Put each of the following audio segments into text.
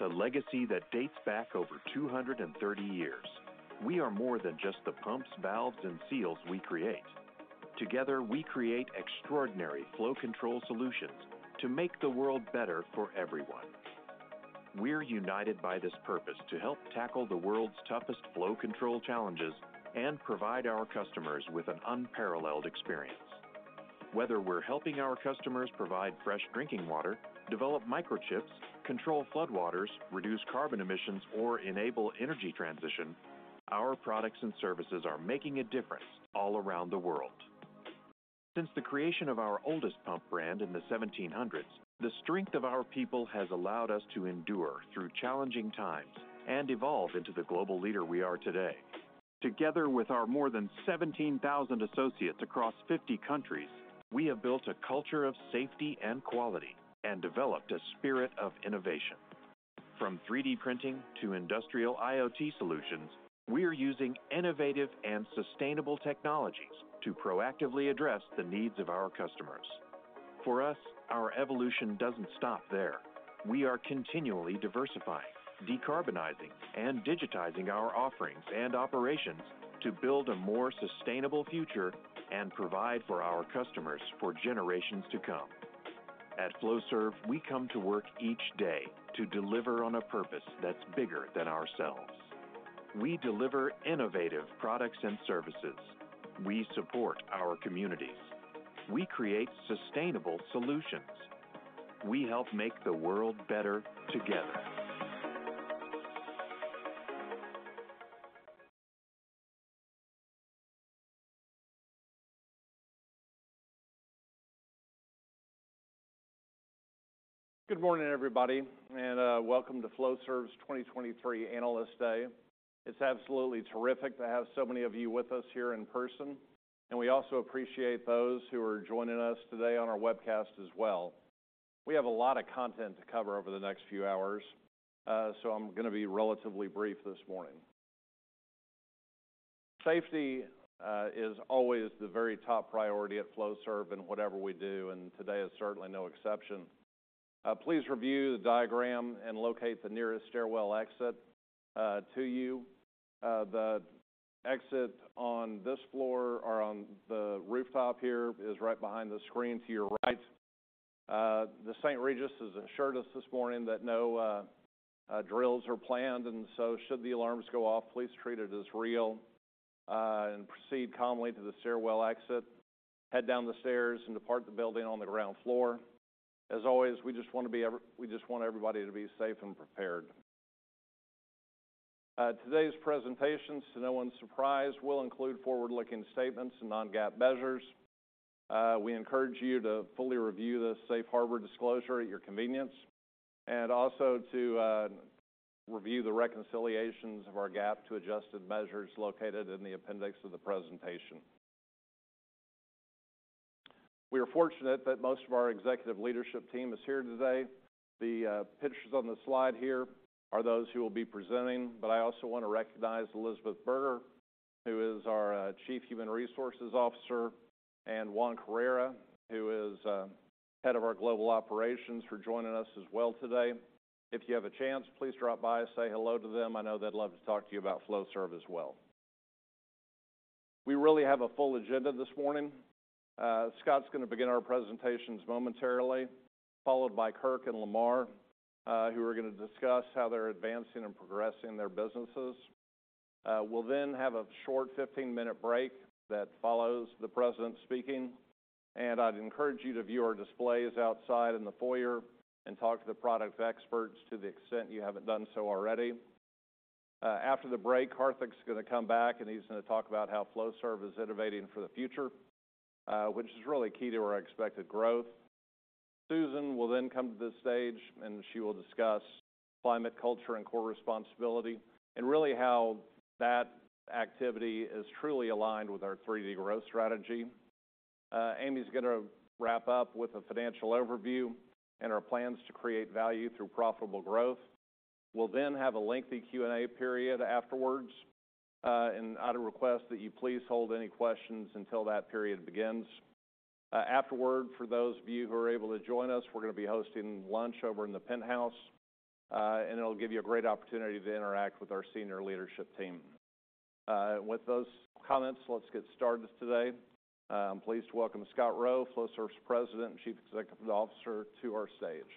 With a legacy that dates back over 230 years, we are more than just the pumps, valves, and seals we create. Together, we create extraordinary flow control solutions to make the world better for everyone. We're united by this purpose to help tackle the world's toughest flow control challenges and provide our customers with an unparalleled experience. Whether we're helping our customers provide fresh drinking water, develop microchips, control floodwaters, reduce carbon emissions, or enable energy transition, our products and services are making a difference all around the world. Since the creation of our oldest pump brand in the 1700s, the strength of our people has allowed us to endure through challenging times and evolve into the global leader we are today. Together with our more than 17,000 associates across 50 countries, we have built a culture of safety and quality and developed a spirit of innovation. From 3D printing to industrial IoT solutions, we are using innovative and sustainable technologies to proactively address the needs of our customers. For us, our evolution doesn't stop there. We are continually diversifying, decarbonizing, and digitizing our offerings and operations to build a more sustainable future and provide for our customers for generations to come. At Flowserve, we come to work each day to deliver on a purpose that's bigger than ourselves. We deliver innovative products and services. We support our communities. We create sustainable solutions. We help make the world better together. Good morning, everybody, and welcome to Flowserve's 2023 Analyst Day. It's absolutely terrific to have so many of you with us here in person, and we also appreciate those who are joining us today on our webcast as well. We have a lot of content to cover over the next few hours, so I'm gonna be relatively brief this morning. Safety is always the very top priority at Flowserve in whatever we do and today is certainly no exception. Please review the diagram and locate the nearest stairwell exit to you. The exit on this floor or on the rooftop here is right behind the screen to your right. The St. Regis has assured us this morning that no drills are planned, and so should the alarms go off, please treat it as real, and proceed calmly to the stairwell exit, head down the stairs, and depart the building on the ground floor. As always, we just want everybody to be safe and prepared. Today's presentations, to no one's surprise, will include forward-looking statements and non-GAAP measures. We encourage you to fully review the safe harbor disclosure at your convenience, and also to review the reconciliations of our GAAP to adjusted measures located in the appendix of the presentation. We are fortunate that most of our executive leadership team is here today. The pictures on the slide here are those who will be presenting, but I also want to recognize Elizabeth Burger, who is our Chief Human Resources Officer, and Juan Carrera, who is Head of our Global Operations, for joining us as well today. If you have a chance, please drop by and say hello to them. I know they'd love to talk to you about Flowserve as well. We really have a full agenda this morning. Scott's gonna begin our presentations momentarily, followed by Kirk and Lamar, who are gonna discuss how they're advancing and progressing their businesses. We'll then have a short 15-minute break that follows the president speaking, and I'd encourage you to view our displays outside in the foyer and talk to the product experts to the extent you haven't done so already. After the break, Karthik's gonna come back, and he's gonna talk about how Flowserve is innovating for the future, which is really key to our expected growth. Susan will then come to the stage, and she will discuss climate, culture, and core responsibility, and really how that activity is truly aligned with our 3D growth strategy. Amy's gonna wrap up with a financial overview and our plans to create value through profitable growth. We'll then have a lengthy Q&A period afterwards, and I'd request that you please hold any questions until that period begins. Afterward, for those of you who are able to join us, we're gonna be hosting lunch over in the Penthouse, and it'll give you a great opportunity to interact with our senior leadership team. With those comments, let's get started today. I'm pleased to welcome Scott Rowe, Flowserve's President and Chief Executive Officer, to our stage.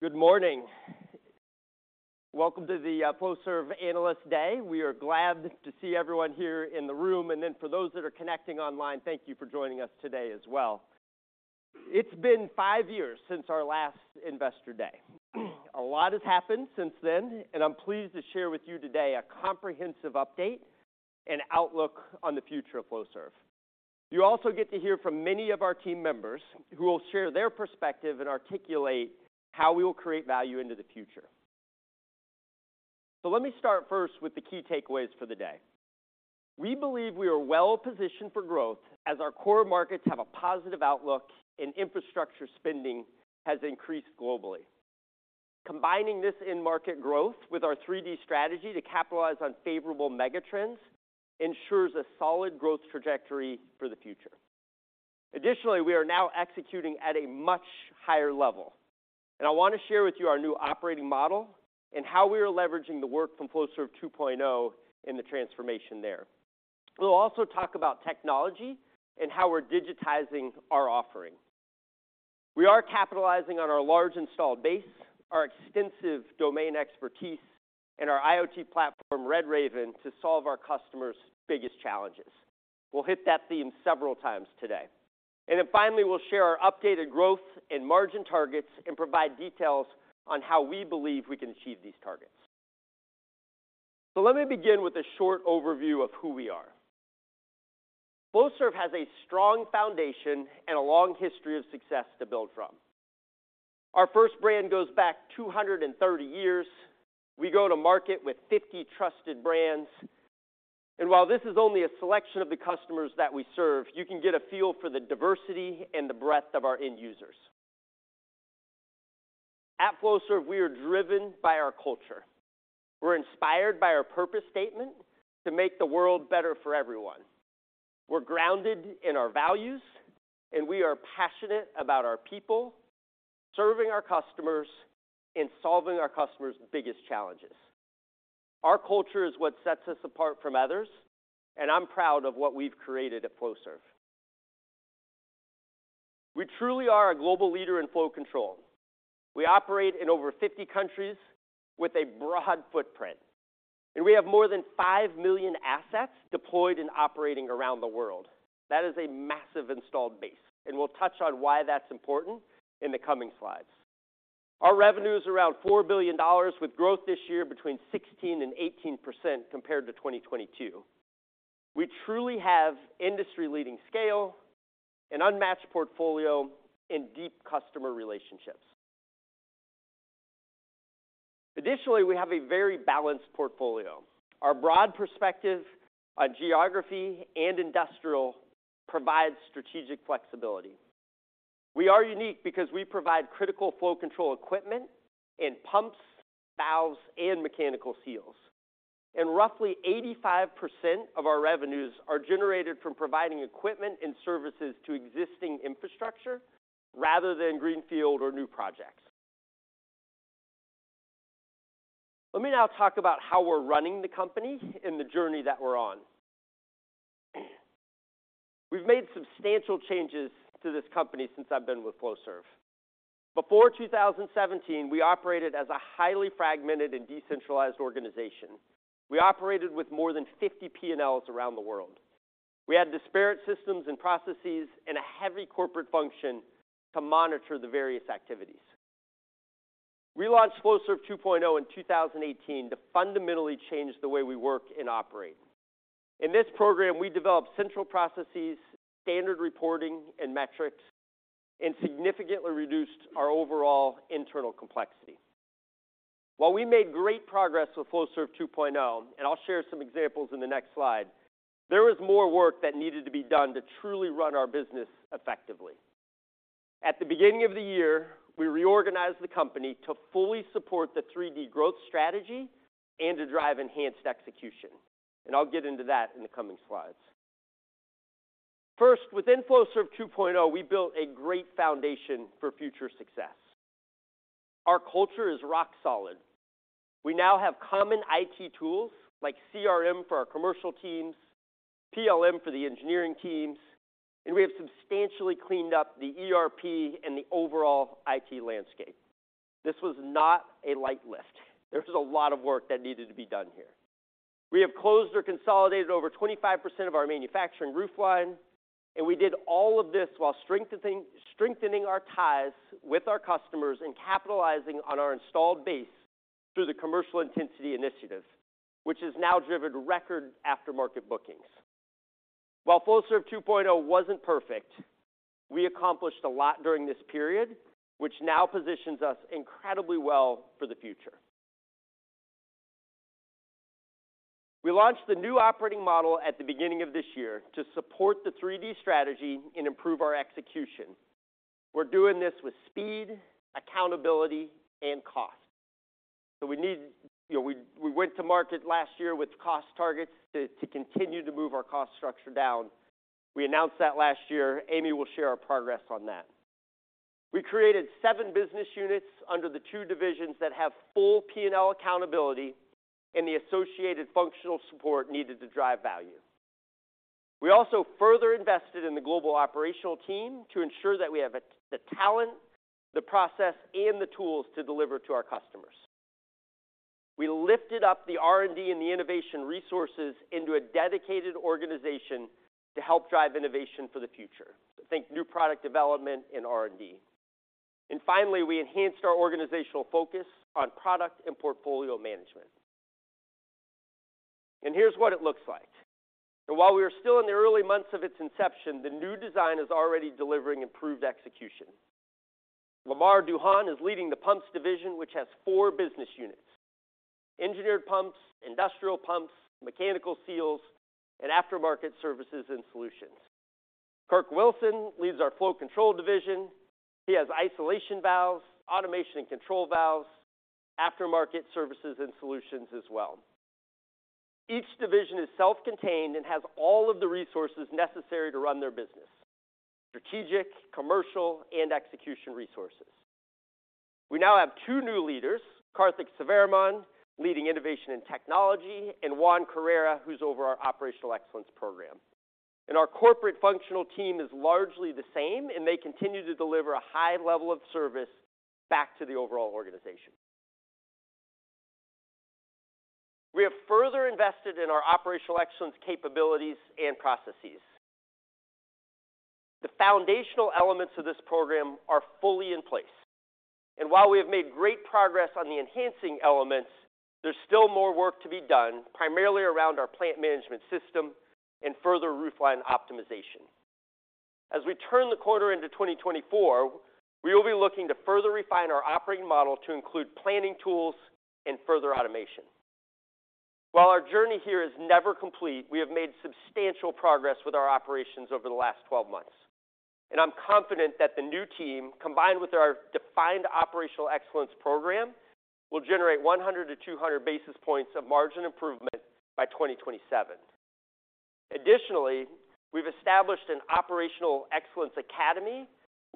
Good morning. Welcome to the Flowserve Analyst Day. We are glad to see everyone here in the room, and then for those that are connecting online, thank you for joining us today as well. It's been five years since our last Investor Day. A lot has happened since then, and I'm pleased to share with you today a comprehensive update and outlook on the future of Flowserve. You also get to hear from many of our team members, who will share their perspective and articulate how we will create value into the future. So let me start first with the key takeaways for the day. We believe we are well positioned for growth as our core markets have a positive outlook and infrastructure spending has increased globally. Combining this in-market growth with our 3D strategy to capitalize on favorable mega trends ensures a solid growth trajectory for the future. Additionally, we are now executing at a much higher level, and I want to share with you our new operating model and how we are leveraging the work from Flowserve 2.0 in the transformation there. We'll also talk about technology and how we're digitizing our offering. We are capitalizing on our large installed base, our extensive domain expertise, and our IoT platform, RedRaven, to solve our customers' biggest challenges. We'll hit that theme several times today. And then finally, we'll share our updated growth and margin targets and provide details on how we believe we can achieve these targets. So let me begin with a short overview of who we are. Flowserve has a strong foundation and a long history of success to build from. Our first brand goes back 230 years. We go to market with 50 trusted brands, and while this is only a selection of the customers that we serve, you can get a feel for the diversity and the breadth of our end users. At Flowserve, we are driven by our culture. We're inspired by our purpose statement to make the world better for everyone. We're grounded in our values, and we are passionate about our people, serving our customers, and solving our customers' biggest challenges. Our culture is what sets us apart from others, and I'm proud of what we've created at Flowserve. We truly are a global leader in flow control. We operate in over 50 countries with a broad footprint, and we have more than 5 million assets deployed and operating around the world. That is a massive installed base, and we'll touch on why that's important in the coming slides. Our revenue is around $4 billion, with growth this year between 16% and 18% compared to 2022. We truly have industry-leading scale, an unmatched portfolio, and deep customer relationships. Additionally, we have a very balanced portfolio. Our broad perspective on geography and industrial provides strategic flexibility. We are unique because we provide critical flow control equipment in pumps, valves, and mechanical seals. Roughly 85% of our revenues are generated from providing equipment and services to existing infrastructure rather than greenfield or new projects. Let me now talk about how we're running the company and the journey that we're on. We've made substantial changes to this company since I've been with Flowserve. Before 2017, we operated as a highly fragmented and decentralized organization. We operated with more than 50 P&Ls around the world. We had disparate systems and processes and a heavy corporate function to monitor the various activities. We launched Flowserve 2.0 in 2018 to fundamentally change the way we work and operate. In this program, we developed central processes, standard reporting and metrics, and significantly reduced our overall internal complexity. While we made great progress with Flowserve 2.0, and I'll share some examples in the next slide, there was more work that needed to be done to truly run our business effectively. At the beginning of the year, we reorganized the company to fully support the 3D growth strategy and to drive enhanced execution, and I'll get into that in the coming slides. First, within Flowserve 2.0, we built a great foundation for future success. Our culture is rock solid. We now have common IT tools like CRM for our commercial teams, PLM for the engineering teams, and we have substantially cleaned up the ERP and the overall IT landscape. This was not a light lift. There was a lot of work that needed to be done here. We have closed or consolidated over 25% of our manufacturing roofline, and we did all of this while strengthening our ties with our customers and capitalizing on our installed base through the Commercial Intensity initiative, which has now driven record aftermarket bookings. While Flowserve 2.0 wasn't perfect, we accomplished a lot during this period, which now positions us incredibly well for the future. We launched the new operating model at the beginning of this year to support the 3D strategy and improve our execution. We're doing this with speed, accountability, and cost. So we need... You know, we, we went to market last year with cost targets to, to continue to move our cost structure down. We announced that last year. Amy will share our progress on that. We created seven business units under the two divisions that have full P&L accountability and the associated functional support needed to drive value. We also further invested in the global operational team to ensure that we have the talent, the process, and the tools to deliver to our customers. We lifted up the R&D and the innovation resources into a dedicated organization to help drive innovation for the future. Think new product development and R&D. And finally, we enhanced our organizational focus on product and portfolio management. And here's what it looks like. And while we are still in the early months of its inception, the new design is already delivering improved execution. Lamar Duhon is leading Pumps Division, which has four business units: Engineered Pumps, Industrial Pumps, Mechanical Seals, and Aftermarket Services and Solutions. Kirk Wilson leads our Flow Control Division. We have Isolation Valves, Automation and Control Valves, Aftermarket Services and Solutions as well. Each division is self-contained and has all of the resources necessary to run their business: strategic, commercial, and execution resources. We now have two new leaders, Karthik Sivaraman, leading Innovation and Technology, and Juan Carrera, who's over our operational excellence program. Our corporate functional team is largely the same, and they continue to deliver a high level of service back to the overall organization. We have further invested in our operational excellence capabilities and processes. The foundational elements of this program are fully in place, and while we have made great progress on the enhancing elements, there's still more work to be done, primarily around our plant management system and further roofline optimization. As we turn the corner into 2024, we will be looking to further refine our operating model to include planning tools and further automation. While our journey here is never complete, we have made substantial progress with our operations over the last 12 months, and I'm confident that the new team, combined with our defined operational excellence program, will generate 100-200 basis points of margin improvement by 2027. Additionally, we've established an Operational Excellence Academy,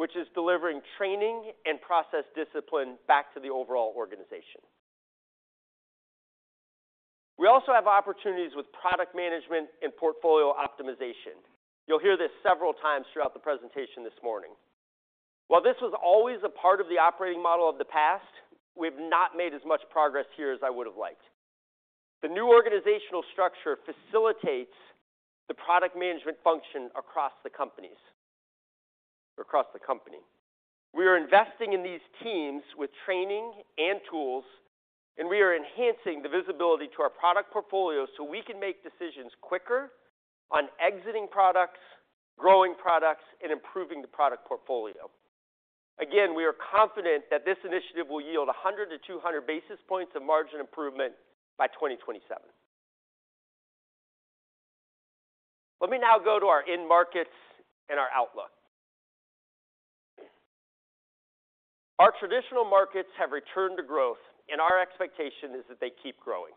which is delivering training and process discipline back to the overall organization. We also have opportunities with product management and portfolio optimization. You'll hear this several times throughout the presentation this morning. While this was always a part of the operating model of the past, we've not made as much progress here as I would have liked. The new organizational structure facilitates the product management function across the companies, across the company. We are investing in these teams with training and tools, and we are enhancing the visibility to our product portfolio so we can make decisions quicker on exiting products, growing products, and improving the product portfolio. Again, we are confident that this initiative will yield 100-200 basis points of margin improvement by 2027. Let me now go to our end markets and our outlook. Our traditional markets have returned to growth, and our expectation is that they keep growing.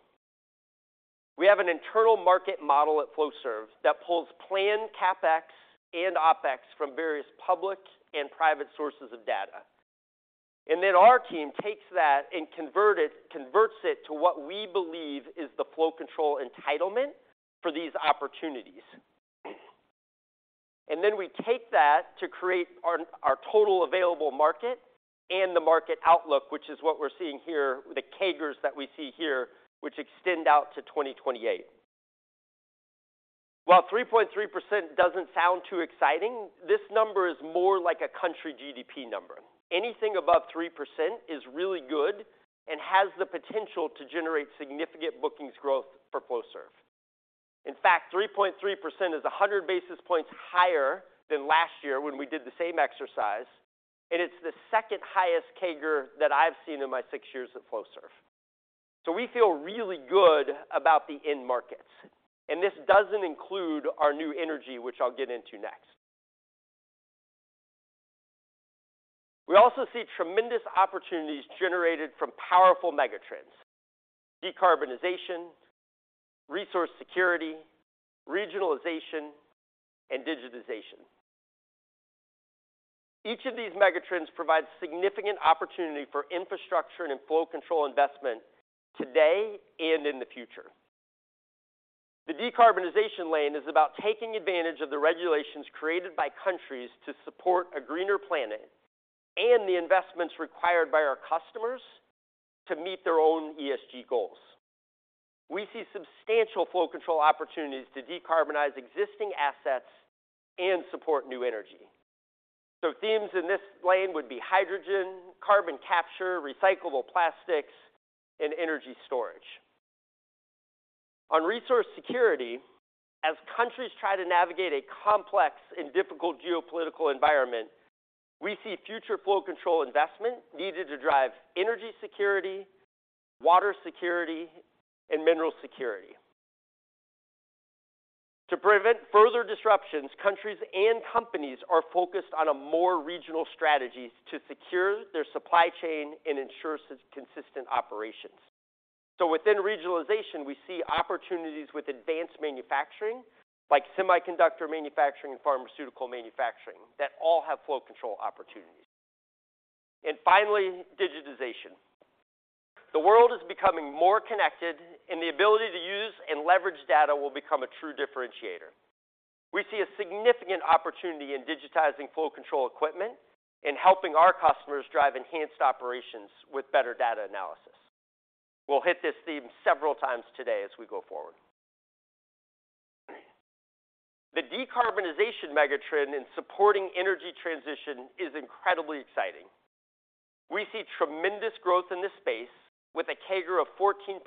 We have an internal market model at Flowserve that pulls planned CapEx and OpEx from various public and private sources of data, and then our team takes that and convert it - converts it to what we believe is the flow control entitlement for these opportunities. Then we take that to create our, our total available market and the market outlook, which is what we're seeing here, the CAGRs that we see here, which extend out to 2028. While 3.3% doesn't sound too exciting, this number is more like a country GDP number. Anything above 3% is really good and has the potential to generate significant bookings growth for Flowserve. In fact, 3.3% is 100 basis points higher than last year when we did the same exercise, and it's the second highest CAGR that I've seen in my six years at Flowserve. So we feel really good about the end markets, and this doesn't include our new energy, which I'll get into next. We also see tremendous opportunities generated from powerful megatrends: decarbonization, resource security, regionalization, and digitization. Each of these megatrends provides significant opportunity for infrastructure and flow control investment today and in the future. The decarbonization lane is about taking advantage of the regulations created by countries to support a greener planet and the investments required by our customers to meet their own ESG goals. We see substantial flow control opportunities to decarbonize existing assets and support new energy. So themes in this lane would be hydrogen, carbon capture, recyclable plastics, and energy storage. On resource security, as countries try to navigate a complex and difficult geopolitical environment, we see future flow control investment needed to drive energy security, water security, and mineral security. To prevent further disruptions, countries and companies are focused on a more regional strategy to secure their supply chain and ensure consistent operations. So within regionalization, we see opportunities with advanced manufacturing, like semiconductor manufacturing and pharmaceutical manufacturing, that all have flow control opportunities. And finally, digitization. The world is becoming more connected, and the ability to use and leverage data will become a true differentiator. We see a significant opportunity in digitizing flow control equipment and helping our customers drive enhanced operations with better data analysis. We'll hit this theme several times today as we go forward. The decarbonization megatrend in supporting energy transition is incredibly exciting. We see tremendous growth in this space with a CAGR of 14%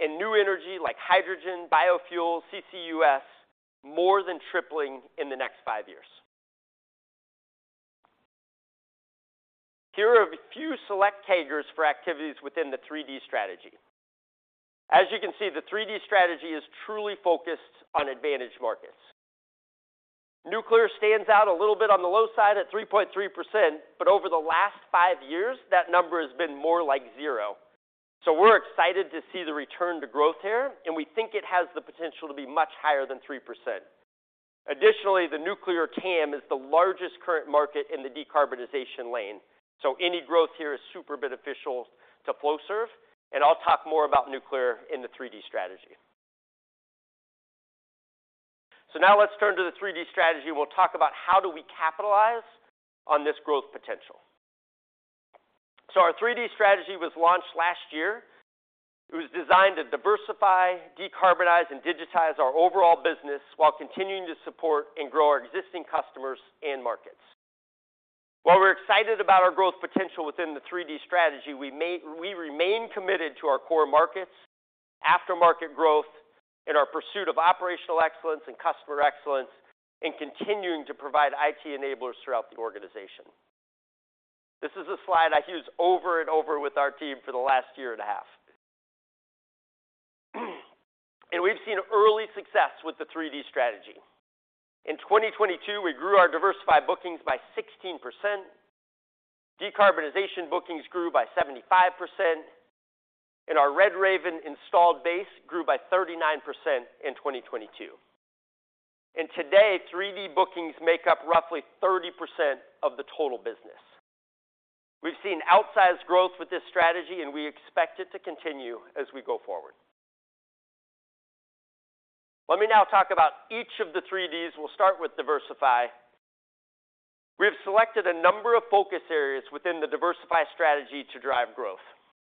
and new energy like hydrogen, biofuels, CCUS, more than tripling in the next five years. Here are a few select CAGRs for activities within the 3D strategy. As you can see, the 3D strategy is truly focused on advantaged markets. Nuclear stands out a little bit on the low side at 3.3%, but over the last five years, that number has been more like zero. So we're excited to see the return to growth here, and we think it has the potential to be much higher than 3%. Additionally, the nuclear TAM is the largest current market in the decarbonization lane, so any growth here is super beneficial to Flowserve, and I'll talk more about nuclear in the 3D strategy. So now let's turn to the 3D strategy. We'll talk about how do we capitalize on this growth potential? So our 3D strategy was launched last year. It was designed to diversify, decarbonize, and digitize our overall business while continuing to support and grow our existing customers and markets. While we're excited about our growth potential within the 3D strategy, we may, we remain committed to our core markets, aftermarket growth, and our pursuit of operational excellence and customer excellence, and continuing to provide IT enablers throughout the organization. This is a slide I use over and over with our team for the last year and a half. We've seen early success with the 3D strategy. In 2022, we grew our diversified bookings by 16%, decarbonization bookings grew by 75%, and our RedRaven installed base grew by 39% in 2022. And today, 3D bookings make up roughly 30% of the total business. We've seen outsized growth with this strategy, and we expect it to continue as we go forward. Let me now talk about each of the 3Ds. We'll start with diversify. We have selected a number of focus areas within the diversify strategy to drive growth.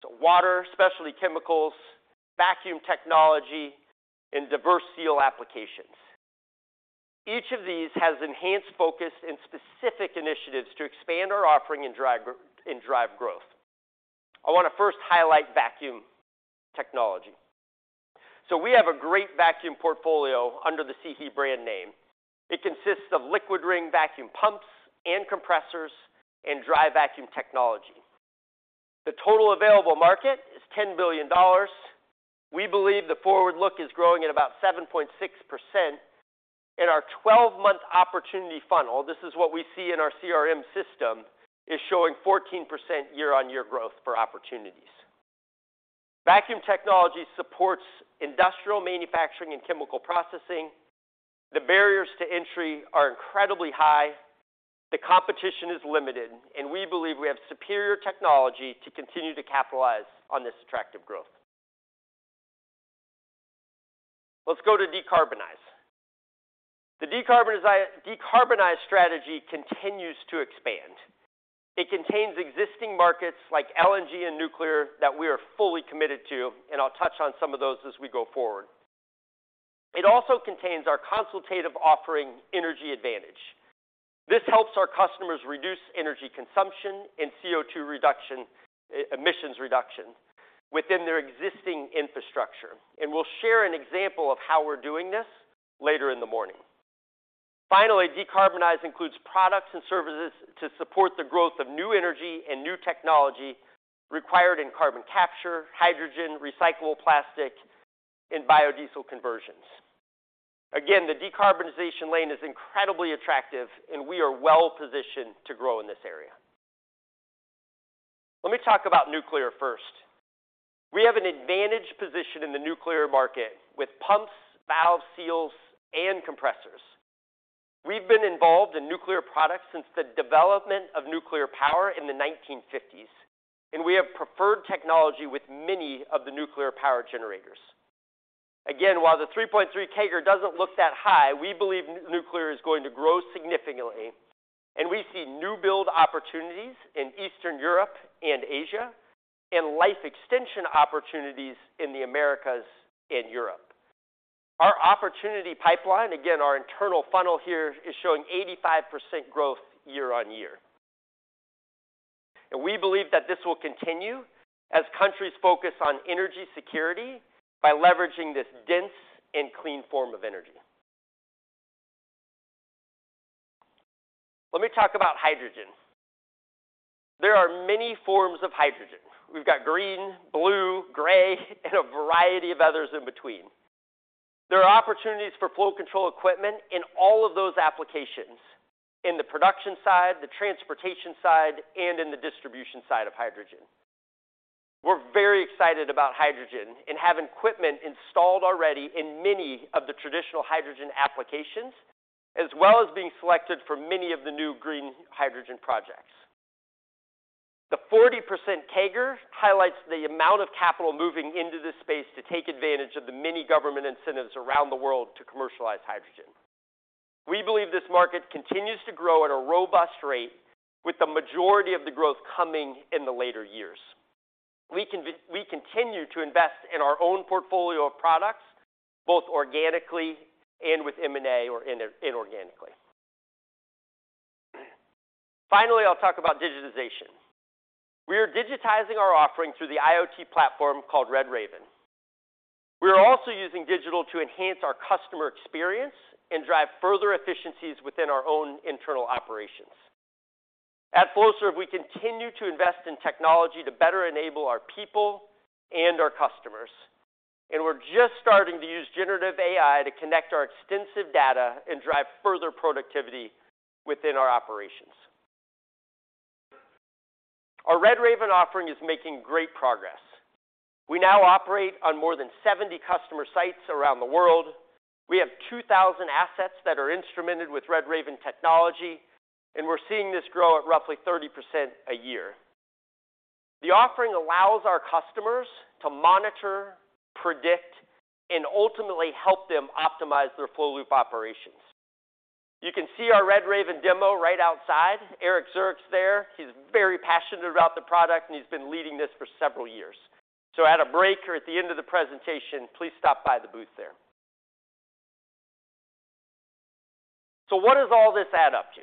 So water, specialty chemicals, vacuum technology, and diverse seal applications. Each of these has enhanced focus and specific initiatives to expand our offering and drive growth. I want to first highlight vacuum technology. So we have a great vacuum portfolio under the SIHI brand name. It consists of liquid ring vacuum pumps and compressors and dry vacuum technology. The total available market is $10 billion. We believe the forward look is growing at about 7.6%, and our 12-month opportunity funnel, this is what we see in our CRM system, is showing 14% year-on-year growth for opportunities. Vacuum technology supports industrial manufacturing and chemical processing. The barriers to entry are incredibly high, the competition is limited, and we believe we have superior technology to continue to capitalize on this attractive growth. Let's go to decarbonize. The decarbonize strategy continues to expand. It contains existing markets like LNG and nuclear that we are fully committed to, and I'll touch on some of those as we go forward. It also contains our consultative offering, Energy Advantage. This helps our customers reduce energy consumption and CO2 reduction, emissions reduction within their existing infrastructure, and we'll share an example of how we're doing this later in the morning. Finally, decarbonize includes products and services to support the growth of new energy and new technology required in carbon capture, hydrogen, recyclable plastic, and biodiesel conversions. Again, the decarbonization lane is incredibly attractive, and we are well-positioned to grow in this area. Let me talk about nuclear first. We have an advantaged position in the nuclear market with pumps, valve, seals, and compressors. We've been involved in nuclear products since the development of nuclear power in the 1950s, and we have preferred technology with many of the nuclear power generators. Again, while the 3.3 CAGR doesn't look that high, we believe nuclear is going to grow significantly, and we see new build opportunities in Eastern Europe and Asia, and life extension opportunities in the Americas and Europe. Our opportunity pipeline, again, our internal funnel here, is showing 85% growth year-on-year. We believe that this will continue as countries focus on energy security by leveraging this dense and clean form of energy. Let me talk about hydrogen. There are many forms of hydrogen. We've got green, blue, gray, and a variety of others in between. There are opportunities for flow control equipment in all of those applications, in the production side, the transportation side, and in the distribution side of hydrogen. We're very excited about hydrogen and have equipment installed already in many of the traditional hydrogen applications, as well as being selected for many of the new green hydrogen projects. The 40% CAGR highlights the amount of capital moving into this space to take advantage of the many government incentives around the world to commercialize hydrogen. We believe this market continues to grow at a robust rate, with the majority of the growth coming in the later years. We continue to invest in our own portfolio of products, both organically and with M&A, or inorganically. Finally, I'll talk about digitization. We are digitizing our offering through the IoT platform called RedRaven. We are also using digital to enhance our customer experience and drive further efficiencies within our own internal operations. At Flowserve, we continue to invest in technology to better enable our people and our customers, and we're just starting to use generative AI to connect our extensive data and drive further productivity within our operations. Our RedRaven offering is making great progress. We now operate on more than 70 customer sites around the world. We have 2,000 assets that are instrumented with RedRaven technology, and we're seeing this grow at roughly 30% a year. The offering allows our customers to monitor, predict, and ultimately help them optimize their flow loop operations. You can see our RedRaven demo right outside. Eric Zerkle's there. He's very passionate about the product, and he's been leading this for several years. So at a break or at the end of the presentation, please stop by the booth there. So what does all this add up to?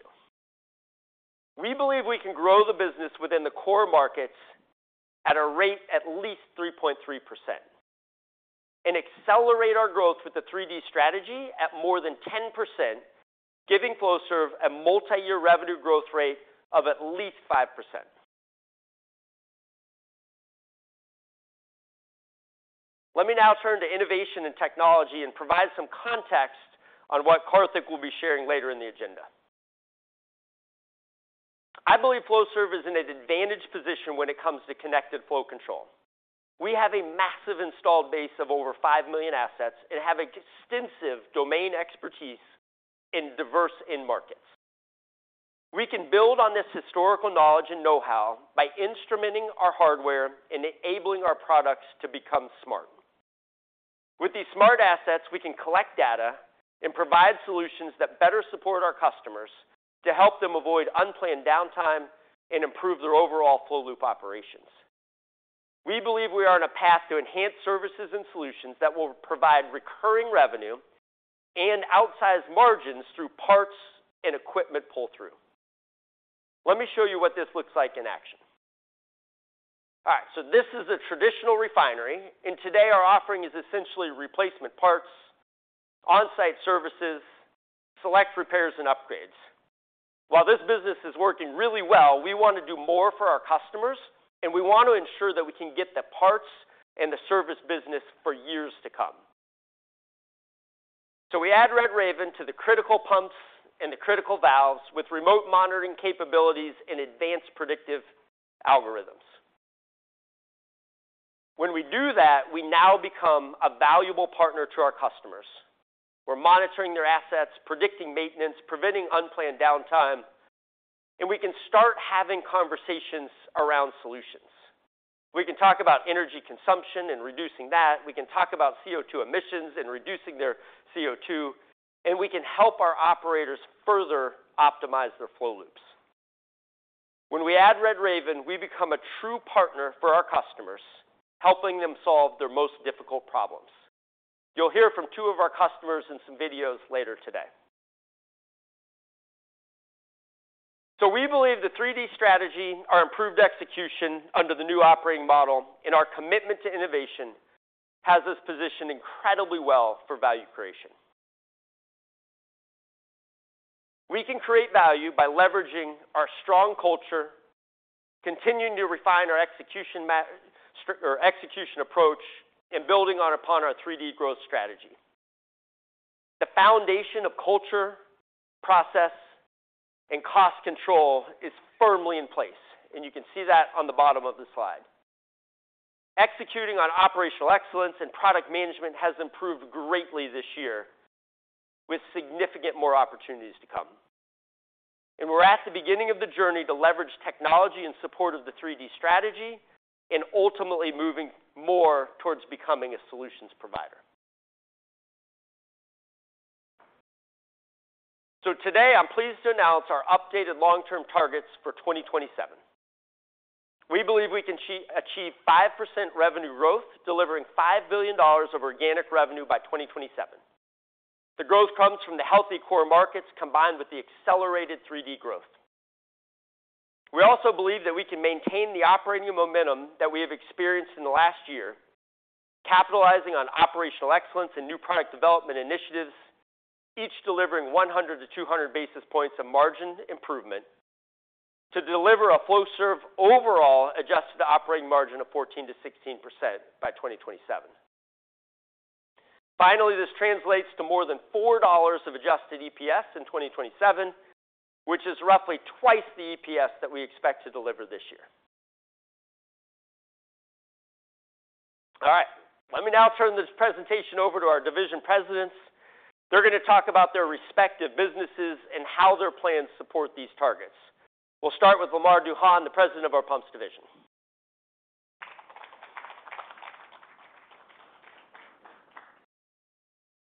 We believe we can grow the business within the core markets at a rate at least 3.3% and accelerate our growth with the 3D strategy at more than 10%, giving Flowserve a multiyear revenue growth rate of at least 5%. Let me now turn to Innovation and Technology and provide some context on what Karthik will be sharing later in the agenda. I believe Flowserve is in an advantaged position when it comes to connected flow control. We have a massive installed base of over 5 million assets and have extensive domain expertise in diverse end markets. We can build on this historical knowledge and know-how by instrumenting our hardware and enabling our products to become smart. With these smart assets, we can collect data and provide solutions that better support our customers to help them avoid unplanned downtime and improve their overall flow loop operations. We believe we are on a path to enhance services and solutions that will provide recurring revenue and outsized margins through parts and equipment pull-through. Let me show you what this looks like in action. All right, so this is a traditional refinery, and today our offering is essentially replacement parts, on-site services, select repairs and upgrades. While this business is working really well, we want to do more for our customers, and we want to ensure that we can get the parts and the service business for years to come. So we add RedRaven to the critical pumps and the critical valves with remote monitoring capabilities and advanced predictive algorithms. When we do that, we now become a valuable partner to our customers. We're monitoring their assets, predicting maintenance, preventing unplanned downtime, and we can start having conversations around solutions. We can talk about energy consumption and reducing that. We can talk about CO₂ emissions and reducing their CO₂, and we can help our operators further optimize their flow loops. When we add RedRaven, we become a true partner for our customers, helping them solve their most difficult problems. You'll hear from two of our customers in some videos later today. So we believe the 3D strategy, our improved execution under the new operating model, and our commitment to innovation has us positioned incredibly well for value creation. We can create value by leveraging our strong culture, continuing to refine our execution approach, and building upon our 3D growth strategy. The foundation of culture, process, and cost control is firmly in place, and you can see that on the bottom of the slide. Executing on operational excellence and product management has improved greatly this year, with significant more opportunities to come. And we're at the beginning of the journey to leverage technology in support of the 3D strategy and ultimately moving more towards becoming a solutions provider. So today, I'm pleased to announce our updated long-term targets for 2027. We believe we can achieve 5% revenue growth, delivering $5 billion of organic revenue by 2027. The growth comes from the healthy core markets, combined with the accelerated 3D growth. We also believe that we can maintain the operating momentum that we have experienced in the last year, capitalizing on operational excellence and new product development initiatives, each delivering 100-200 basis points of margin improvement, to deliver a Flowserve overall adjusted operating margin of 14%-16% by 2027. Finally, this translates to more than $4 of adjusted EPS in 2027, which is roughly twice the EPS that we expect to deliver this year. All right, let me now turn this presentation over to our division presidents. They're going to talk about their respective businesses and how their plans support these targets. We'll start with Lamar Duhon, the President of our Pumps Division.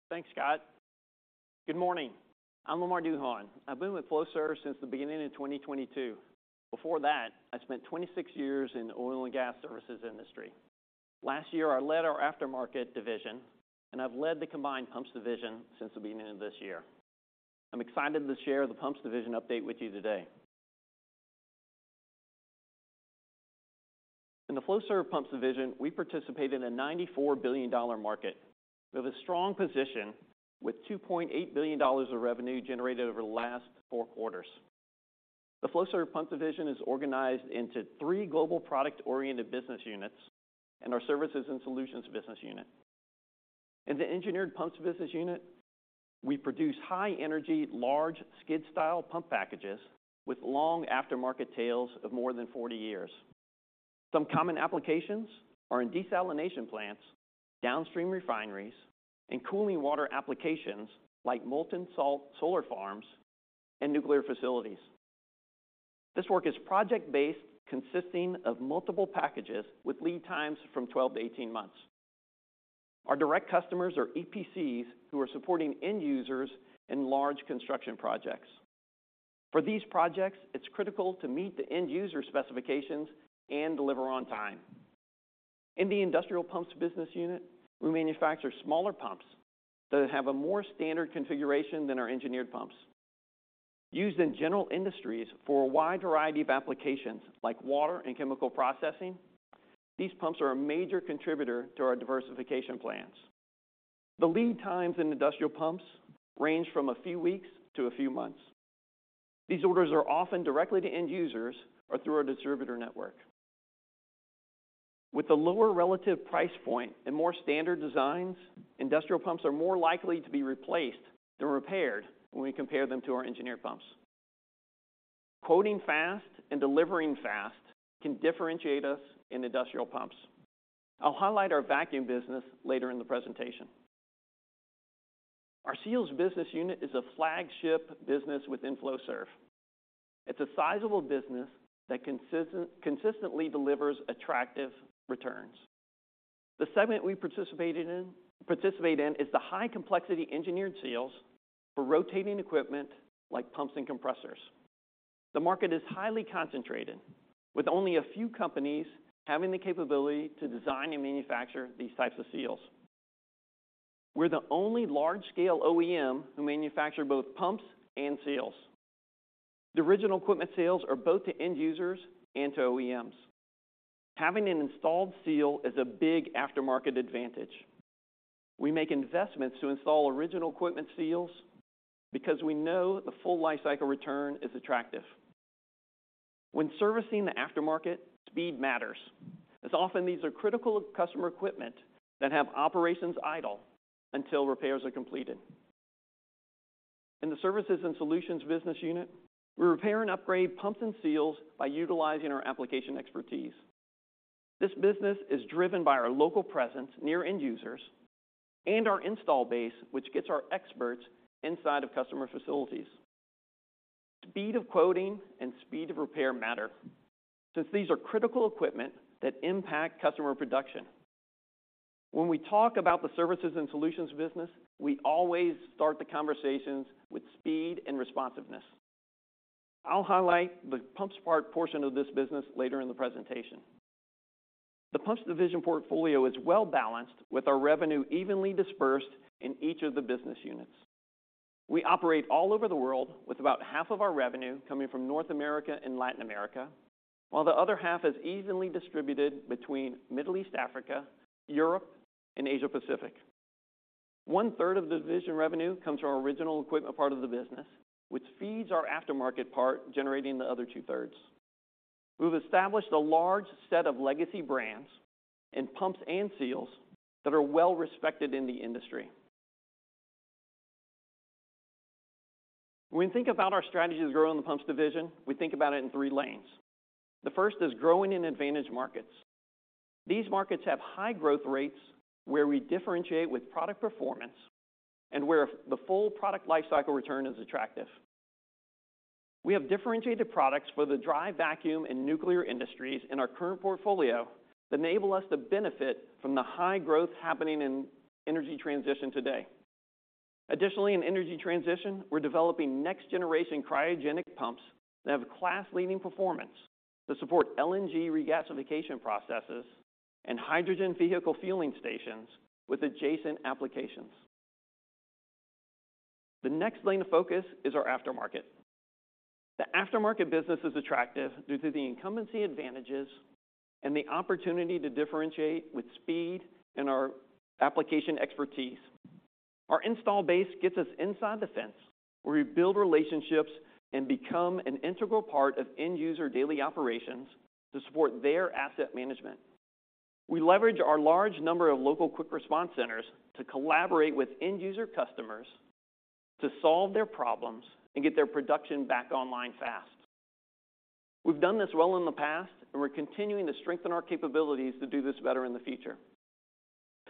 Thanks, Scott. Good morning. I'm Lamar Duhon. I've been with Flowserve since the beginning of 2022. Before that, I spent 26 years in the oil and gas services industry. Last year, I led our aftermarket division, and I've led the combined Pumps Division since the beginning of this year. I'm excited to share the Pumps Division update with you today. In the Flowserve Pumps Division, we participate in a $94 billion market. We have a strong position with $2.8 billion of revenue generated over the last four quarters. The Flowserve Pumps Division is organized into three global product-oriented business units and our Services and Solutions business unit. In the Engineered Pumps business unit, we produce high-energy, large skid-style pump packages with long aftermarket tails of more than 40 years. Some common applications are in desalination plants, downstream refineries, and cooling water applications like molten salt, solar farms, and nuclear facilities. This work is project-based, consisting of multiple packages with lead times from 12-18 months. Our direct customers are EPCs, who are supporting end users in large construction projects. For these projects, it's critical to meet the end user specifications and deliver on time. In the Industrial Pumps business unit, we manufacture smaller pumps that have a more standard configuration than our Engineered Pumps. Used in general industries for a wide variety of applications like water and chemical processing, these pumps are a major contributor to our diversification plans. The lead times in industrial pumps range from a few weeks to a few months. These orders are often directly to end users or through our distributor network. With a lower relative price point and more standard designs, industrial pumps are more likely to be replaced than repaired when we compare them to our Engineered Pumps. Quoting fast and delivering fast can differentiate us in industrial pumps. I'll highlight our vacuum business later in the presentation. Our Seals business unit is a flagship business within Flowserve. It's a sizable business that consistently delivers attractive returns. The segment we participate in is the high complexity engineered seals for rotating equipment like pumps and compressors. The market is highly concentrated, with only a few companies having the capability to design and manufacture these types of seals. We're the only large-scale OEM who manufacture both pumps and seals. The original equipment sales are both to end users and to OEMs. Having an installed seal is a big aftermarket advantage. We make investments to install original equipment seals because we know the full life cycle return is attractive. When servicing the aftermarket, speed matters, as often these are critical customer equipment that have operations idle until repairs are completed. In the Services and Solutions business unit, we repair and upgrade pumps and seals by utilizing our application expertise. This business is driven by our local presence, near end users, and our install base, which gets our experts inside of customer facilities. Speed of quoting and speed of repair matter, since these are critical equipment that impact customer production. When we talk about the services and solutions business, we always start the conversations with speed and responsiveness. I'll highlight the pumps part portion of this business later in the presentation. The Pumps Division portfolio is well-balanced, with our revenue evenly dispersed in each of the business units. We operate all over the world, with about half of our revenue coming from North America and Latin America, while the other half is evenly distributed between Middle East, Africa, Europe, and Asia Pacific. One-third of the division revenue comes from our original equipment part of the business, which feeds our aftermarket part, generating the other two-thirds. We've established a large set of legacy brands in pumps and seals that are well-respected in the industry. When we think about our strategies growing the Pumps Division, we think about it in three lanes. The first is growing in advantaged markets. These markets have high growth rates, where we differentiate with product performance and where the full product lifecycle return is attractive. We have differentiated products for the dry vacuum and nuclear industries in our current portfolio that enable us to benefit from the high growth happening in energy transition today. Additionally, in energy transition, we're developing next-generation cryogenic pumps that have class-leading performance to support LNG regasification processes and hydrogen vehicle fueling stations with adjacent applications. The next lane of focus is our aftermarket. The aftermarket business is attractive due to the incumbency advantages and the opportunity to differentiate with speed and our application expertise. Our installed base gets us inside the fence, where we build relationships and become an integral part of end user daily operations to support their asset management. We leverage our large number of local Quick Response Centers to collaborate with end user customers to solve their problems and get their production back online fast. We've done this well in the past, and we're continuing to strengthen our capabilities to do this better in the future.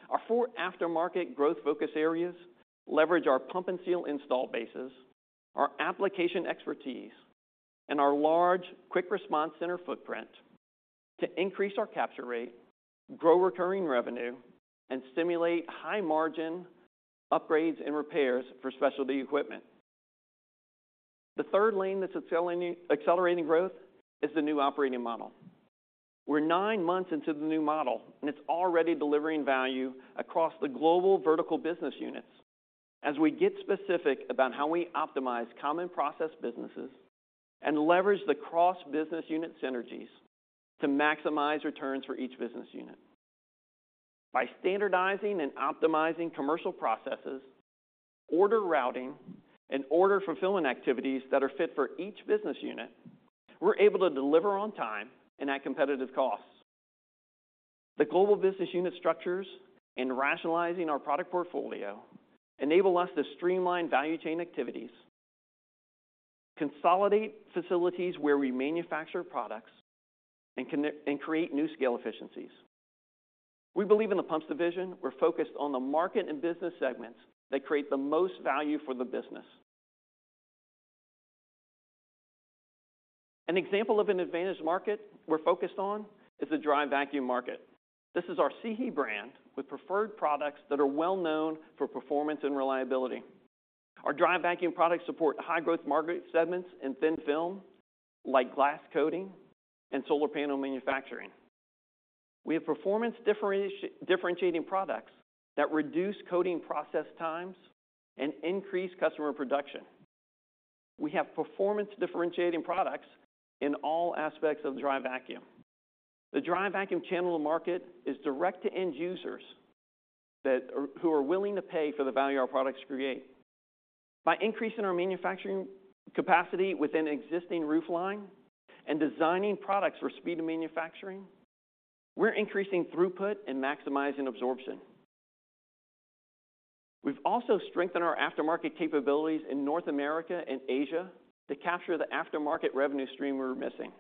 Our four aftermarket growth focus areas leverage our pump and seal install bases, our application expertise, and our large Quick Response Center footprint to increase our capture rate, grow recurring revenue, and stimulate high-margin upgrades and repairs for specialty equipment. The third lane that's accelerating growth is the new operating model. We're nine months into the new model, and it's already delivering value across the global vertical business units. As we get specific about how we optimize common process businesses and leverage the cross-business unit synergies to maximize returns for each business unit. By standardizing and optimizing commercial processes, order routing, and order fulfillment activities that are fit for each business unit, we're able to deliver on time and at competitive costs. The global business unit structures in rationalizing our product portfolio enable us to streamline value chain activities, consolidate facilities where we manufacture products, and connect and create new scale efficiencies. We believe in the Pumps Division, we're focused on the market and business segments that create the most value for the business. An example of an advantaged market we're focused on is the dry vacuum market. This is our SIHI brand with preferred products that are well known for performance and reliability. Our dry vacuum products support high-growth market segments in thin film, like glass coating and solar panel manufacturing. We have performance differentiating products that reduce coating process times and increase customer production. We have performance-differentiating products in all aspects of dry vacuum. The dry vacuum channel market is direct to end users who are willing to pay for the value our products create. By increasing our manufacturing capacity within an existing roofline and designing products for speed of manufacturing, we're increasing throughput and maximizing absorption. We've also strengthened our aftermarket capabilities in North America and Asia to capture the aftermarket revenue stream we were missing.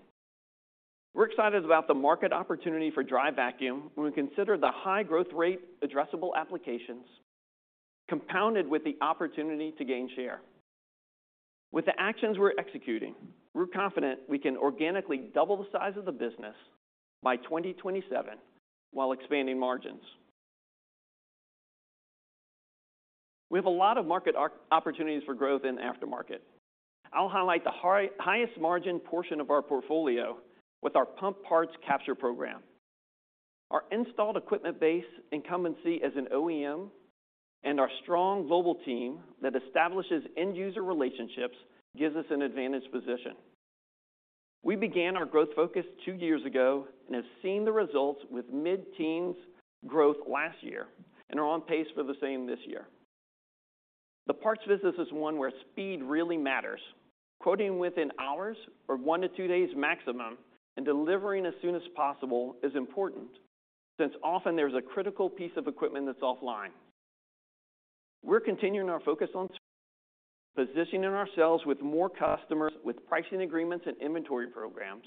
We're excited about the market opportunity for dry vacuum when we consider the high growth rate addressable applications, compounded with the opportunity to gain share. With the actions we're executing, we're confident we can organically double the size of the business by 2027 while expanding margins. We have a lot of market opportunities for growth in aftermarket. I'll highlight the highest margin portion of our portfolio with our pump parts capture program. Our installed equipment base incumbency as an OEM and our strong global team that establishes end user relationships gives us an advantaged position. We began our growth focus two years ago and have seen the results with mid-teens growth last year and are on pace for the same this year. The parts business is one where speed really matters. Quoting within hours or one to two days maximum and delivering as soon as possible is important, since often there's a critical piece of equipment that's offline. We're continuing our focus on positioning ourselves with more customers, with pricing agreements and inventory programs,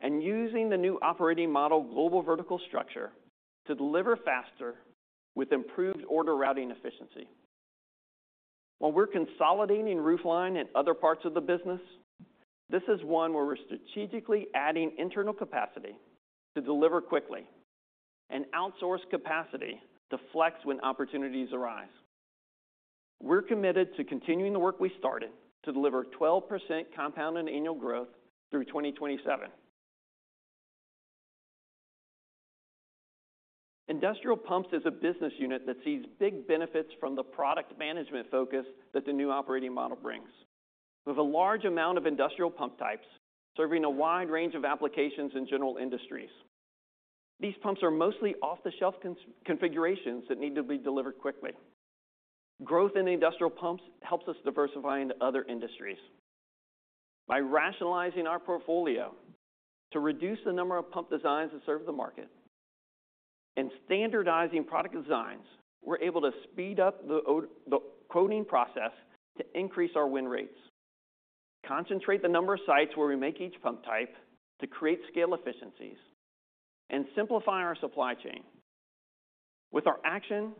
and using the new operating model, global vertical structure, to deliver faster with improved order routing efficiency. While we're consolidating roofline in other parts of the business, this is one where we're strategically adding internal capacity to deliver quickly and outsource capacity to flex when opportunities arise. We're committed to continuing the work we started to deliver 12% compound annual growth through 2027. Industrial Pumps is a business unit that sees big benefits from the product management focus that the new operating model brings. We have a large amount of industrial pump types serving a wide range of applications in general industries. These pumps are mostly off-the-shelf configurations that need to be delivered quickly. Growth in Industrial Pumps helps us diversify into other industries. By rationalizing our portfolio to reduce the number of pump designs that serve the market and standardizing product designs, we're able to speed up the quoting process to increase our win rates, concentrate the number of sites where we make each pump type to create scale efficiencies, and simplify our supply chain. With our action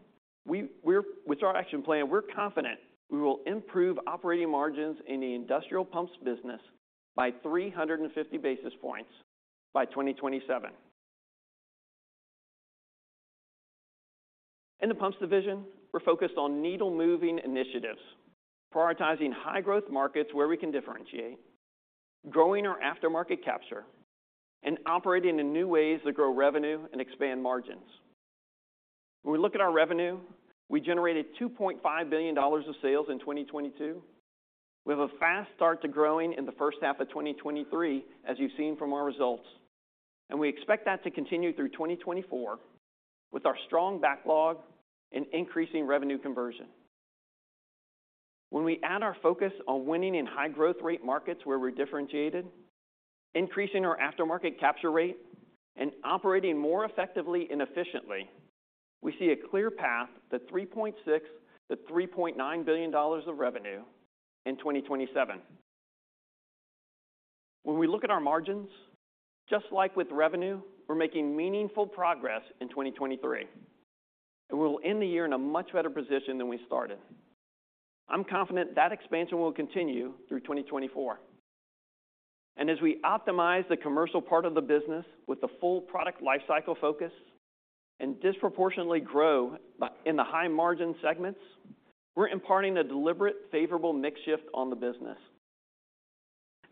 plan, we're confident we will improve operating margins in the Industrial Pumps business by 350 basis points by 2027. In the Pumps Division, we're focused on needle-moving initiatives, prioritizing high-growth markets where we can differentiate, growing our aftermarket capture, and operating in new ways that grow revenue and expand margins. When we look at our revenue, we generated $2.5 billion of sales in 2022. We have a fast start to growing in the first half of 2023, as you've seen from our results, and we expect that to continue through 2024 with our strong backlog and increasing revenue conversion. When we add our focus on winning in high growth rate markets where we're differentiated, increasing our aftermarket capture rate, and operating more effectively and efficiently, we see a clear path to $3.6 billion-$3.9 billion of revenue in 2027. When we look at our margins, just like with revenue, we're making meaningful progress in 2023, and we'll end the year in a much better position than we started. I'm confident that expansion will continue through 2024. As we optimize the commercial part of the business with the full product lifecycle focus and disproportionately grow in the high margin segments, we're imparting a deliberate, favorable mix shift on the business.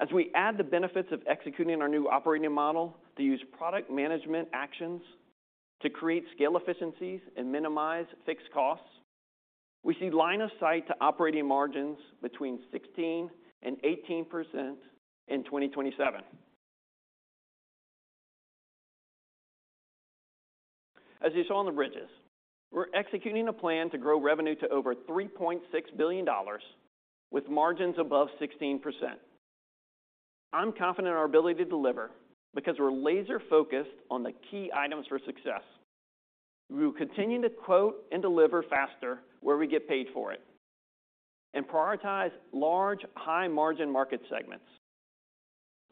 As we add the benefits of executing our new operating model to use product management actions to create scale efficiencies and minimize fixed costs, we see line of sight to operating margins between 16% and 18% in 2027. As you saw on the bridges, we're executing a plan to grow revenue to over $3.6 billion with margins above 16%. I'm confident in our ability to deliver because we're laser-focused on the key items for success. We will continue to quote and deliver faster where we get paid for it, and prioritize large, high-margin market segments.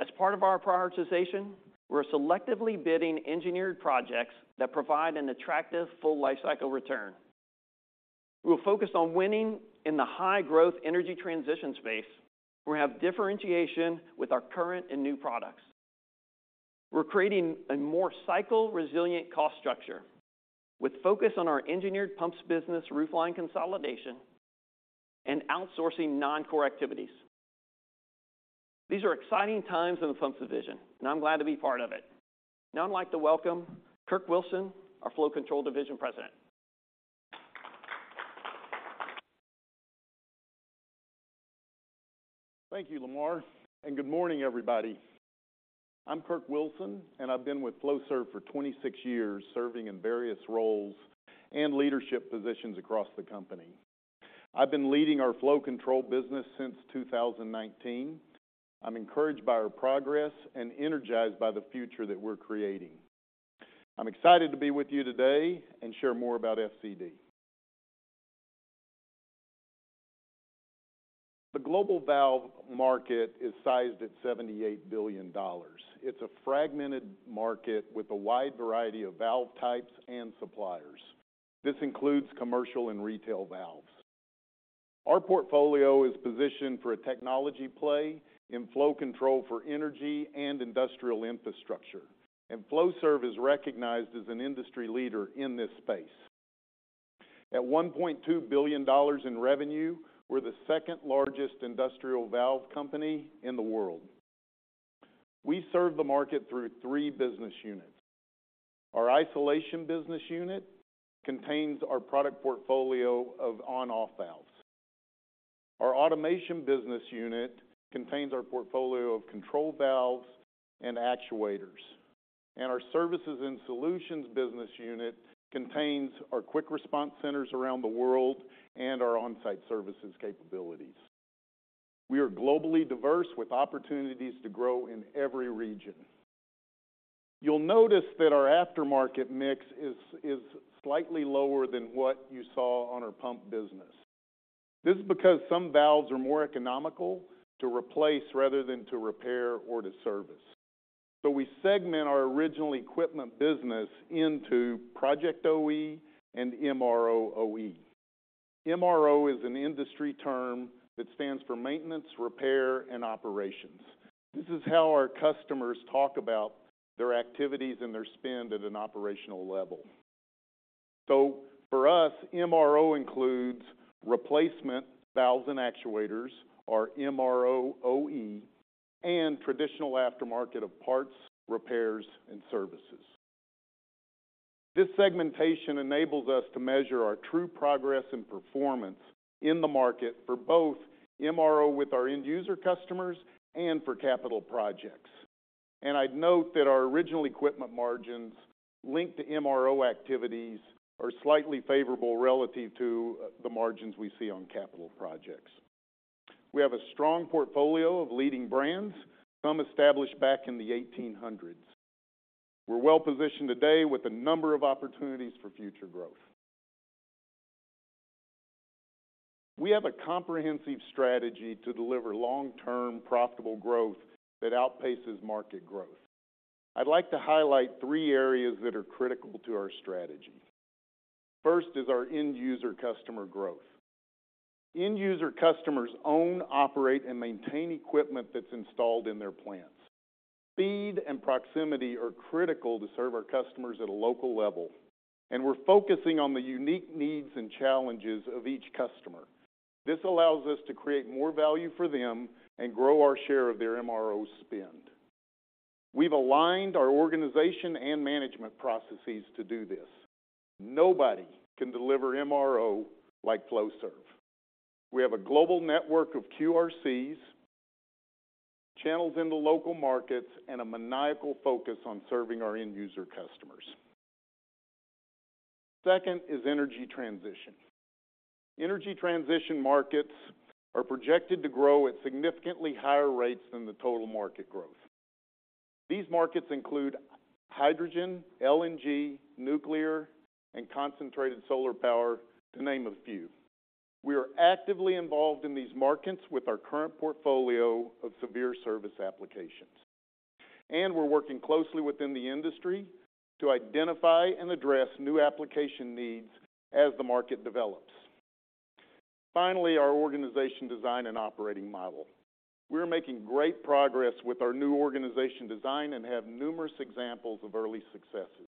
As part of our prioritization, we're selectively bidding engineered projects that provide an attractive full lifecycle return. We're focused on winning in the high-growth energy transition space. We have differentiation with our current and new products. We're creating a more cycle-resilient cost structure with focus on our Engineered Pumps business, roofline consolidation, and outsourcing non-core activities. These are exciting times in the Pumps Division, and I'm glad to be part of it. Now, I'd like to welcome Kirk Wilson, our Flow Control Division President. Thank you, Lamar, and good morning, everybody. I'm Kirk Wilson, and I've been with Flowserve for 26 years, serving in various roles and leadership positions across the company. I've been leading our flow control business since 2019. I'm encouraged by our progress and energized by the future that we're creating. I'm excited to be with you today and share more about FCD. The global valve market is sized at $78 billion. It's a fragmented market with a wide variety of valve types and suppliers. This includes commercial and retail valves. Our portfolio is positioned for a technology play in flow control for energy and industrial infrastructure, and Flowserve is recognized as an industry leader in this space. At $1.2 billion in revenue, we're the second largest industrial valve company in the world. We serve the market through three business units. Our Isolation business unit contains our product portfolio of on-off valves. Our Automation business unit contains our portfolio of control valves and actuators, and our Services and Solutions business unit contains our Quick Response Centers around the world and our on-site services capabilities. We are globally diverse, with opportunities to grow in every region. You'll notice that our aftermarket mix is slightly lower than what you saw on our pump business. This is because some valves are more economical to replace rather than to repair or to service. So we segment our original equipment business into project OE and MRO OE. MRO is an industry term that stands for maintenance, repair, and operations. This is how our customers talk about their activities and their spend at an operational level. So for us, MRO includes replacement valves and actuators, or MRO OE, and traditional aftermarket of parts, repairs, and services. This segmentation enables us to measure our true progress and performance in the market for both MRO with our end user customers and for capital projects. I'd note that our original equipment margins linked to MRO activities are slightly favorable relative to the margins we see on capital projects. We have a strong portfolio of leading brands, some established back in the 1800s. We're well positioned today with a number of opportunities for future growth. We have a comprehensive strategy to deliver long-term, profitable growth that outpaces market growth. I'd like to highlight three areas that are critical to our strategy. First is our end user customer growth. End user customers own, operate, and maintain equipment that's installed in their plants. Speed and proximity are critical to serve our customers at a local level, and we're focusing on the unique needs and challenges of each customer. This allows us to create more value for them and grow our share of their MRO spend. We've aligned our organization and management processes to do this. Nobody can deliver MRO like Flowserve. We have a global network of QRCs, channels in the local markets, and a maniacal focus on serving our end user customers. Second is energy transition. Energy transition markets are projected to grow at significantly higher rates than the total market growth. These markets include hydrogen, LNG, nuclear, and concentrated solar power, to name a few. We are actively involved in these markets with our current portfolio of severe service applications, and we're working closely within the industry to identify and address new application needs as the market develops. Finally, our organization design and operating model. We're making great progress with our new organization design and have numerous examples of early successes.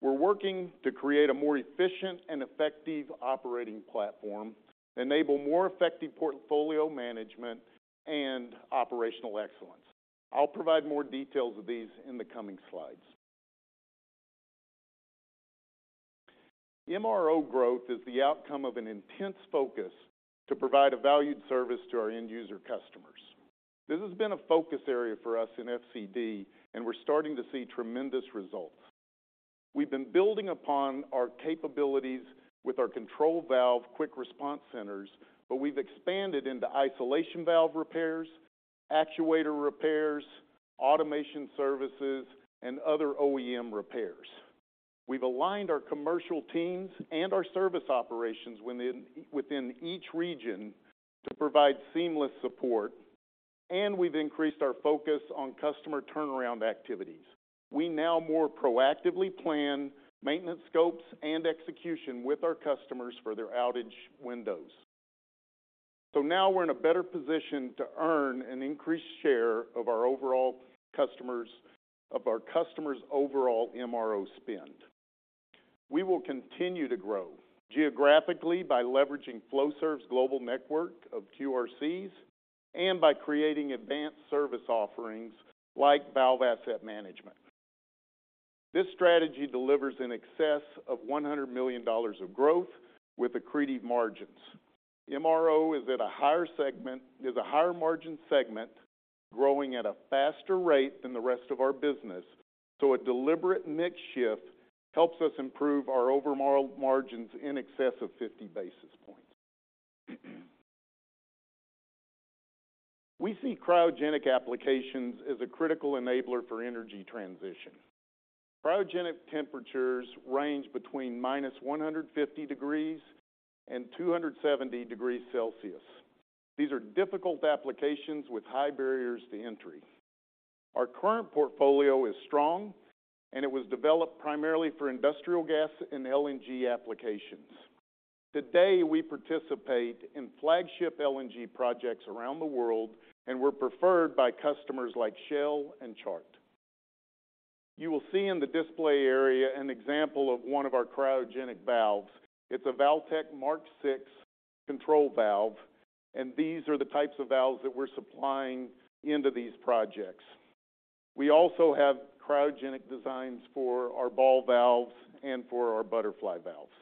We're working to create a more efficient and effective operating platform, enable more effective portfolio management and operational excellence. I'll provide more details of these in the coming slides. MRO growth is the outcome of an intense focus to provide a valued service to our end user customers. This has been a focus area for us in FCD, and we're starting to see tremendous results. We've been building upon our capabilities with our control valve Quick Response Centers, but we've expanded into isolation valve repairs, actuator repairs, automation services, and other OEM repairs. We've aligned our commercial teams and our service operations within each region to provide seamless support, and we've increased our focus on customer turnaround activities. We now more proactively plan maintenance scopes and execution with our customers for their outage windows. So now we're in a better position to earn an increased share of our overall customers, of our customers' overall MRO spend. We will continue to grow geographically by leveraging Flowserve's global network of QRCs and by creating advanced service offerings like valve asset management. This strategy delivers in excess of $100 million of growth with accretive margins. MRO is at a higher segment, is a higher margin segment, growing at a faster rate than the rest of our business, so a deliberate mix shift helps us improve our overall margins in excess of 50 basis points. We see cryogenic applications as a critical enabler for energy transition. Cryogenic temperatures range between -150 degrees and 270 degrees Celsius. These are difficult applications with high barriers to entry. Our current portfolio is strong, and it was developed primarily for industrial gas and LNG applications. Today, we participate in flagship LNG projects around the world, and we're preferred by customers like Shell and Chart. You will see in the display area an example of one of our cryogenic valves. It's a Valtek Mark Six control valve, and these are the types of valves that we're supplying into these projects. We also have cryogenic designs for our ball valves and for our butterfly valves.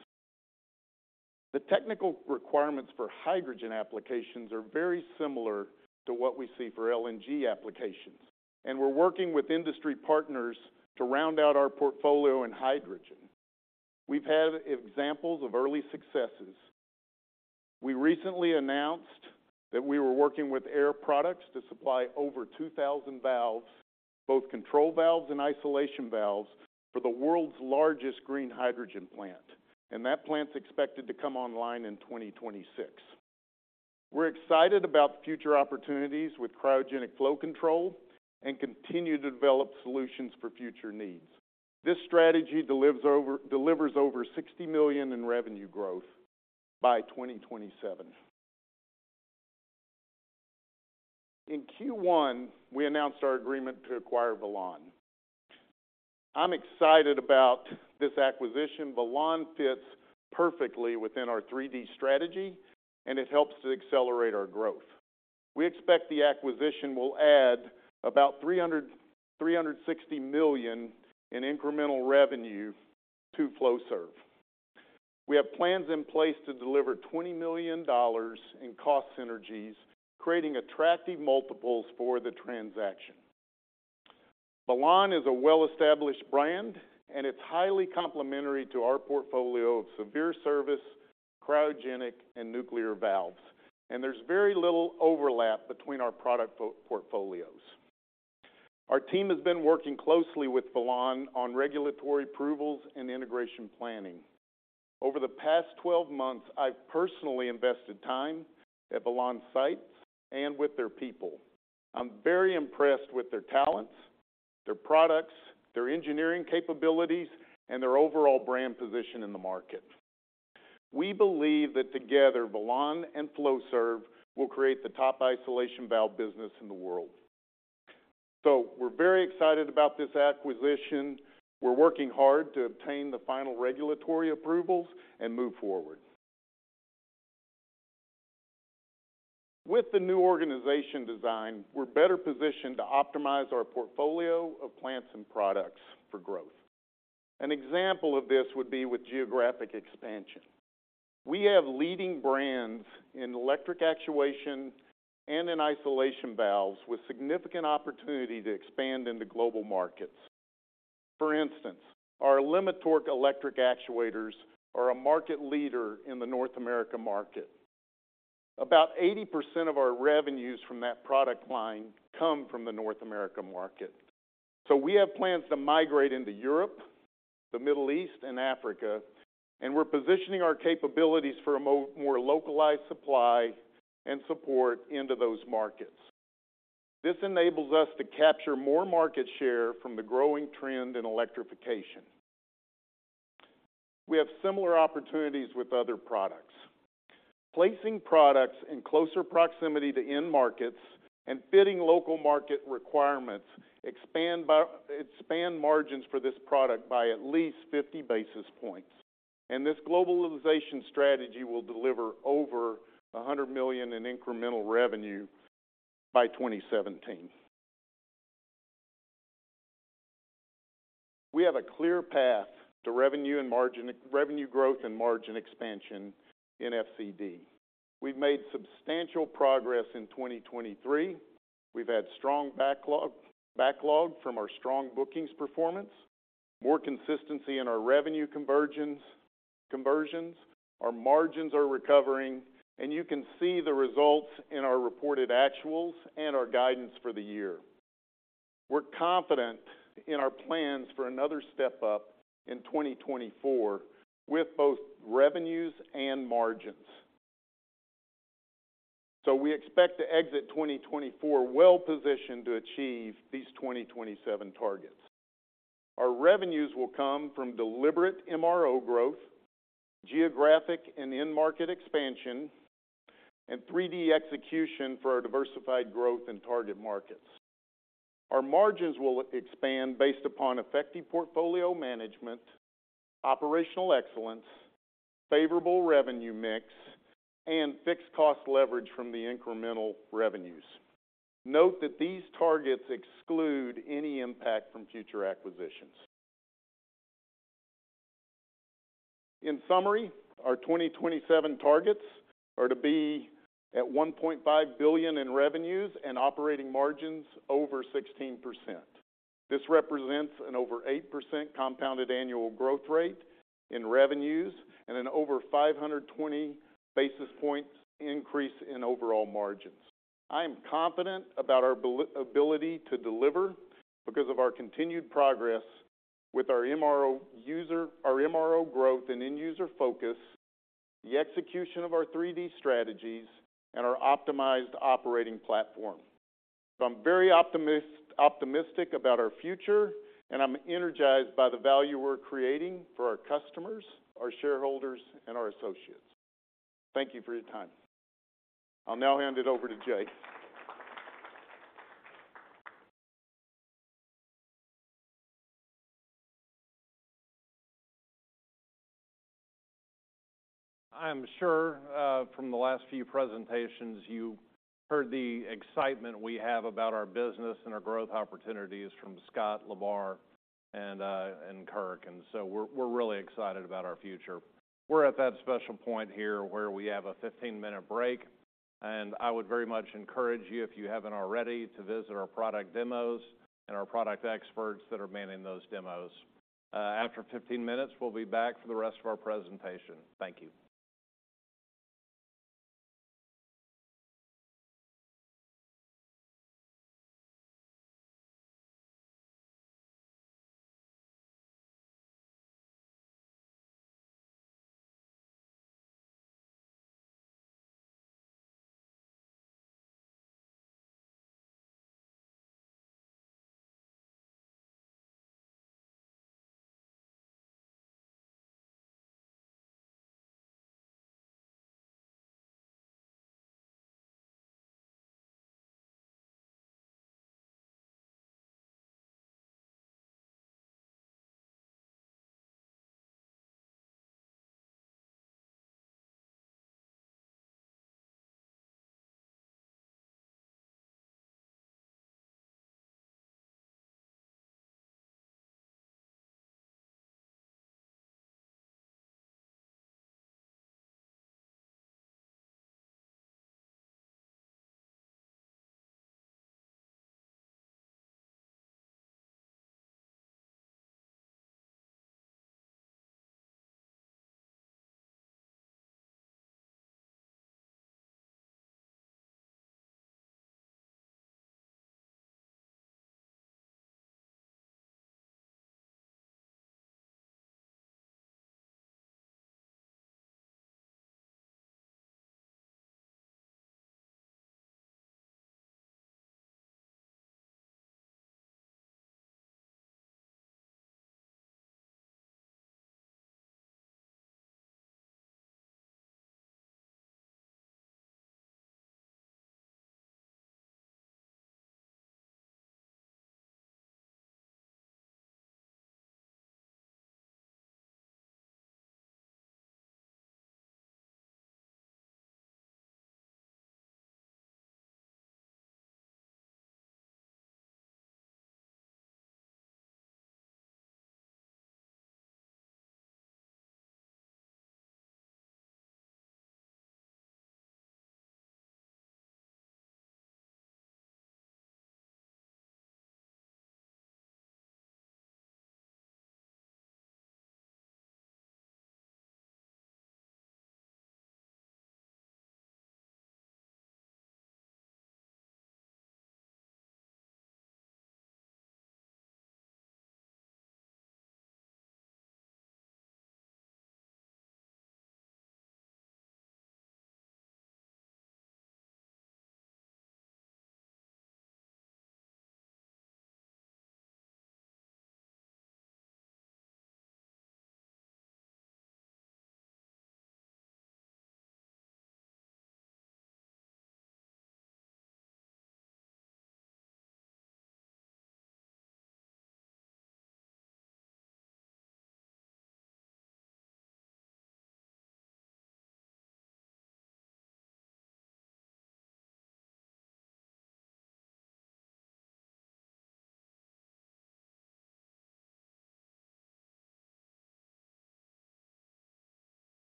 The technical requirements for hydrogen applications are very similar to what we see for LNG applications, and we're working with industry partners to round out our portfolio in hydrogen. We've had examples of early successes. We recently announced that we were working with Air Products to supply over 2,000 valves, both control valves and isolation valves, for the world's largest green hydrogen plant, and that plant's expected to come online in 2026. We're excited about the future opportunities with cryogenic flow control and continue to develop solutions for future needs. This strategy delivers over $60 million in revenue growth by 2027. In Q1, we announced our agreement to acquire Velan. I'm excited about this acquisition. Velan fits perfectly within our 3D strategy, and it helps to accelerate our growth. We expect the acquisition will add about $360 million in incremental revenue to Flowserve. We have plans in place to deliver $20 million in cost synergies, creating attractive multiples for the transaction. Velan is a well-established brand, and it's highly complementary to our portfolio of severe service, cryogenic, and nuclear valves, and there's very little overlap between our product portfolios. Our team has been working closely with Velan on regulatory approvals and integration planning. Over the past 12 months, I've personally invested time at Velan sites and with their people. I'm very impressed with their talents, their products, their engineering capabilities, and their overall brand position in the market. We believe that together, Velan and Flowserve will create the top isolation valve business in the world. So we're very excited about this acquisition. We're working hard to obtain the final regulatory approvals and move forward. With the new organization design, we're better positioned to optimize our portfolio of plants and products for growth. An example of this would be with geographic expansion. We have leading brands in electric actuation and in isolation valves, with significant opportunity to expand into global markets. For instance, our Limitorque electric actuators are a market leader in the North America market. About 80% of our revenues from that product line come from the North America market. So we have plans to migrate into Europe, the Middle East, and Africa, and we're positioning our capabilities for a more localized supply and support into those markets. This enables us to capture more market share from the growing trend in electrification. We have similar opportunities with other products. Placing products in closer proximity to end markets and fitting local market requirements expand margins for this product by at least 50 basis points. And this globalization strategy will deliver over $100 million in incremental revenue by 2017. We have a clear path to revenue and margin, revenue growth and margin expansion in FCD. We've made substantial progress in 2023. We've had strong backlog, backlog from our strong bookings performance, more consistency in our revenue convergence, conversions. Our margins are recovering, and you can see the results in our reported actuals and our guidance for the year. We're confident in our plans for another step up in 2024 with both revenues and margins. So we expect to exit 2024 well-positioned to achieve these 2027 targets. Our revenues will come from deliberate MRO growth, geographic and end market expansion, and 3D execution for our diversified growth in target markets. Our margins will expand based upon effective portfolio management, operational excellence, favorable revenue mix, and fixed cost leverage from the incremental revenues. Note that these targets exclude any impact from future acquisitions. In summary, our 2027 targets are to be at $1.5 billion in revenues and operating margins over 16%. This represents an over 8% compounded annual growth rate in revenues and an over 520 basis points increase in overall margins. I am confident about our ability to deliver because of our continued progress with our MRO growth and end user focus, the execution of our 3D strategies, and our optimized operating platform. So I'm very optimistic about our future, and I'm energized by the value we're creating for our customers, our shareholders, and our associates. Thank you for your time. I'll now hand it over to Jay. I'm sure from the last few presentations, you heard the excitement we have about our business and our growth opportunities from Scott, Lamar, and Kirk, and so we're, we're really excited about our future. We're at that special point here where we have a 15-minute break, and I would very much encourage you, if you haven't already, to visit our product demos and our product experts that are manning those demos. After 15 minutes, we'll be back for the rest of our presentation. Thank you.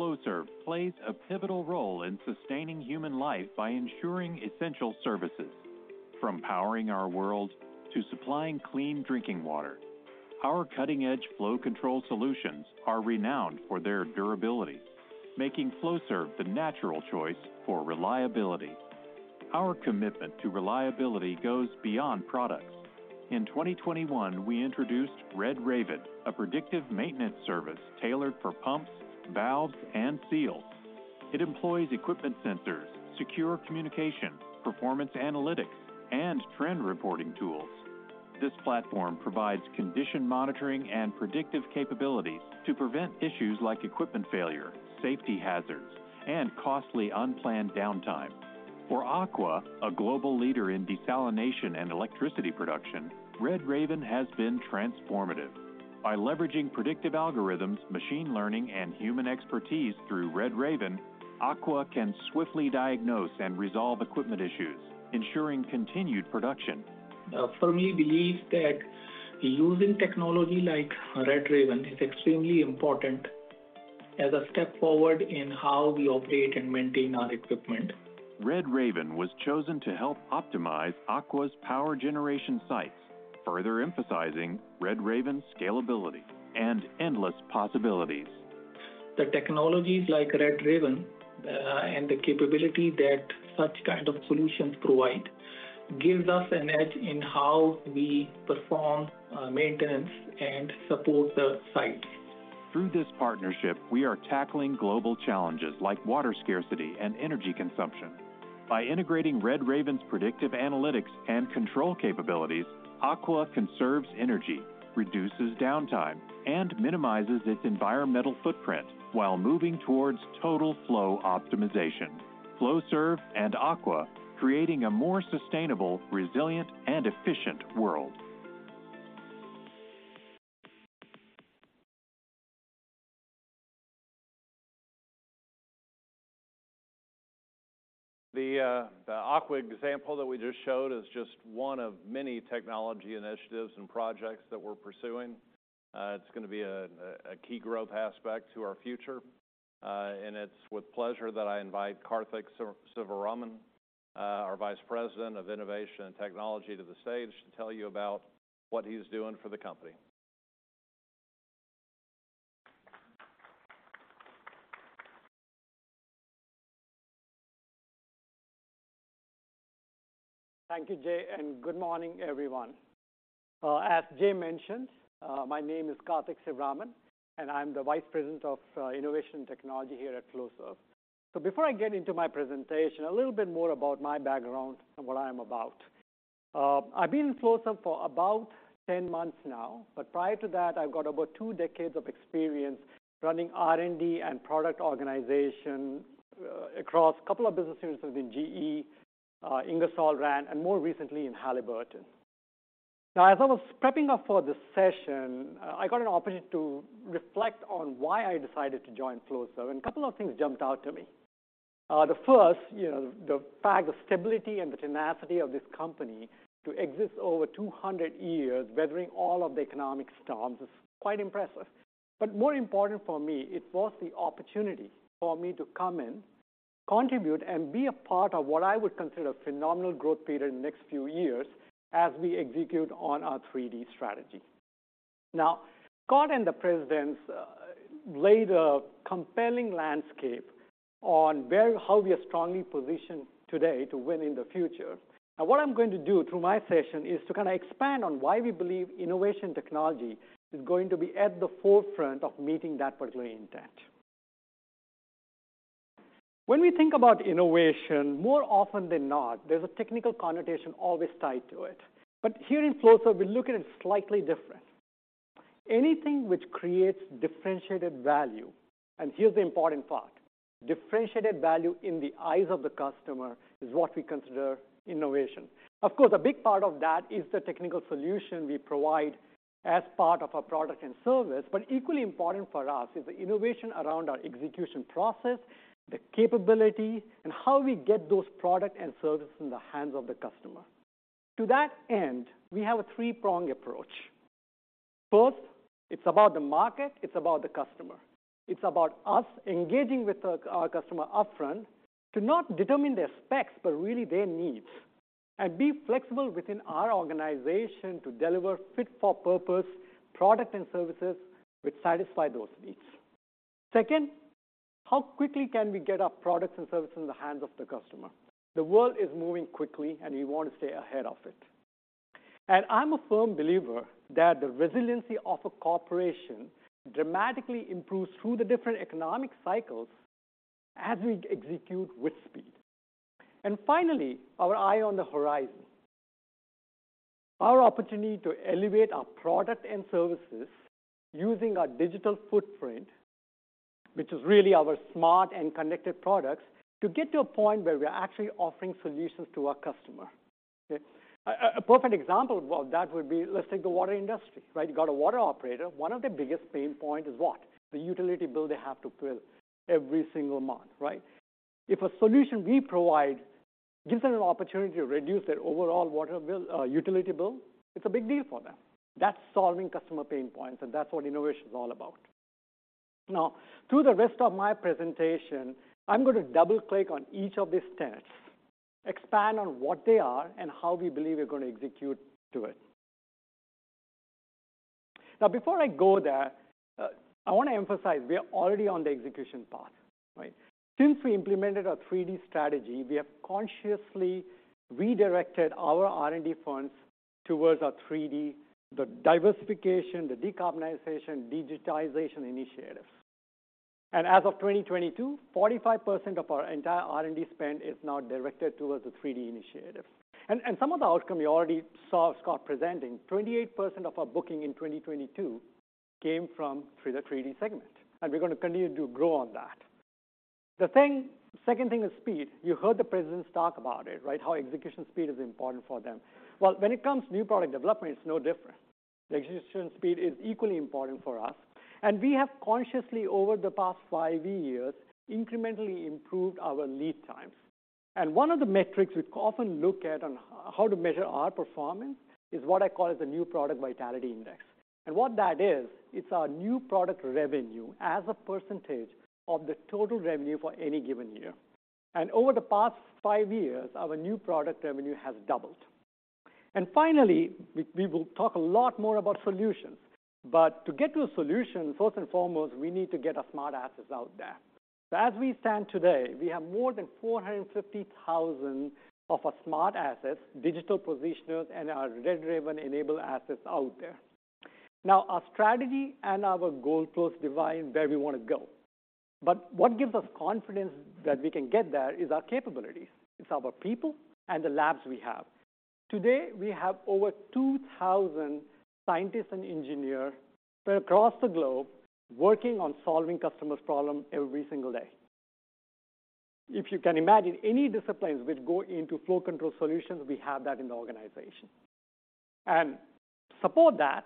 Flowserve plays a pivotal role in sustaining human life by ensuring essential services, from powering our world to supplying clean drinking water. Our cutting-edge flow control solutions are renowned for their durability, making Flowserve the natural choice for reliability. Our commitment to reliability goes beyond products. In 2021, we introduced RedRaven, a predictive maintenance service tailored for pumps, valves, and seals. It employs equipment sensors, secure communication, performance analytics, and trend reporting tools. This platform provides condition monitoring and predictive capabilities to prevent issues like equipment failure, safety hazards, and costly unplanned downtime. For ACWA, a global leader in desalination and electricity production, RedRaven has been transformative. By leveraging predictive algorithms, machine learning, and human expertise through RedRaven, ACWA can swiftly diagnose and resolve equipment issues, ensuring continued production. I firmly believe that using technology like RedRaven is extremely important as a step forward in how we operate and maintain our equipment. RedRaven was chosen to help optimize ACWA's power generation sites, further emphasizing RedRaven's scalability and endless possibilities. The technologies like RedRaven, and the capability that such kind of solutions provide, gives us an edge in how we perform maintenance and support the sites. Through this partnership, we are tackling global challenges like water scarcity and energy consumption. By integrating RedRaven's predictive analytics and control capabilities, ACWA conserves energy, reduces downtime, and minimizes its environmental footprint while moving towards total flow optimization. Flowserve and ACWA, creating a more sustainable, resilient, and efficient world. The ACWA example that we just showed is just one of many technology initiatives and projects that we're pursuing. It's going to be a key growth aspect to our future, and it's with pleasure that I invite Karthik Sivaraman, our Vice President of Innovation and Technology, to the stage to tell you about what he's doing for the company. Thank you, Jay, and good morning, everyone. As Jay mentioned, my name is Karthik Sivaraman, and I'm the Vice President of Innovation and Technology here at Flowserve. So before I get into my presentation, a little bit more about my background and what I am about. I've been in Flowserve for about 10 months now, but prior to that, I've got about two decades of experience running R&D and product organization across a couple of businesses within GE, Ingersoll Rand, and more recently in Halliburton. Now, as I was prepping up for this session, I got an opportunity to reflect on why I decided to join Flowserve, and a couple of things jumped out to me. The first, you know, the fact of stability and the tenacity of this company to exist over 200 years, weathering all of the economic storms, is quite impressive. But more important for me, it was the opportunity for me to come in, contribute, and be a part of what I would consider a phenomenal growth period in the next few years as we execute on our 3D strategy. Now, Scott and the presidents laid a compelling landscape on how we are strongly positioned today to win in the future. Now, what I'm going to do through my session is to kind of expand on why we believe innovation technology is going to be at the forefront of meeting that particular intent. When we think about innovation, more often than not, there's a technical connotation always tied to it. But here in Flowserve, we look at it slightly different. Anything which creates differentiated value, and here's the important part, differentiated value in the eyes of the customer is what we consider innovation. Of course, a big part of that is the technical solution we provide as part of our product and service, but equally important for us is the innovation around our execution process, the capability, and how we get those product and services in the hands of the customer. To that end, we have a three-prong approach. First, it's about the market, it's about the customer. It's about us engaging with our customer upfront to not determine their specs, but really their needs, and be flexible within our organization to deliver fit-for-purpose product and services which satisfy those needs. Second, how quickly can we get our products and services in the hands of the customer? The world is moving quickly, and we want to stay ahead of it. I'm a firm believer that the resiliency of a corporation dramatically improves through the different economic cycles as we execute with speed. Finally, our eye on the horizon. Our opportunity to elevate our product and services using our digital footprint, which is really our smart and connected products, to get to a point where we are actually offering solutions to our customer. Okay, a perfect example of that would be, let's take the water industry, right? You got a water operator. One of the biggest pain point is what? The utility bill they have to pay every single month, right? If a solution we provide gives them an opportunity to reduce their overall water bill, utility bill, it's a big deal for them. That's solving customer pain points, and that's what innovation is all about. Now, through the rest of my presentation, I'm going to double-click on each of these tenets, expand on what they are, and how we believe we're going to execute to it. Now, before I go there, I want to emphasize, we are already on the execution path, right? Since we implemented our 3D strategy, we have consciously redirected our R&D funds towards our 3D: the diversification, the decarbonization, digitization initiatives. And as of 2022, 45% of our entire R&D spend is now directed towards the 3D initiatives. And some of the outcome you already saw Scott presenting, 28% of our booking in 2022 came from through the 3D segment, and we're going to continue to grow on that. The thing, second thing is speed. You heard the presidents talk about it, right? How execution speed is important for them. Well, when it comes to new product development, it's no different. The execution speed is equally important for us, and we have consciously, over the past five years, incrementally improved our lead times. One of the metrics we often look at on how to measure our performance is what I call the New Product Vitality Index. And what that is, it's our new product revenue as a percentage of the total revenue for any given year. Over the past five years, our new product revenue has doubled. Finally, we will talk a lot more about solutions. But to get to a solution, first and foremost, we need to get our smart assets out there. As we stand today, we have more than 450,000 of our smart assets, digital positioners, and our RedRaven-enabled assets out there. Now, our strategy and our goal posts define where we want to go, but what gives us confidence that we can get there is our capabilities. It's our people and the labs we have. Today, we have over 2,000 scientists and engineers spread across the globe, working on solving customers' problems every single day. If you can imagine any disciplines which go into flow control solutions, we have that in the organization. To support that,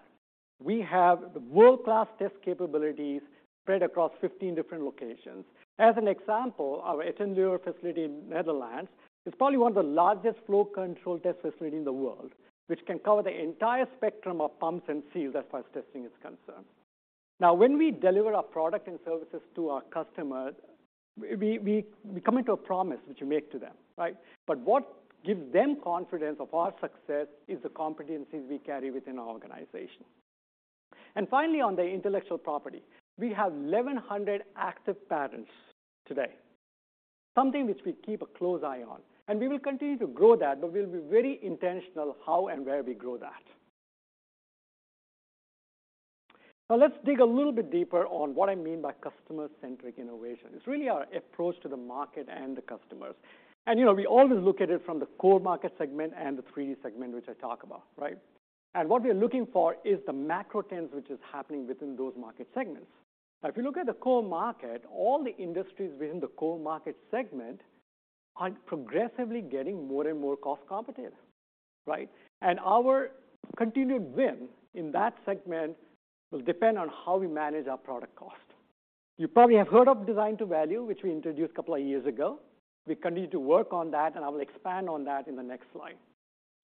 we have world-class test capabilities spread across 15 different locations. As an example, our Etten-Leur facility in the Netherlands is probably one of the largest flow control test facilities in the world, which can cover the entire spectrum of pumps and seals, as far as testing is concerned. Now, when we deliver our product and services to our customers, we come into a promise which we make to them, right? But what gives them confidence of our success is the competencies we carry within our organization. And finally, on the intellectual property, we have 1,100 active patents today, something which we keep a close eye on, and we will continue to grow that, but we'll be very intentional how and where we grow that. Now, let's dig a little bit deeper on what I mean by customer-centric innovation. It's really our approach to the market and the customers. You know, we always look at it from the core market segment and the 3D segment, which I talk about, right? What we are looking for is the macro trends which is happening within those market segments. Now, if you look at the core market, all the industries within the core market segment are progressively getting more and more cost competitive, right? Our continued win in that segment will depend on how we manage our product cost. You probably have heard of Design-to-Value, which we introduced a couple of years ago. We continue to work on that, and I will expand on that in the next slide.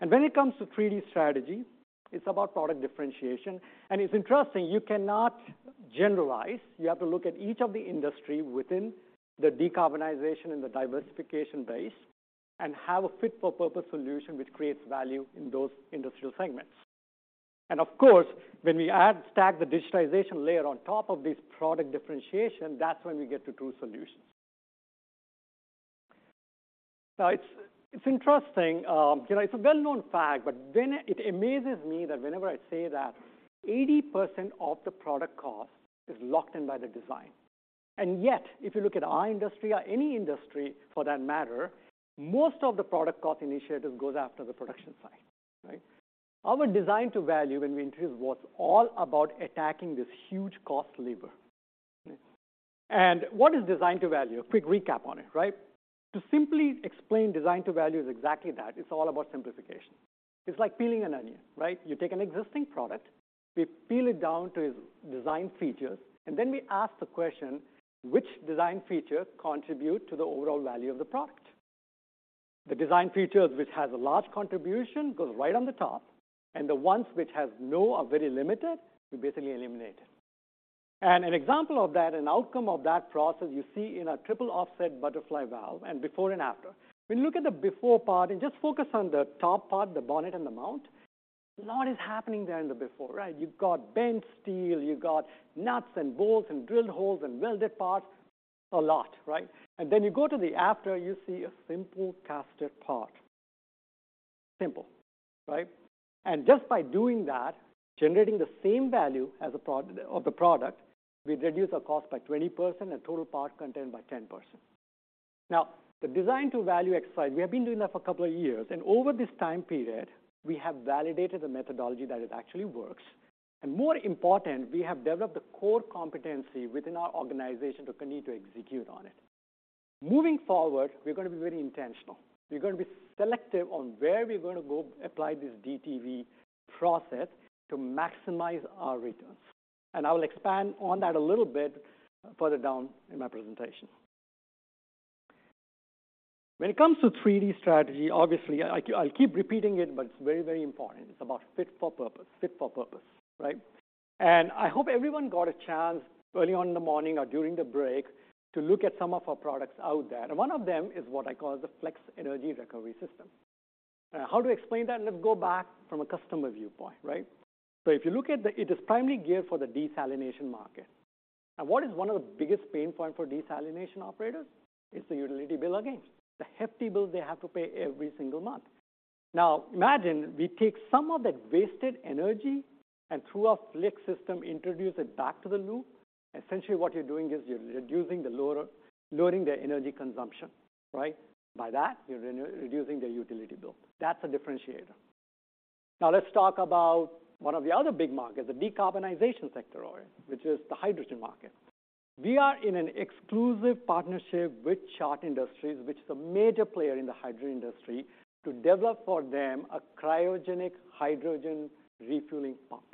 When it comes to 3D strategy, it's about product differentiation. It's interesting, you cannot generalize. You have to look at each of the industry within the decarbonization and the diversification base and have a fit-for-purpose solution which creates value in those industrial segments. And of course, when we add stack the digitization layer on top of this product differentiation, that's when we get to true solutions. Now, it's interesting, you know, it's a well-known fact, but then it amazes me that whenever I say that 80% of the product cost is locked in by the design, and yet, if you look at our industry or any industry for that matter, most of the product cost initiatives goes after the production side, right? Our Design-to-Value, when we introduced, was all about attacking this huge cost lever. And what is Design-to-Value? A quick recap on it, right? To simply explain, Design-to-Value is exactly that. It's all about simplification. It's like peeling an onion, right? You take an existing product, we peel it down to its design features, and then we ask the question, which design features contribute to the overall value of the product? The design features which has a large contribution goes right on the top, and the ones which has no or very limited, we basically eliminate it. And an example of that, an outcome of that process you see in a triple offset butterfly valve, and before and after. When you look at the before part, and just focus on the top part, the bonnet and the mount, a lot is happening there in the before, right? You've got bent steel, you've got nuts and bolts and drilled holes and welded parts. A lot, right? And then you go to the after, you see a simple casted part. Simple, right? And just by doing that, generating the same value as of the product, we reduce our cost by 20% and total part content by 10%. Now, the Design-to-Value exercise, we have been doing that for a couple of years, and over this time period, we have validated the methodology that it actually works. And more important, we have developed the core competency within our organization to continue to execute on it. Moving forward, we're going to be very intentional. We're going to be selective on where we're going to go apply this DTV process to maximize our returns.... And I will expand on that a little bit further down in my presentation. When it comes to 3D strategy, obviously, I, I'll keep repeating it, but it's very, very important. It's about fit for purpose. Fit for purpose, right? I hope everyone got a chance early on in the morning or during the break to look at some of our products out there. One of them is what I call the FLEX Energy Recovery System. How to explain that? Let's go back from a customer viewpoint, right? So if you look at the—it is primarily geared for the desalination market. What is one of the biggest pain point for desalination operators? It's the utility bill, again. The hefty bill they have to pay every single month. Now, imagine we take some of that wasted energy, and through our FLEX system, introduce it back to the loop. Essentially, what you're doing is you're reducing the lower—loading their energy consumption, right? By that, you're re-reducing their utility bill. That's a differentiator. Now, let's talk about one of the other big markets, the decarbonization sector, which is the hydrogen market. We are in an exclusive partnership with Chart Industries, which is a major player in the hydrogen industry, to develop for them a cryogenic hydrogen refueling pump.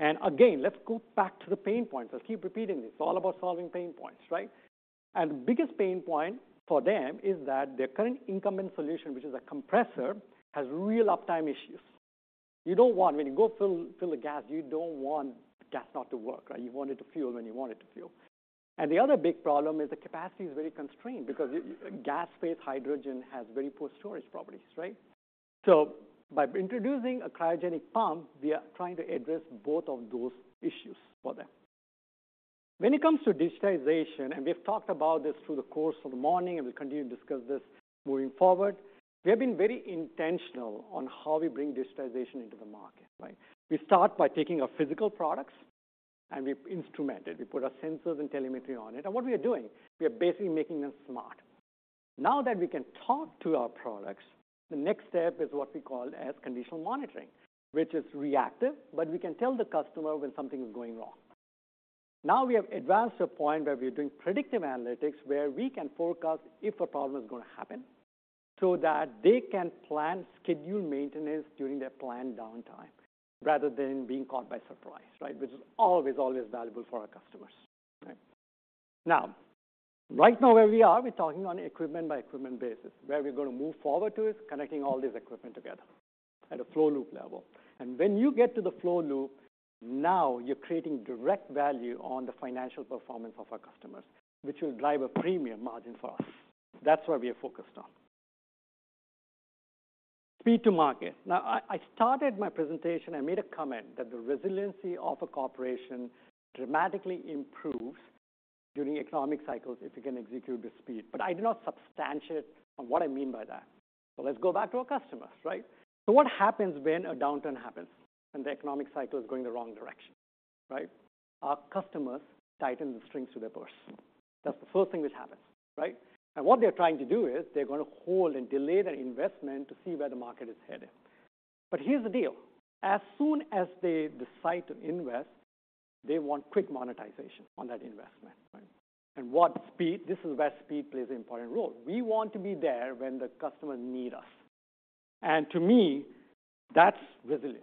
And again, let's go back to the pain points. I'll keep repeating this. It's all about solving pain points, right? And the biggest pain point for them is that their current incumbent solution, which is a compressor, has real uptime issues. You don't want—When you go fill, fill the gas, you don't want the gas not to work, right? You want it to fuel when you want it to fuel. And the other big problem is the capacity is very constrained because gas-phase hydrogen has very poor storage properties, right? So by introducing a cryogenic pump, we are trying to address both of those issues for them. When it comes to digitization, and we've talked about this through the course of the morning, and we continue to discuss this moving forward, we have been very intentional on how we bring digitization into the market, right? We start by taking our physical products, and we instrument it. We put our sensors and telemetry on it. And what we are doing? We are basically making them smart. Now, that we can talk to our products, the next step is what we call as condition monitoring, which is reactive, but we can tell the customer when something is going wrong. Now, we have advanced to a point where we are doing predictive analytics, where we can forecast if a problem is going to happen, so that they can plan scheduled maintenance during their planned downtime, rather than being caught by surprise, right, which is always, always valuable for our customers, right? Now, right now, where we are, we're talking on equipment-by-equipment basis. Where we're going to move forward to is connecting all this equipment together at a flow loop level. And when you get to the flow loop, now you're creating direct value on the financial performance of our customers, which will drive a premium margin for us. That's where we are focused on. Speed to market. Now, I started my presentation, I made a comment that the resiliency of a corporation dramatically improves during economic cycles if you can execute with speed, but I did not substantiate on what I mean by that. So let's go back to our customers, right? So what happens when a downturn happens and the economic cycle is going the wrong direction, right? Our customers tighten the strings to their purse. That's the first thing which happens, right? And what they're trying to do is they're going to hold and delay their investment to see where the market is headed. But here's the deal: as soon as they decide to invest, they want quick monetization on that investment, right? And what speed. This is where speed plays an important role. We want to be there when the customers need us, and to me, that's resilience.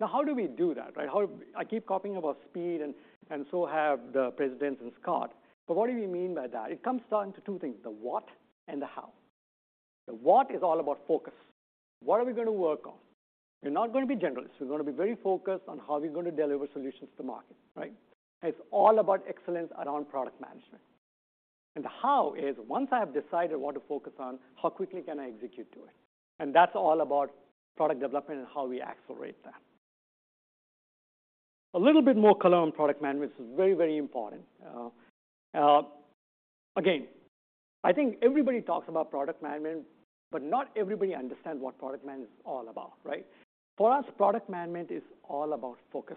Now, how do we do that, right? How I keep talking about speed, and so have the presidents and Scott, but what do we mean by that? It comes down to two things: the what and the how. The what is all about focus. What are we going to work on? We're not going to be generalists. We're going to be very focused on how we're going to deliver solutions to market, right? It's all about excellence around product management. And the how is once I have decided what to focus on, how quickly can I execute to it? And that's all about product development and how we accelerate that. A little bit more color on product management, which is very, very important. Again, I think everybody talks about product management, but not everybody understands what product management is all about, right? For us, product management is all about focus.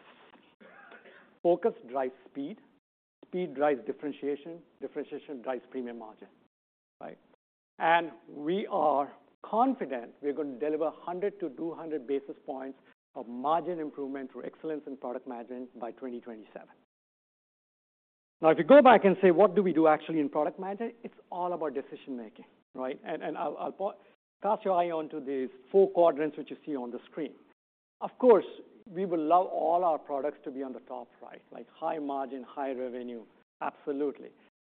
Focus drives speed, speed drives differentiation, differentiation drives premium margin, right? And we are confident we're going to deliver 100-200 basis points of margin improvement through excellence in product management by 2027. Now, if you go back and say, "What do we do actually in product management?" It's all about decision making, right? And I'll cast your eye onto these four quadrants, which you see on the screen. Of course, we will love all our products to be on the top right, like high margin, high revenue. Absolutely.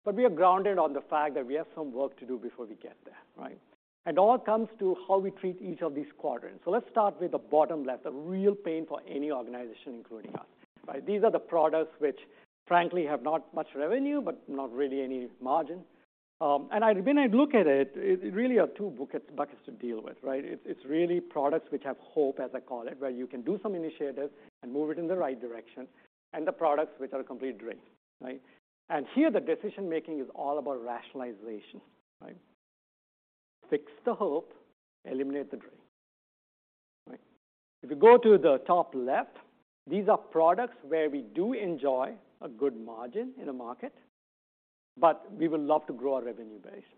But we are grounded on the fact that we have some work to do before we get there, right? It all comes to how we treat each of these quadrants. So let's start with the bottom left, a real pain for any organization, including us, right? These are the products which, frankly, have not much revenue, but not really any margin. When I look at it, it really are two buckets, buckets to deal with, right? It's, it's really products which have hope, as I call it, where you can do some initiatives and move it in the right direction, and the products which are a complete drain, right? And here, the decision making is all about rationalization, right? Fix the hope, eliminate the drain, right. If you go to the top left, these are products where we do enjoy a good margin in the market, but we would love to grow our revenue base.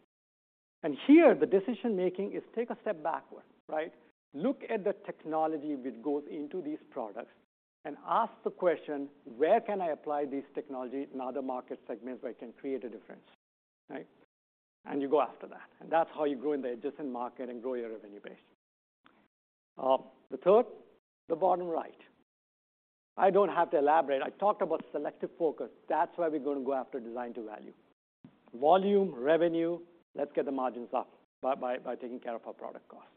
And here, the decision making is take a step backward, right? Look at the technology which goes into these products and ask the question: where can I apply this technology in other market segments where I can create a difference, right? And you go after that, and that's how you grow in the adjacent market and grow your revenue base. The third, the bottom right. I don't have to elaborate. I talked about selective focus. That's why we're going to go after Design-to-Value. Volume, revenue, let's get the margins up by, by, by taking care of our product cost.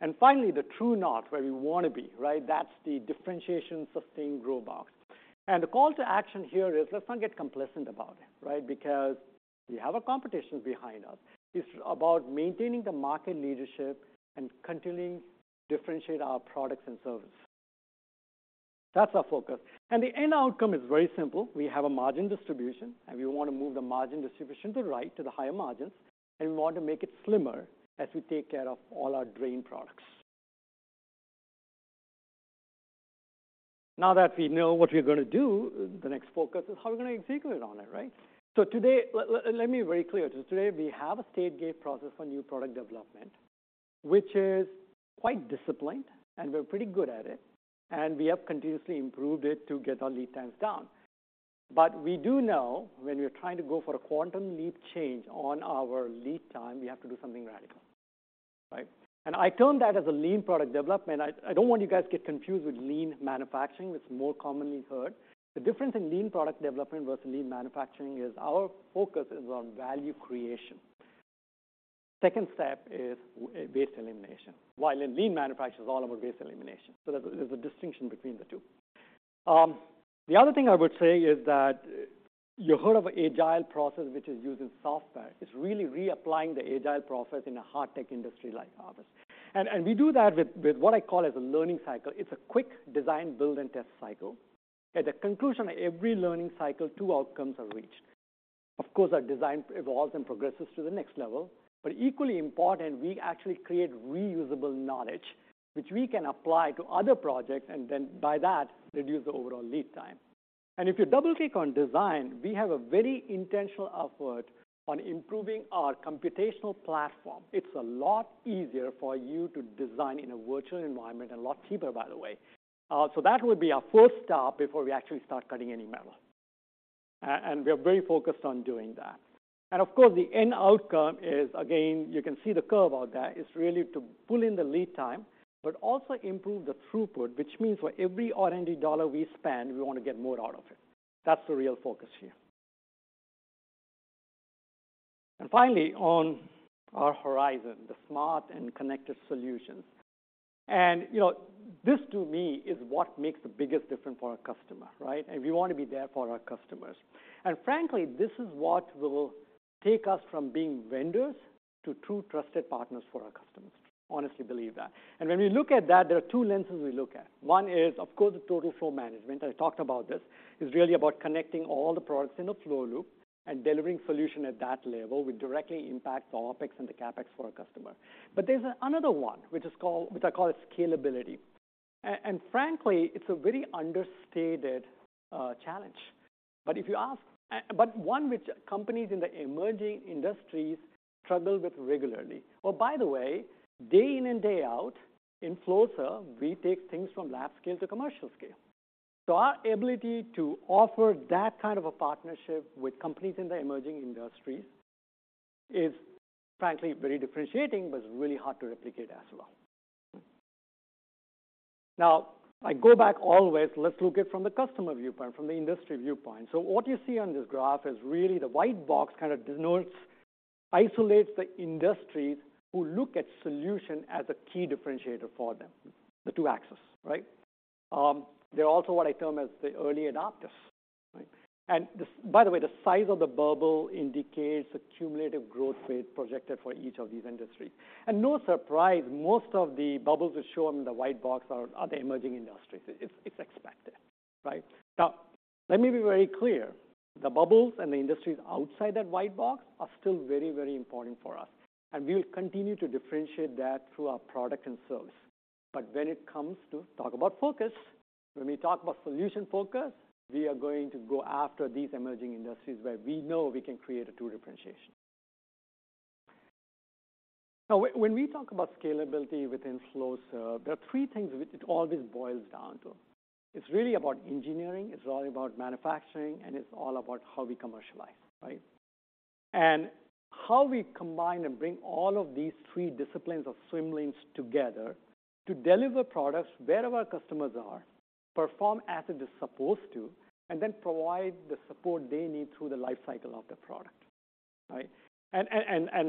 And finally, the true north, where we want to be, right? That's the differentiation, sustain, grow box. And the call to action here is, let's not get complacent about it, right? Because we have a competition behind us. It's about maintaining the market leadership and continuing to differentiate our products and services. That's our focus. The end outcome is very simple. We have a margin distribution, and we want to move the margin distribution to the right, to the higher margins, and we want to make it slimmer as we take care of all our drain products. Now that we know what we're going to do, the next focus is how we're going to execute on it, right? So today, let me be very clear. Today, we have a stage-gate process for new product development, which is quite disciplined, and we're pretty good at it, and we have continuously improved it to get our lead times down. But we do know when we are trying to go for a quantum leap change on our lead time, we have to do something radical, right? And I term that as a lean product development. I don't want you guys to get confused with lean manufacturing, which is more commonly heard. The difference in lean product development versus lean manufacturing is our focus is on value creation. Second step is, waste elimination, while in lean manufacturing, is all about waste elimination. So there's a distinction between the two. The other thing I would say is that you heard of agile process, which is used in software. It's really reapplying the agile process in a hard tech industry like ours. And we do that with what I call as a learning cycle. It's a quick design, build, and test cycle. At the conclusion of every learning cycle, two outcomes are reached. Of course, our design evolves and progresses to the next level, but equally important, we actually create reusable knowledge, which we can apply to other projects, and then by that, reduce the overall lead time. And if you double-click on design, we have a very intentional effort on improving our computational platform. It's a lot easier for you to design in a virtual environment, and a lot cheaper, by the way. So that would be our first stop before we actually start cutting any metal, and we are very focused on doing that. And of course, the end outcome is, again, you can see the curve out there, is really to pull in the lead time, but also improve the throughput, which means for every R&D dollar we spend, we want to get more out of it. That's the real focus here. Finally, on our horizon, the smart and connected solutions. You know, this to me is what makes the biggest difference for our customer, right? We want to be there for our customers. And frankly, this is what will take us from being vendors to true trusted partners for our customers. Honestly, believe that. When we look at that, there are two lenses we look at. One is, of course, the total flow management. I talked about this. It's really about connecting all the products in a flow loop and delivering solution at that level, which directly impacts the OpEx and the CapEx for our customer. But there's another one, which is called—which I call scalability. And frankly, it's a very understated challenge. But one which companies in the emerging industries struggle with regularly. Oh, by the way, day in and day out, in Flowserve, we take things from lab scale to commercial scale. So our ability to offer that kind of a partnership with companies in the emerging industries is, frankly, very differentiating, but it's really hard to replicate as well. Now, I go back always, let's look it from the customer viewpoint, from the industry viewpoint. So what you see on this graph is really the white box, kind of denotes, isolates the industries who look at solution as a key differentiator for them, the two axes, right? They're also what I term as the early adopters, right? And this. By the way, the size of the bubble indicates the cumulative growth rate projected for each of these industries. And no surprise, most of the bubbles that show them in the white box are, are the emerging industries. It's, it's expected, right? Now, let me be very clear. The bubbles and the industries outside that white box are still very, very important for us, and we will continue to differentiate that through our product and service. But when it comes to talk about focus, when we talk about solution focus, we are going to go after these emerging industries where we know we can create a true differentiation. Now, when, when we talk about scalability within Flowserve, there are three things which it always boils down to. It's really about engineering, it's all about manufacturing, and it's all about how we commercialize, right? And how we combine and bring all of these three disciplines of swim lanes together to deliver products wherever our customers are, perform as it is supposed to, and then provide the support they need through the life cycle of the product, right? And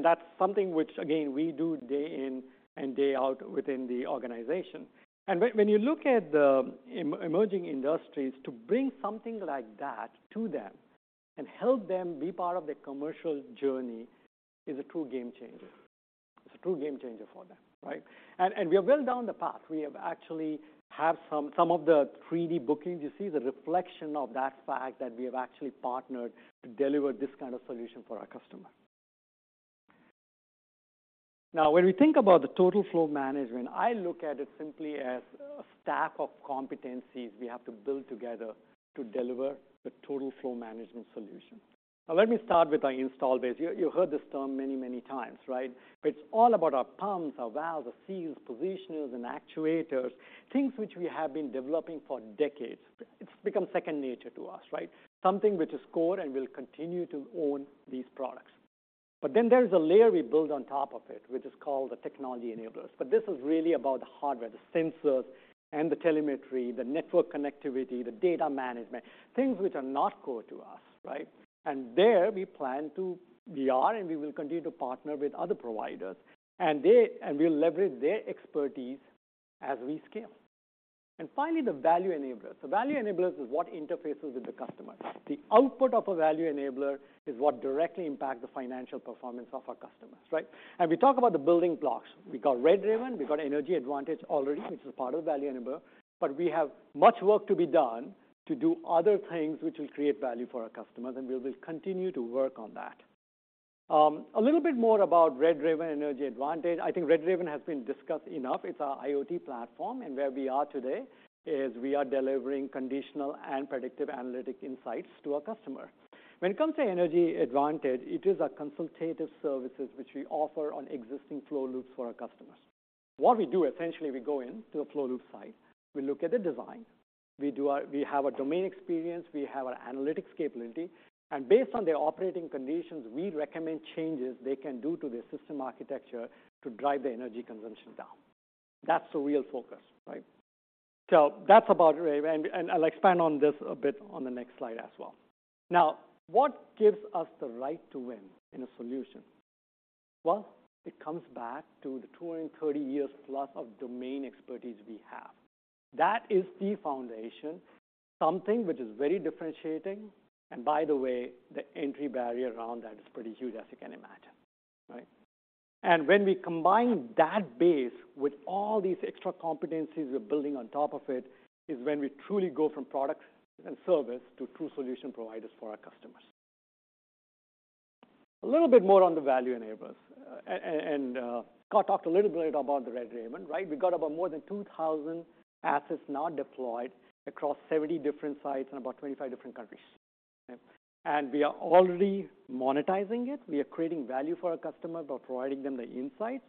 that's something which, again, we do day in and day out within the organization. And when you look at the emerging industries, to bring something like that to them and help them be part of the commercial journey is a true game changer. It's a true game changer for them, right? And we are well down the path. We actually have some of the 3D bookings. You see the reflection of that fact that we have actually partnered to deliver this kind of solution for our customer. Now, when we think about the total flow management, I look at it simply as a stack of competencies we have to build together to deliver the total flow management solution. Now, let me start with our install base. You heard this term many, many times, right? It's all about our pumps, our valves, our seals, positioners, and actuators, things which we have been developing for decades. It's become second nature to us, right? Something which is core and will continue to own these products.... But then there's a layer we build on top of it, which is called the technology enablers. But this is really about the hardware, the sensors and the telemetry, the network connectivity, the data management, things which are not core to us, right? And there we plan to-- we are, and we will continue to partner with other providers, and they-- and we'll leverage their expertise as we scale. And finally, the value enablers. The value enablers is what interfaces with the customer. The output of a value enabler is what directly impacts the financial performance of our customers, right? And we talk about the building blocks. We got RedRaven, we got Energy Advantage already, which is part of the value enabler, but we have much work to be done to do other things which will create value for our customers, and we will continue to work on that. A little bit more about RedRaven Energy Advantage. I think RedRaven has been discussed enough. It's our IoT platform, and where we are today is we are delivering condition and predictive analytics insights to our customer. When it comes to Energy Advantage, it is a consultative services which we offer on existing flow loops for our customers. What we do, essentially, we go into a flow loop site, we look at the design, we have a domain experience, we have an analytics capability, and based on their operating conditions, we recommend changes they can do to their system architecture to drive the energy consumption down. That's the real focus, right? So that's about Raven, and I'll expand on this a bit on the next slide as well. Now, what gives us the right to win in a solution? Well, it comes back to the 230 years plus of domain expertise we have. That is the foundation, something which is very differentiating. And by the way, the entry barrier around that is pretty huge, as you can imagine, right? And when we combine that base with all these extra competencies we're building on top of it, is when we truly go from product and service to true solution providers for our customers. A little bit more on the value enablers. And, Scott talked a little bit about the RedRaven, right? We've got about more than 2,000 assets now deployed across 70 different sites in about 25 different countries. And we are already monetizing it. We are creating value for our customer by providing them the insights,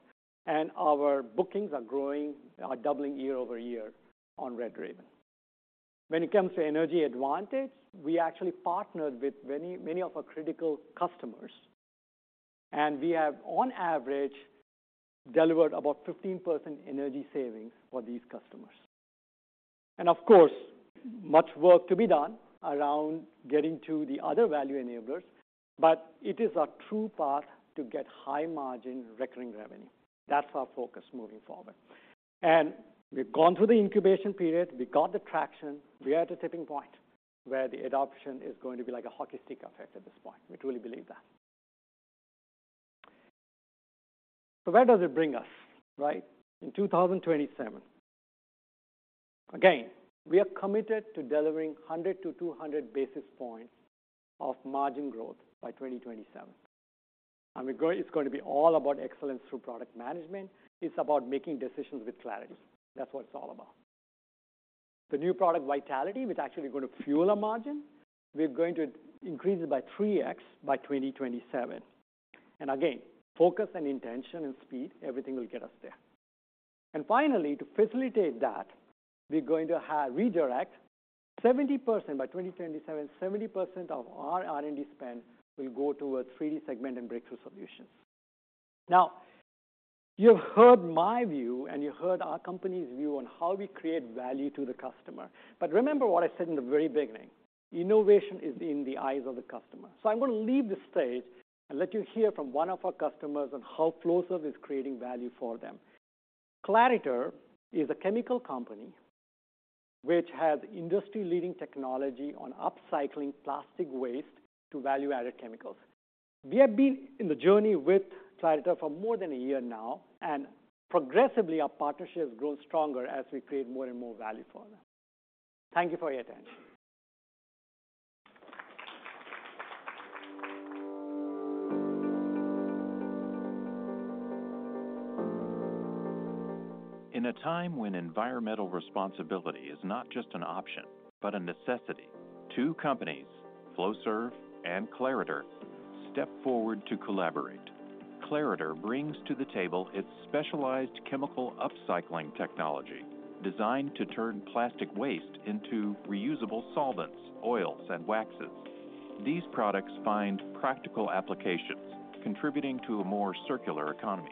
and our bookings are growing, are doubling year-over-year on RedRaven. When it comes to Energy Advantage, we actually partnered with many, many of our critical customers, and we have, on average, delivered about 15% energy savings for these customers. And of course, much work to be done around getting to the other value enablers, but it is a true path to get high-margin, recurring revenue. That's our focus moving forward. And we've gone through the incubation period, we got the traction. We are at a tipping point where the adoption is going to be like a hockey stick effect at this point. We truly believe that. So where does it bring us, right? In 2027, again, we are committed to delivering 100-200 basis points of margin growth by 2027. And we're going. It's going to be all about excellence through product management. It's about making decisions with clarity. That's what it's all about. The new product vitality, which actually going to fuel our margin, we're going to increase it by 3x by 2027. And again, focus and intention and speed, everything will get us there. And finally, to facilitate that, we're going to have redirect 70% by 2027, 70% of our R&D spend will go towards 3D segment and breakthrough solutions. Now, you've heard my view, and you heard our company's view on how we create value to the customer. But remember what I said in the very beginning, innovation is in the eyes of the customer. So I'm going to leave the stage and let you hear from one of our customers on how Flowserve is creating value for them. Clariter is a chemical company which has industry-leading technology on upcycling plastic waste to value-added chemicals. We have been in the journey with Clariter for more than a year now, and progressively, our partnership has grown stronger as we create more and more value for them. Thank you for your attention. In a time when environmental responsibility is not just an option, but a necessity, two companies, Flowserve and Clariter, step forward to collaborate. Clariter brings to the table its specialized chemical upcycling technology, designed to turn plastic waste into reusable solvents, oils, and waxes. These products find practical applications, contributing to a more circular economy.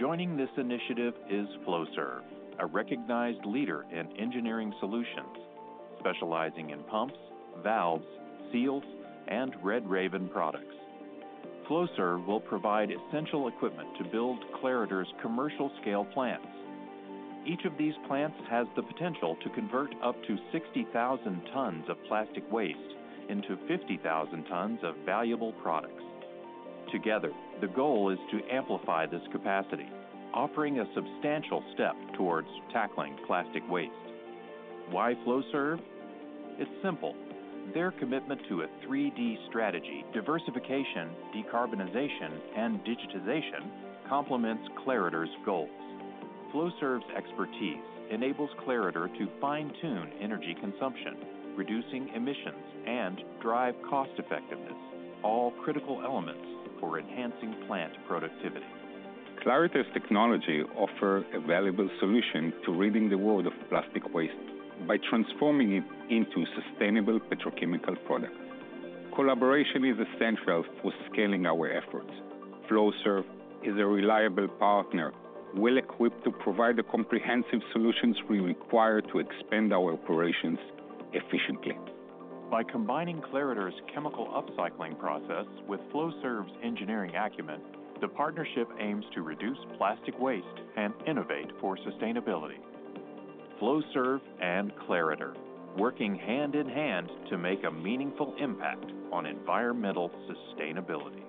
Joining this initiative is Flowserve, a recognized leader in engineering solutions, specializing in pumps, valves, seals, and RedRaven products. Flowserve will provide essential equipment to build Clariter's commercial-scale plants. Each of these plants has the potential to convert up to 60,000 tons of plastic waste into 50,000 tons of valuable products. Together, the goal is to amplify this capacity, offering a substantial step towards tackling plastic waste. Why Flowserve? It's simple. Their commitment to a 3D strategy, diversification, decarbonization, and digitization, complements Clariter's goals. Flowserve's expertise enables Clariter to fine-tune energy consumption, reducing emissions, and drive cost-effectiveness, all critical elements for enhancing plant productivity. Clariter's technology offer a valuable solution to ridding the world of plastic waste by transforming it into sustainable petrochemical products. Collaboration is essential for scaling our efforts. Flowserve is a reliable partner, well-equipped to provide the comprehensive solutions we require to expand our operations efficiently. By combining Clariter's chemical upcycling process with Flowserve's engineering acumen, the partnership aims to reduce plastic waste and innovate for sustainability. Flowserve and Clariter, working hand in hand to make a meaningful impact on environmental sustainability.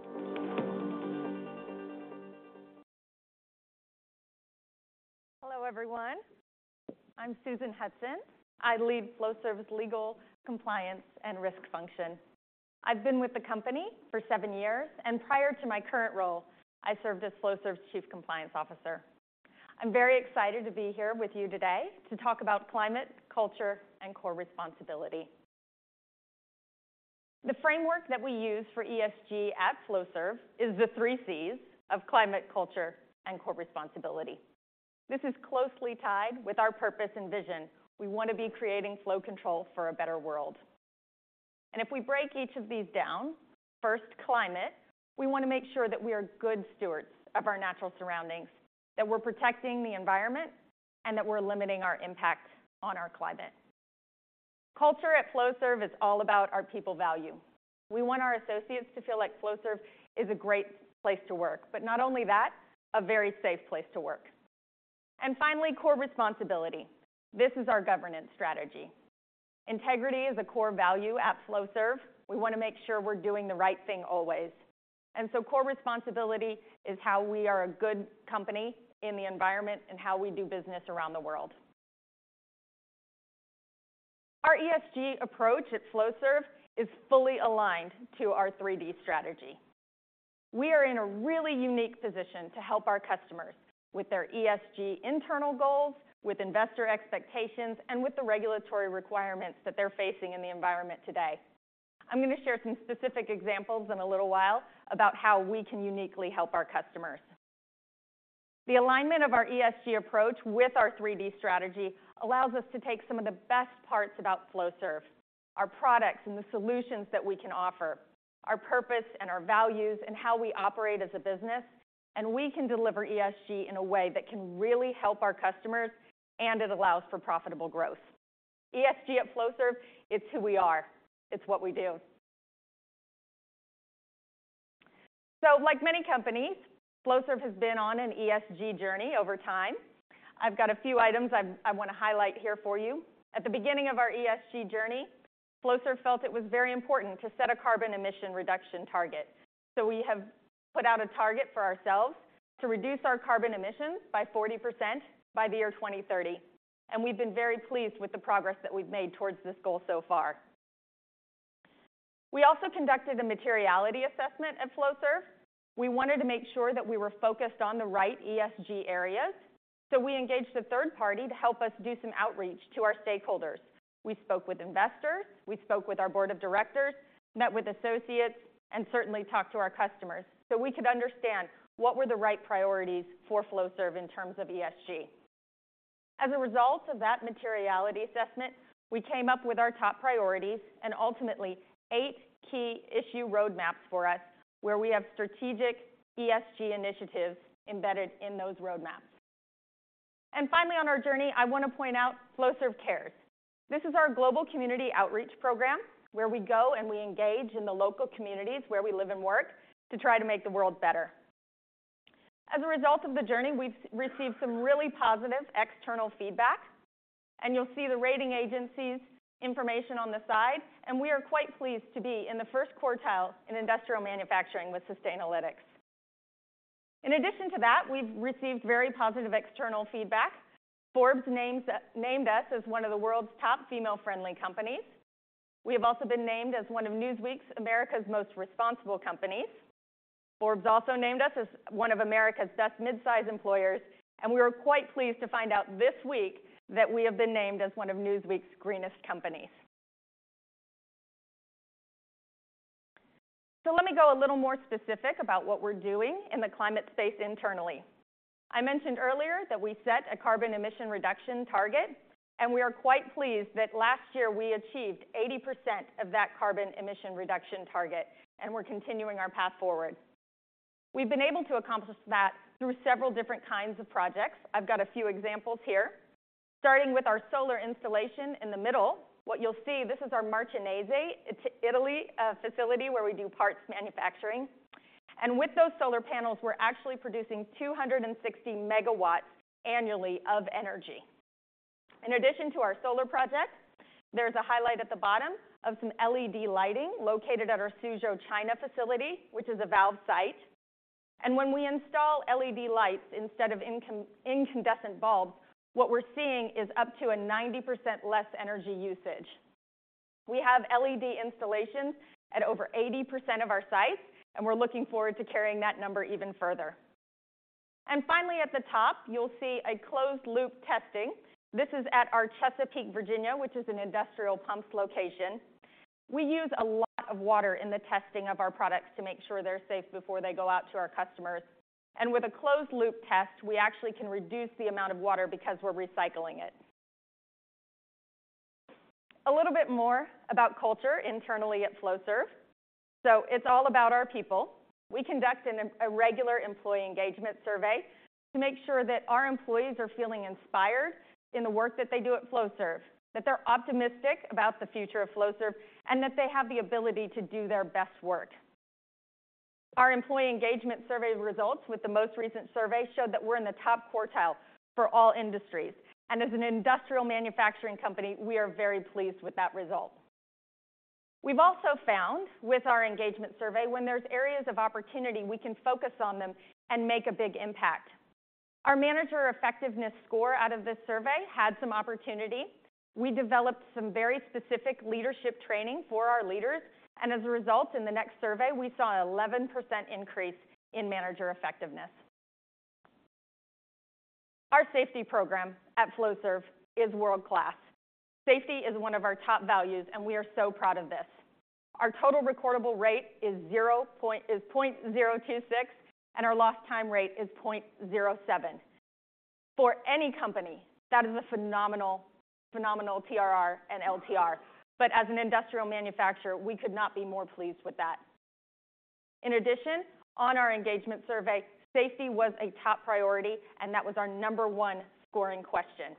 Hello, everyone. I'm Susan Hudson. I lead Flowserve's Legal, Compliance, and Risk Function. I've been with the company for seven years, and prior to my current role, I served as Flowserve's Chief Compliance Officer. I'm very excited to be here with you today to talk about climate, culture, and core responsibility. The framework that we use for ESG at Flowserve is the three Cs of climate, culture, and core responsibility. This is closely tied with our purpose and vision. We want to be creating flow control for a better world. And if we break each of these down, first, climate, we want to make sure that we are good stewards of our natural surroundings, that we're protecting the environment, and that we're limiting our impact on our climate. Culture at Flowserve is all about our people value. We want our associates to feel like Flowserve is a great place to work, but not only that, a very safe place to work. Finally, core responsibility. This is our governance strategy. Integrity is a core value at Flowserve. We want to make sure we're doing the right thing always, and so core responsibility is how we are a good company in the environment and how we do business around the world. Our ESG approach at Flowserve is fully aligned to our 3D strategy. We are in a really unique position to help our customers with their ESG internal goals, with investor expectations, and with the regulatory requirements that they're facing in the environment today. I'm going to share some specific examples in a little while about how we can uniquely help our customers. The alignment of our ESG approach with our 3D strategy allows us to take some of the best parts about Flowserve, our products and the solutions that we can offer, our purpose and our values, and how we operate as a business, and we can deliver ESG in a way that can really help our customers, and it allows for profitable growth. ESG at Flowserve, it's who we are. It's what we do. So like many companies, Flowserve has been on an ESG journey over time. I've got a few items I want to highlight here for you. At the beginning of our ESG journey, Flowserve felt it was very important to set a carbon emission reduction target. So we have put out a target for ourselves to reduce our carbon emissions by 40% by the year 2030, and we've been very pleased with the progress that we've made towards this goal so far. We also conducted a materiality assessment at Flowserve. We wanted to make sure that we were focused on the right ESG areas, so we engaged a third party to help us do some outreach to our stakeholders. We spoke with investors, we spoke with our board of directors, met with associates, and certainly talked to our customers so we could understand what were the right priorities for Flowserve in terms of ESG. As a result of that materiality assessment, we came up with our top priorities and ultimately eight key issue roadmaps for us, where we have strategic ESG initiatives embedded in those roadmaps. And finally, on our journey, I want to point out Flowserve Cares. This is our global community outreach program, where we go and we engage in the local communities where we live and work to try to make the world better. As a result of the journey, we've received some really positive external feedback, and you'll see the rating agencies' information on the side, and we are quite pleased to be in the first quartile in industrial manufacturing with Sustainalytics. In addition to that, we've received very positive external feedback. Forbes names, named us as one of the World's Top Female-Friendly Companies. We have also been named as one of Newsweek's America's Most Responsible Companies. Forbes also named us as one of America's Best Midsize Employers, and we were quite pleased to find out this week that we have been named as one of Newsweek's Greenest Companies. So let me go a little more specific about what we're doing in the climate space internally. I mentioned earlier that we set a carbon emission reduction target, and we are quite pleased that last year we achieved 80% of that carbon emission reduction target, and we're continuing our path forward. We've been able to accomplish that through several different kinds of projects. I've got a few examples here. Starting with our solar installation in the middle. What you'll see, this is our Marcianise, Italy, facility, where we do parts manufacturing. And with those solar panels, we're actually producing 260 megawatts annually of energy. In addition to our solar projects, there's a highlight at the bottom of some LED lighting located at our Suzhou, China, facility, which is a valve site. And when we install LED lights instead of incandescent bulbs, what we're seeing is up to 90% less energy usage. We have LED installations at over 80% of our sites, and we're looking forward to carrying that number even further. And finally, at the top, you'll see a closed-loop testing. This is at our Chesapeake, Virginia, which is an industrial pumps location. We use a lot of water in the testing of our products to make sure they're safe before they go out to our customers, and with a closed-loop test, we actually can reduce the amount of water because we're recycling it. A little bit more about culture internally at Flowserve. So it's all about our people. We conduct a regular employee engagement survey to make sure that our employees are feeling inspired in the work that they do at Flowserve, that they're optimistic about the future of Flowserve, and that they have the ability to do their best work. Our employee engagement survey results with the most recent survey showed that we're in the top quartile for all industries, and as an industrial manufacturing company, we are very pleased with that result. We've also found with our engagement survey, when there's areas of opportunity, we can focus on them and make a big impact. Our manager effectiveness score out of this survey had some opportunity. We developed some very specific leadership training for our leaders, and as a result, in the next survey, we saw an 11% increase in manager effectiveness. Our safety program at Flowserve is world-class. Safety is one of our top values, and we are so proud of this. Our total recordable rate is 0.026, and our lost time rate is 0.07. For any company, that is a phenomenal, phenomenal TRR and LTR, but as an industrial manufacturer, we could not be more pleased with that. In addition, on our engagement survey, safety was a top priority, and that was our number one scoring question.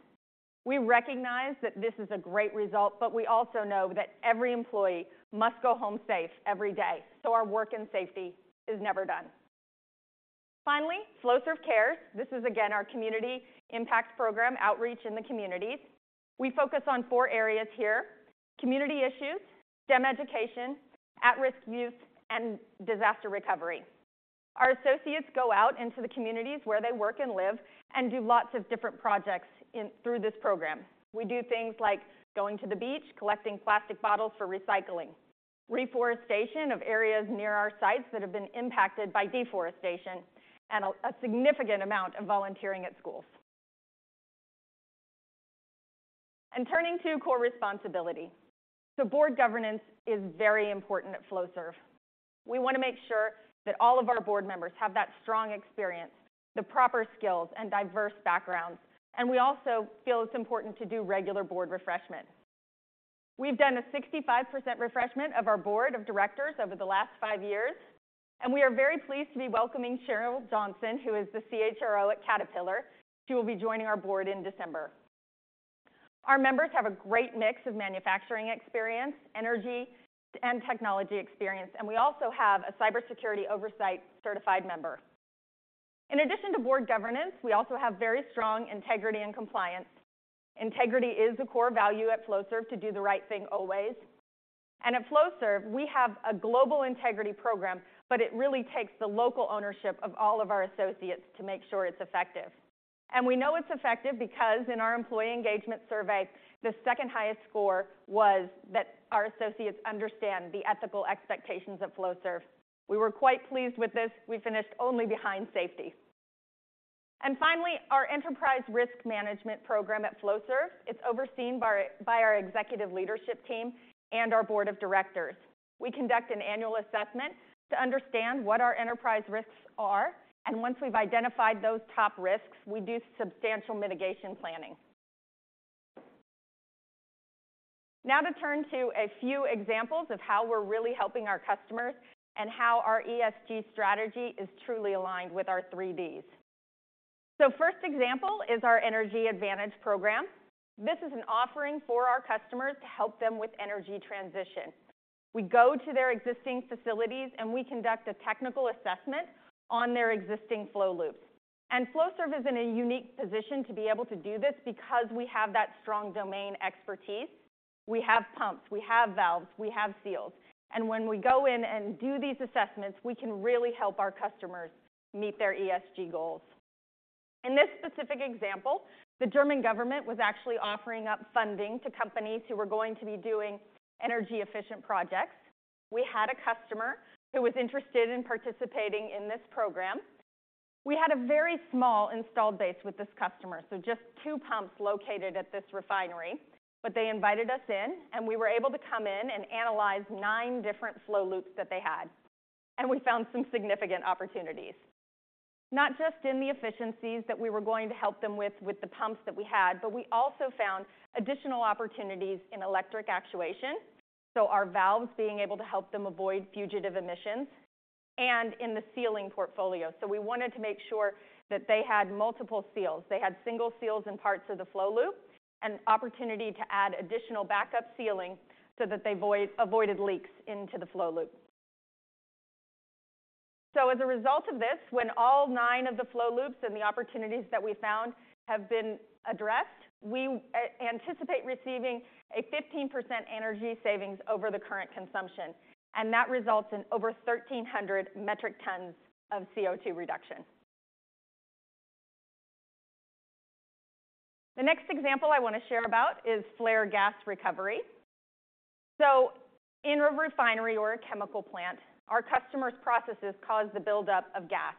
We recognize that this is a great result, but we also know that every employee must go home safe every day, so our work in safety is never done. Finally, Flowserve Cares. This is, again, our community impact program outreach in the communities. We focus on four areas here: community issues, STEM education, at-risk youth, and disaster recovery. Our associates go out into the communities where they work and live and do lots of different projects through this program. We do things like going to the beach, collecting plastic bottles for recycling, reforestation of areas near our sites that have been impacted by deforestation, and a significant amount of volunteering at schools. Turning to core responsibility. Board governance is very important at Flowserve. We want to make sure that all of our board members have that strong experience, the proper skills, and diverse backgrounds, and we also feel it's important to do regular board refreshment. We've done a 65% refreshment of our board of directors over the last five years, and we are very pleased to be welcoming Cheryl Johnson, who is the CHRO at Caterpillar. She will be joining our board in December. Our members have a great mix of manufacturing experience, energy, and technology experience, and we also have a cybersecurity oversight certified member. In addition to board governance, we also have very strong integrity and compliance. Integrity is a core value at Flowserve to do the right thing always, and at Flowserve, we have a global integrity program, but it really takes the local ownership of all of our associates to make sure it's effective. We know it's effective because in our employee engagement survey, the second highest score was that our associates understand the ethical expectations of Flowserve. We were quite pleased with this. We finished only behind safety. Finally, our enterprise risk management program at Flowserve is overseen by our executive leadership team and our board of directors. We conduct an annual assessment to understand what our enterprise risks are, and once we've identified those top risks, we do substantial mitigation planning. Now to turn to a few examples of how we're really helping our customers and how our ESG strategy is truly aligned with our 3Ds. So first example is our Energy Advantage program. This is an offering for our customers to help them with energy transition. We go to their existing facilities, and we conduct a technical assessment on their existing flow loops. Flowserve is in a unique position to be able to do this because we have that strong domain expertise. We have pumps, we have valves, we have seals, and when we go in and do these assessments, we can really help our customers meet their ESG goals. In this specific example, the German government was actually offering up funding to companies who were going to be doing energy-efficient projects. We had a customer who was interested in participating in this program. We had a very small installed base with this customer, so just two pumps located at this refinery, but they invited us in, and we were able to come in and analyze nine different flow loops that they had, and we found some significant opportunities. Not just in the efficiencies that we were going to help them with, with the pumps that we had, but we also found additional opportunities in electric actuation, so our valves being able to help them avoid fugitive emissions and in the sealing portfolio. So we wanted to make sure that they had multiple seals. They had single seals in parts of the flow loop and opportunity to add additional backup sealing so that they avoided leaks into the flow loop. So as a result of this, when all nine of the flow loops and the opportunities that we found have been addressed, we anticipate receiving a 15% energy savings over the current consumption, and that results in over 1,300 metric tons of CO2 reduction. The next example I want to share about is flare gas recovery. So in a refinery or a chemical plant, our customer's processes cause the buildup of gas.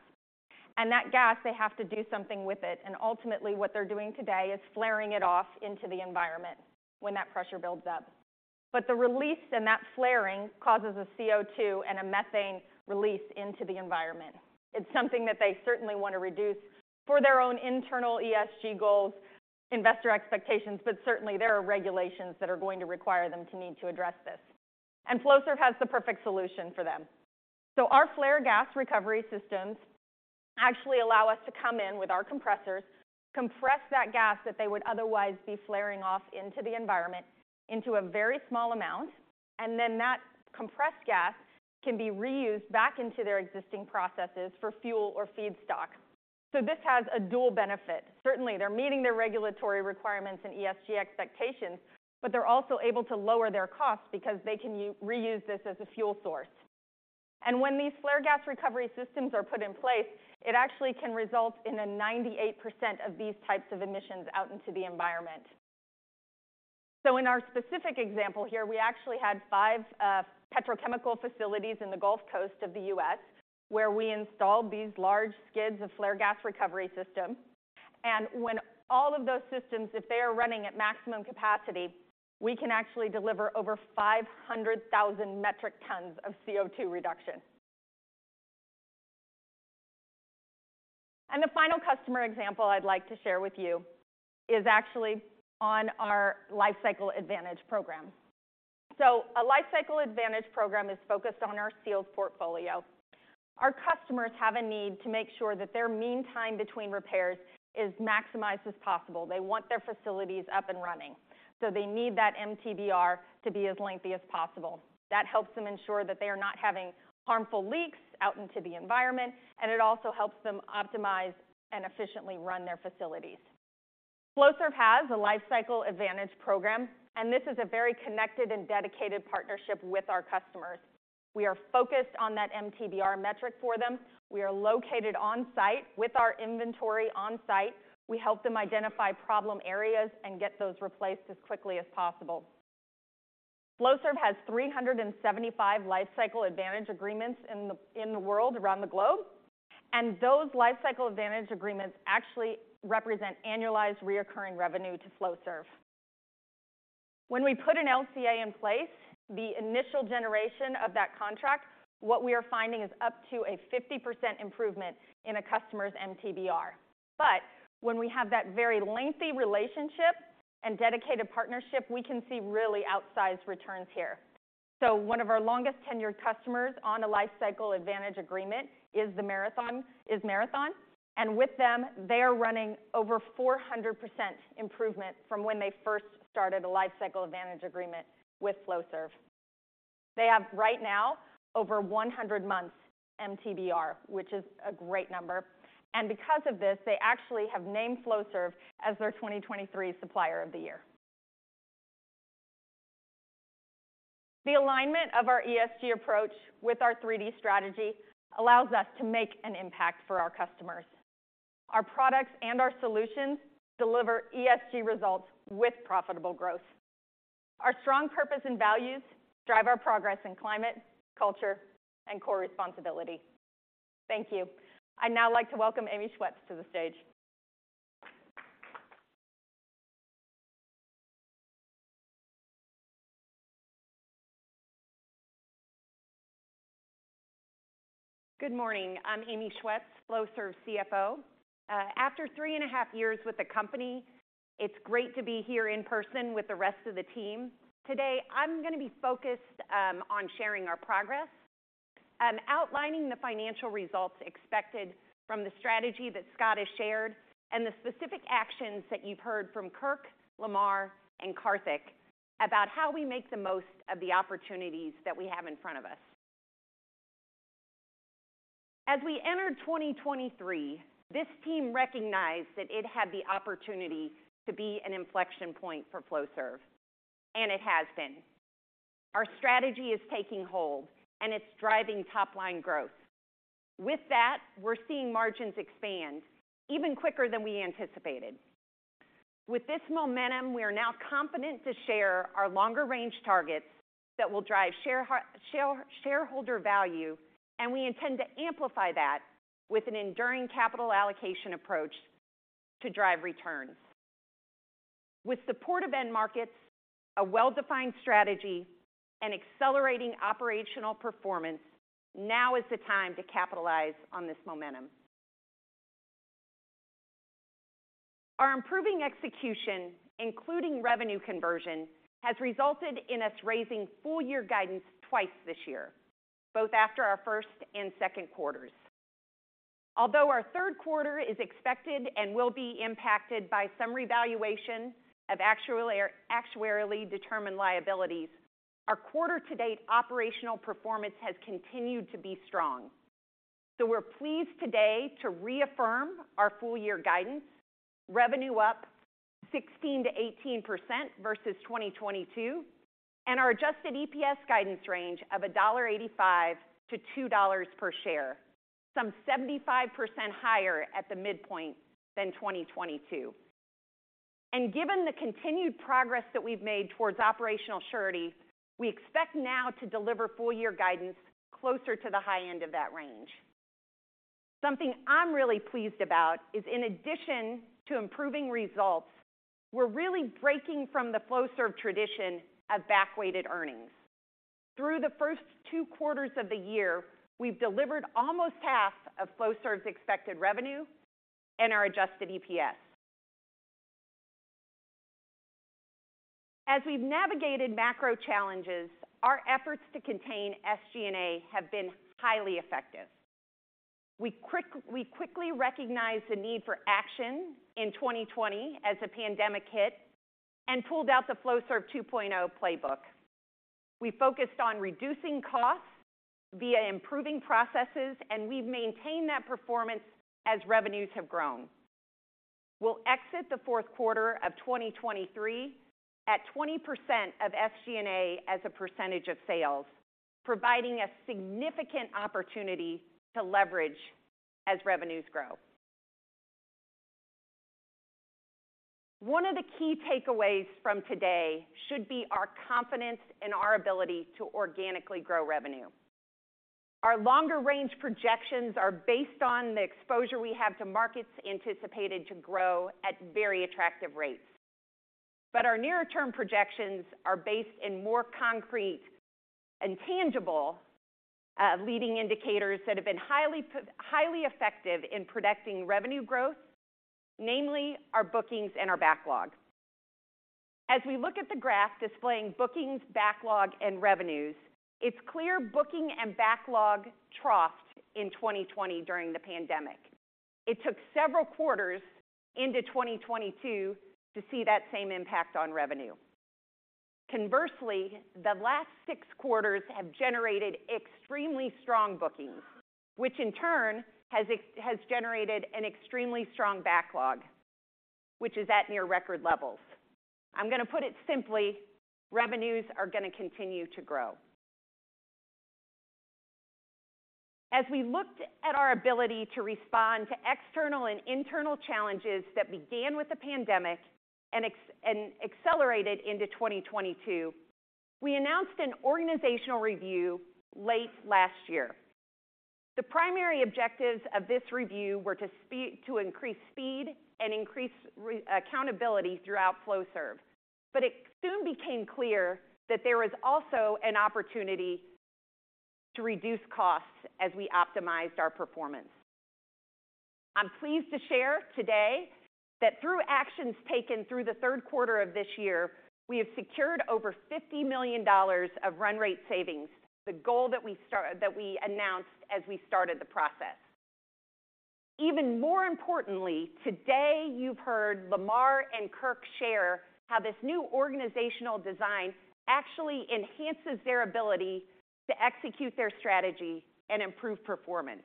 And that gas, they have to do something with it, and ultimately what they're doing today is flaring it off into the environment when that pressure builds up. But the release in that flaring causes a CO2 and a methane release into the environment. It's something that they certainly want to reduce for their own internal ESG goals, investor expectations, but certainly there are regulations that are going to require them to need to address this. Flowserve has the perfect solution for them. Our flare gas recovery systems actually allow us to come in with our compressors, compress that gas that they would otherwise be flaring off into the environment into a very small amount, and then that compressed gas can be reused back into their existing processes for fuel or feedstock. This has a dual benefit. Certainly, they're meeting their regulatory requirements and ESG expectations, but they're also able to lower their costs because they can reuse this as a fuel source. And when these flare gas recovery systems are put in place, it actually can result in a 98% of these types of emissions out into the environment. So in our specific example here, we actually had five petrochemical facilities in the Gulf Coast of the U.S., where we installed these large skids of flare gas recovery system. And when all of those systems, if they are running at maximum capacity, we can actually deliver over 500,000 metric tons of CO2 reduction. And the final customer example I'd like to share with you is actually on our LifeCycle Advantage program. So a LifeCycle Advantage program is focused on our seal portfolio. Our customers have a need to make sure that their mean time between repairs is maximized as possible. They want their facilities up and running, so they need that MTBR to be as lengthy as possible. That helps them ensure that they are not having harmful leaks out into the environment, and it also helps them optimize and efficiently run their facilities. Flowserve has a LifeCycle Advantage program, and this is a very connected and dedicated partnership with our customers. We are focused on that MTBR metric for them. We are located on site with our inventory on site. We help them identify problem areas and get those replaced as quickly as possible. Flowserve has 375 LifeCycle Advantage agreements in the world around the globe, and those LifeCycle Advantage agreements actually represent annualized recurring revenue to Flowserve. When we put an LCA in place, the initial generation of that contract, what we are finding is up to a 50% improvement in a customer's MTBR. But when we have that very lengthy relationship and dedicated partnership, we can see really outsized returns here. So one of our longest-tenured customers on a LifeCycle Advantage agreement is the Marathon, is Marathon, and with them, they are running over 400% improvement from when they first started a LifeCycle Advantage agreement with Flowserve. They have, right now, over 100 months MTBR, which is a great number, and because of this, they actually have named Flowserve as their 2023 Supplier of the Year. The alignment of our ESG approach with our 3D strategy allows us to make an impact for our customers. Our products and our solutions deliver ESG results with profitable growth. Our strong purpose and values drive our progress in climate, culture, and core responsibility. Thank you. I'd now like to welcome Amy Schwetz to the stage. Good morning. I'm Amy Schwetz, Flowserve's CFO. After three and a half years with the company, it's great to be here in person with the rest of the team. Today, I'm going to be focused on sharing our progress and outlining the financial results expected from the strategy that Scott has shared, and the specific actions that you've heard from Kirk, Lamar, and Karthik about how we make the most of the opportunities that we have in front of us. As we entered 2023, this team recognized that it had the opportunity to be an inflection point for Flowserve, and it has been. Our strategy is taking hold, and it's driving top-line growth. With that, we're seeing margins expand even quicker than we anticipated. With this momentum, we are now confident to share our longer-range targets that will drive shareholder value, and we intend to amplify that with an enduring capital allocation approach to drive returns. With supportive end markets, a well-defined strategy, and accelerating operational performance, now is the time to capitalize on this momentum. Our improving execution, including revenue conversion, has resulted in us raising full year guidance twice this year, both after our first and second quarters. Although our third quarter is expected and will be impacted by some revaluation of actuarially determined liabilities, our quarter to date operational performance has continued to be strong. So we're pleased today to reaffirm our full year guidance, revenue up 16%-18% versus 2022, and our adjusted EPS guidance range of $1.85-$2 per share, some 75% higher at the midpoint than 2022. Given the continued progress that we've made towards operational surety, we expect now to deliver full year guidance closer to the high end of that range. Something I'm really pleased about is, in addition to improving results, we're really breaking from the Flowserve tradition of back-weighted earnings. Through the first two quarters of the year, we've delivered almost half of Flowserve's expected revenue and our adjusted EPS. As we've navigated macro challenges, our efforts to contain SG&A have been highly effective. We quickly recognized the need for action in 2020 as the pandemic hit, and pulled out the Flowserve 2.0 playbook. We focused on reducing costs via improving processes, and we've maintained that performance as revenues have grown. We'll exit the fourth quarter of 2023 at 20% of SG&A as a percentage of sales, providing a significant opportunity to leverage as revenues grow. One of the key takeaways from today should be our confidence in our ability to organically grow revenue. Our longer-range projections are based on the exposure we have to markets anticipated to grow at very attractive rates. But our nearer-term projections are based in more concrete and tangible leading indicators that have been highly effective in predicting revenue growth, namely our bookings and our backlog. As we look at the graph displaying bookings, backlog, and revenues, it's clear booking and backlog troughed in 2020 during the pandemic. It took several quarters into 2022 to see that same impact on revenue. Conversely, the last six quarters have generated extremely strong bookings, which in turn, has generated an extremely strong backlog, which is at near record levels. I'm gonna put it simply: revenues are gonna continue to grow. As we looked at our ability to respond to external and internal challenges that began with the pandemic and accelerated into 2022, we announced an organizational review late last year. The primary objectives of this review were to increase speed and increase accountability throughout Flowserve, but it soon became clear that there was also an opportunity to reduce costs as we optimized our performance. I'm pleased to share today, that through actions taken through the third quarter of this year, we have secured over $50 million of run rate savings, the goal that we announced as we started the process. Even more importantly, today, you've heard Lamar and Kirk share how this new organizational design actually enhances their ability to execute their strategy and improve performance.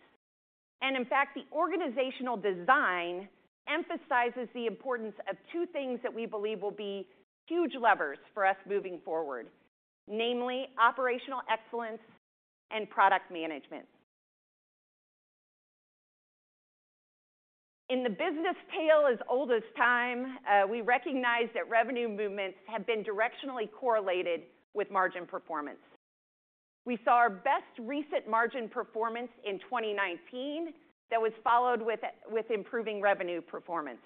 In fact, the organizational design emphasizes the importance of two things that we believe will be huge levers for us moving forward, namely operational excellence and product management. In the business tale as old as time, we recognize that revenue movements have been directionally correlated with margin performance. We saw our best recent margin performance in 2019, that was followed with improving revenue performance.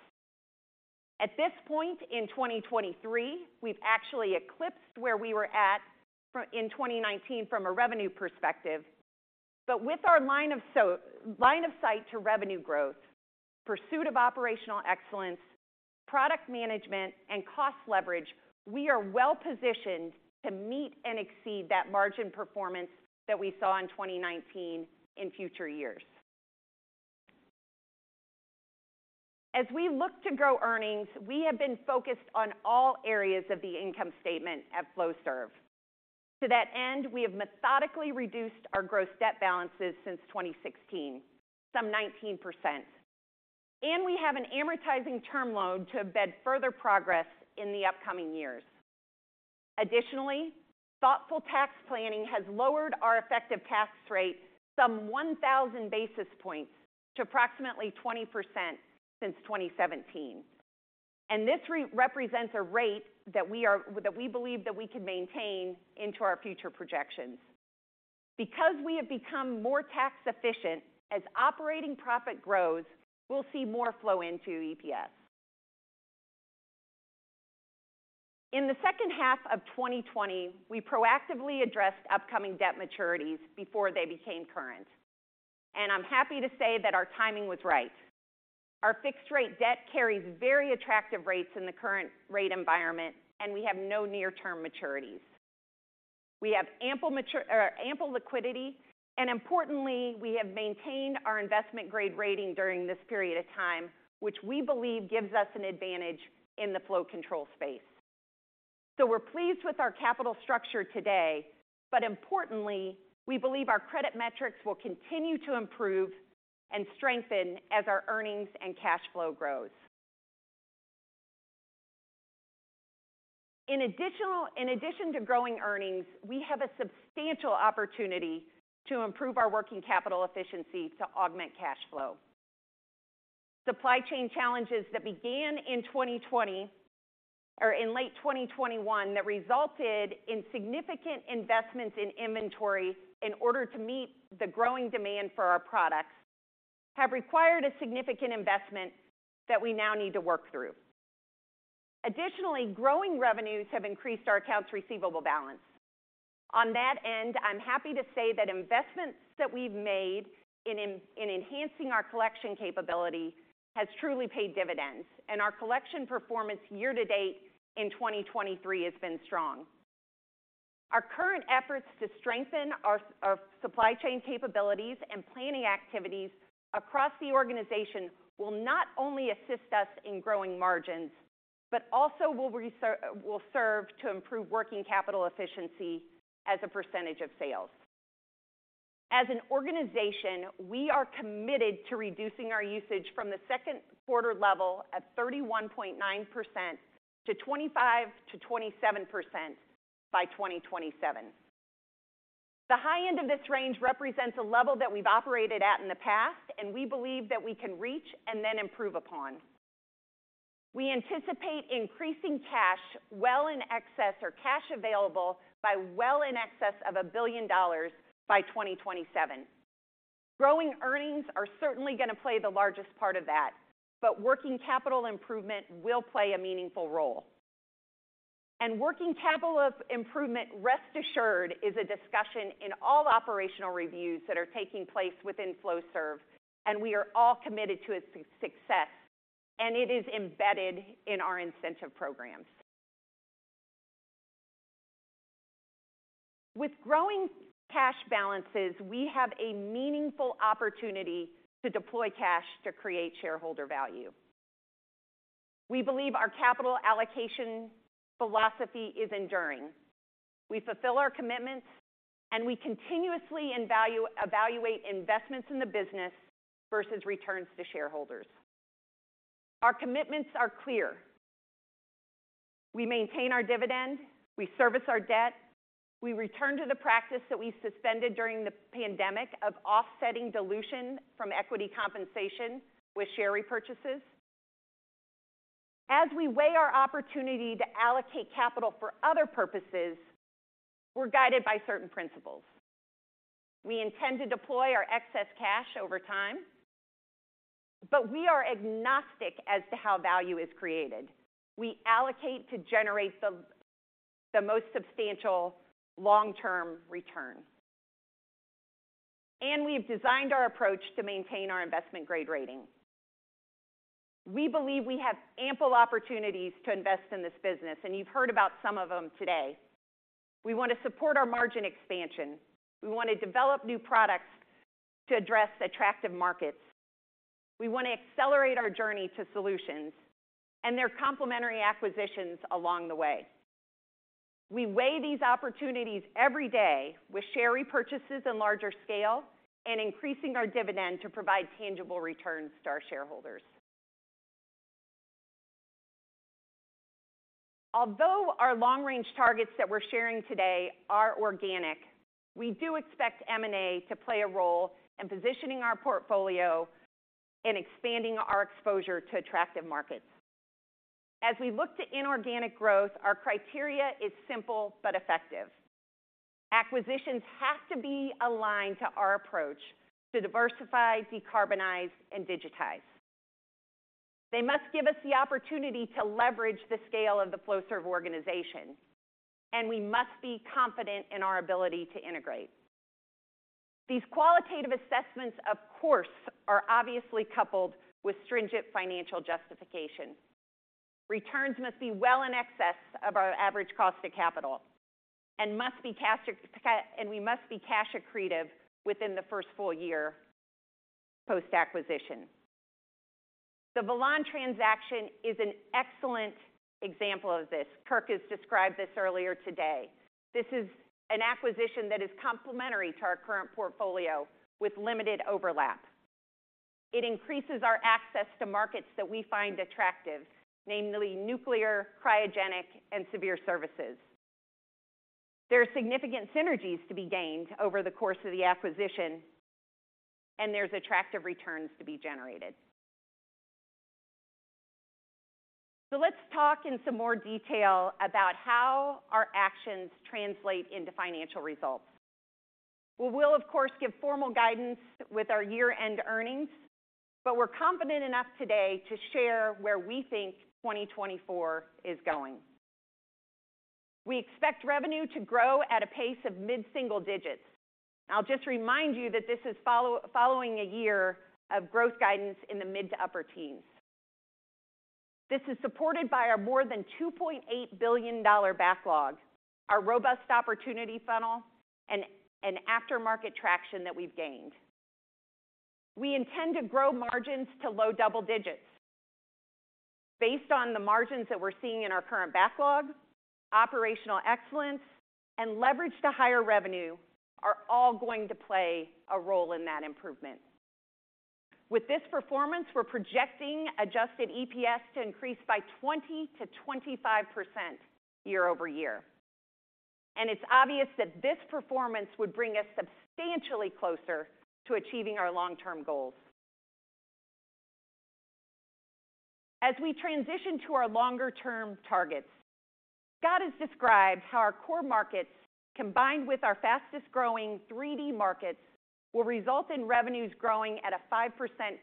At this point in 2023, we've actually eclipsed where we were in 2019 from a revenue perspective. But with our line of sight to revenue growth, pursuit of operational excellence, product management, and cost leverage, we are well-positioned to meet and exceed that margin performance that we saw in 2019 in future years. As we look to grow earnings, we have been focused on all areas of the income statement at Flowserve. To that end, we have methodically reduced our gross debt balances since 2016, some 19%, and we have an amortizing term loan to embed further progress in the upcoming years. Additionally, thoughtful tax planning has lowered our effective tax rate some 1000 basis points to approximately 20% since 2017, and this represents a rate that we believe that we can maintain into our future projections. Because we have become more tax efficient, as operating profit grows, we'll see more flow into EPS. In the second half of 2020, we proactively addressed upcoming debt maturities before they became current, and I'm happy to say that our timing was right. Our fixed rate debt carries very attractive rates in the current rate environment, and we have no near-term maturities. We have ample liquidity, and importantly, we have maintained our investment-grade rating during this period of time, which we believe gives us an advantage in the flow control space. So we're pleased with our capital structure today, but importantly, we believe our credit metrics will continue to improve and strengthen as our earnings and cash flow grows. In addition to growing earnings, we have a substantial opportunity to improve our working capital efficiency to augment cash flow. Supply chain challenges that began in 2020, or in late 2021, that resulted in significant investments in inventory in order to meet the growing demand for our products, have required a significant investment that we now need to work through. Additionally, growing revenues have increased our accounts receivable balance. On that end, I'm happy to say that investments that we've made in enhancing our collection capability has truly paid dividends, and our collection performance year to date in 2023 has been strong. Our current efforts to strengthen our supply chain capabilities and planning activities across the organization will not only assist us in growing margins, but also will serve to improve working capital efficiency as a percentage of sales. As an organization, we are committed to reducing our usage from the second quarter level at 31.9% to 25%-27% by 2027. The high end of this range represents a level that we've operated at in the past, and we believe that we can reach and then improve upon. We anticipate increasing cash well in excess or cash available by well in excess of $1 billion by 2027. Growing earnings are certainly gonna play the largest part of that, but working capital improvement will play a meaningful role. And working capital of improvement, rest assured, is a discussion in all operational reviews that are taking place within Flowserve, and we are all committed to its success, and it is embedded in our incentive programs. With growing cash balances, we have a meaningful opportunity to deploy cash to create shareholder value. We believe our capital allocation philosophy is enduring. We fulfill our commitments, and we continuously evaluate investments in the business versus returns to shareholders. Our commitments are clear. We maintain our dividend. We service our debt. We return to the practice that we suspended during the pandemic of offsetting dilution from equity compensation with share repurchases. As we weigh our opportunity to allocate capital for other purposes, we're guided by certain principles. We intend to deploy our excess cash over time, but we are agnostic as to how value is created. We allocate to generate the most substantial long-term return, and we've designed our approach to maintain our investment grade rating. We believe we have ample opportunities to invest in this business, and you've heard about some of them today. We want to support our margin expansion. We want to develop new products to address attractive markets. We want to accelerate our journey to solutions and their complementary acquisitions along the way. We weigh these opportunities every day with share repurchases in larger scale and increasing our dividend to provide tangible returns to our shareholders. Although our long-range targets that we're sharing today are organic, we do expect M&A to play a role in positioning our portfolio and expanding our exposure to attractive markets. As we look to inorganic growth, our criteria is simple but effective. Acquisitions have to be aligned to our approach to diversify, decarbonize, and digitize. They must give us the opportunity to leverage the scale of the Flowserve organization, and we must be confident in our ability to integrate. These qualitative assessments, of course, are obviously coupled with stringent financial justification. Returns must be well in excess of our average cost of capital and must be cash accre... We must be cash accretive within the first full year post-acquisition. The Velan transaction is an excellent example of this. Kirk has described this earlier today. This is an acquisition that is complementary to our current portfolio with limited overlap. It increases our access to markets that we find attractive, namely nuclear, cryogenic, and severe services. There are significant synergies to be gained over the course of the acquisition, and there's attractive returns to be generated. So let's talk in some more detail about how our actions translate into financial results. We will, of course, give formal guidance with our year-end earnings, but we're confident enough today to share where we think 2024 is going. We expect revenue to grow at a pace of mid-single digits. I'll just remind you that this is following a year of growth guidance in the mid to upper teens. This is supported by our more than $2.8 billion backlog, our robust opportunity funnel, and aftermarket traction that we've gained. We intend to grow margins to low double digits. Based on the margins that we're seeing in our current backlog, operational excellence and leverage to higher revenue are all going to play a role in that improvement. With this performance, we're projecting adjusted EPS to increase by 20%-25% year-over-year. It's obvious that this performance would bring us substantially closer to achieving our long-term goals. As we transition to our longer-term targets, Scott has described how our core markets, combined with our fastest growing 3D markets, will result in revenues growing at a 5%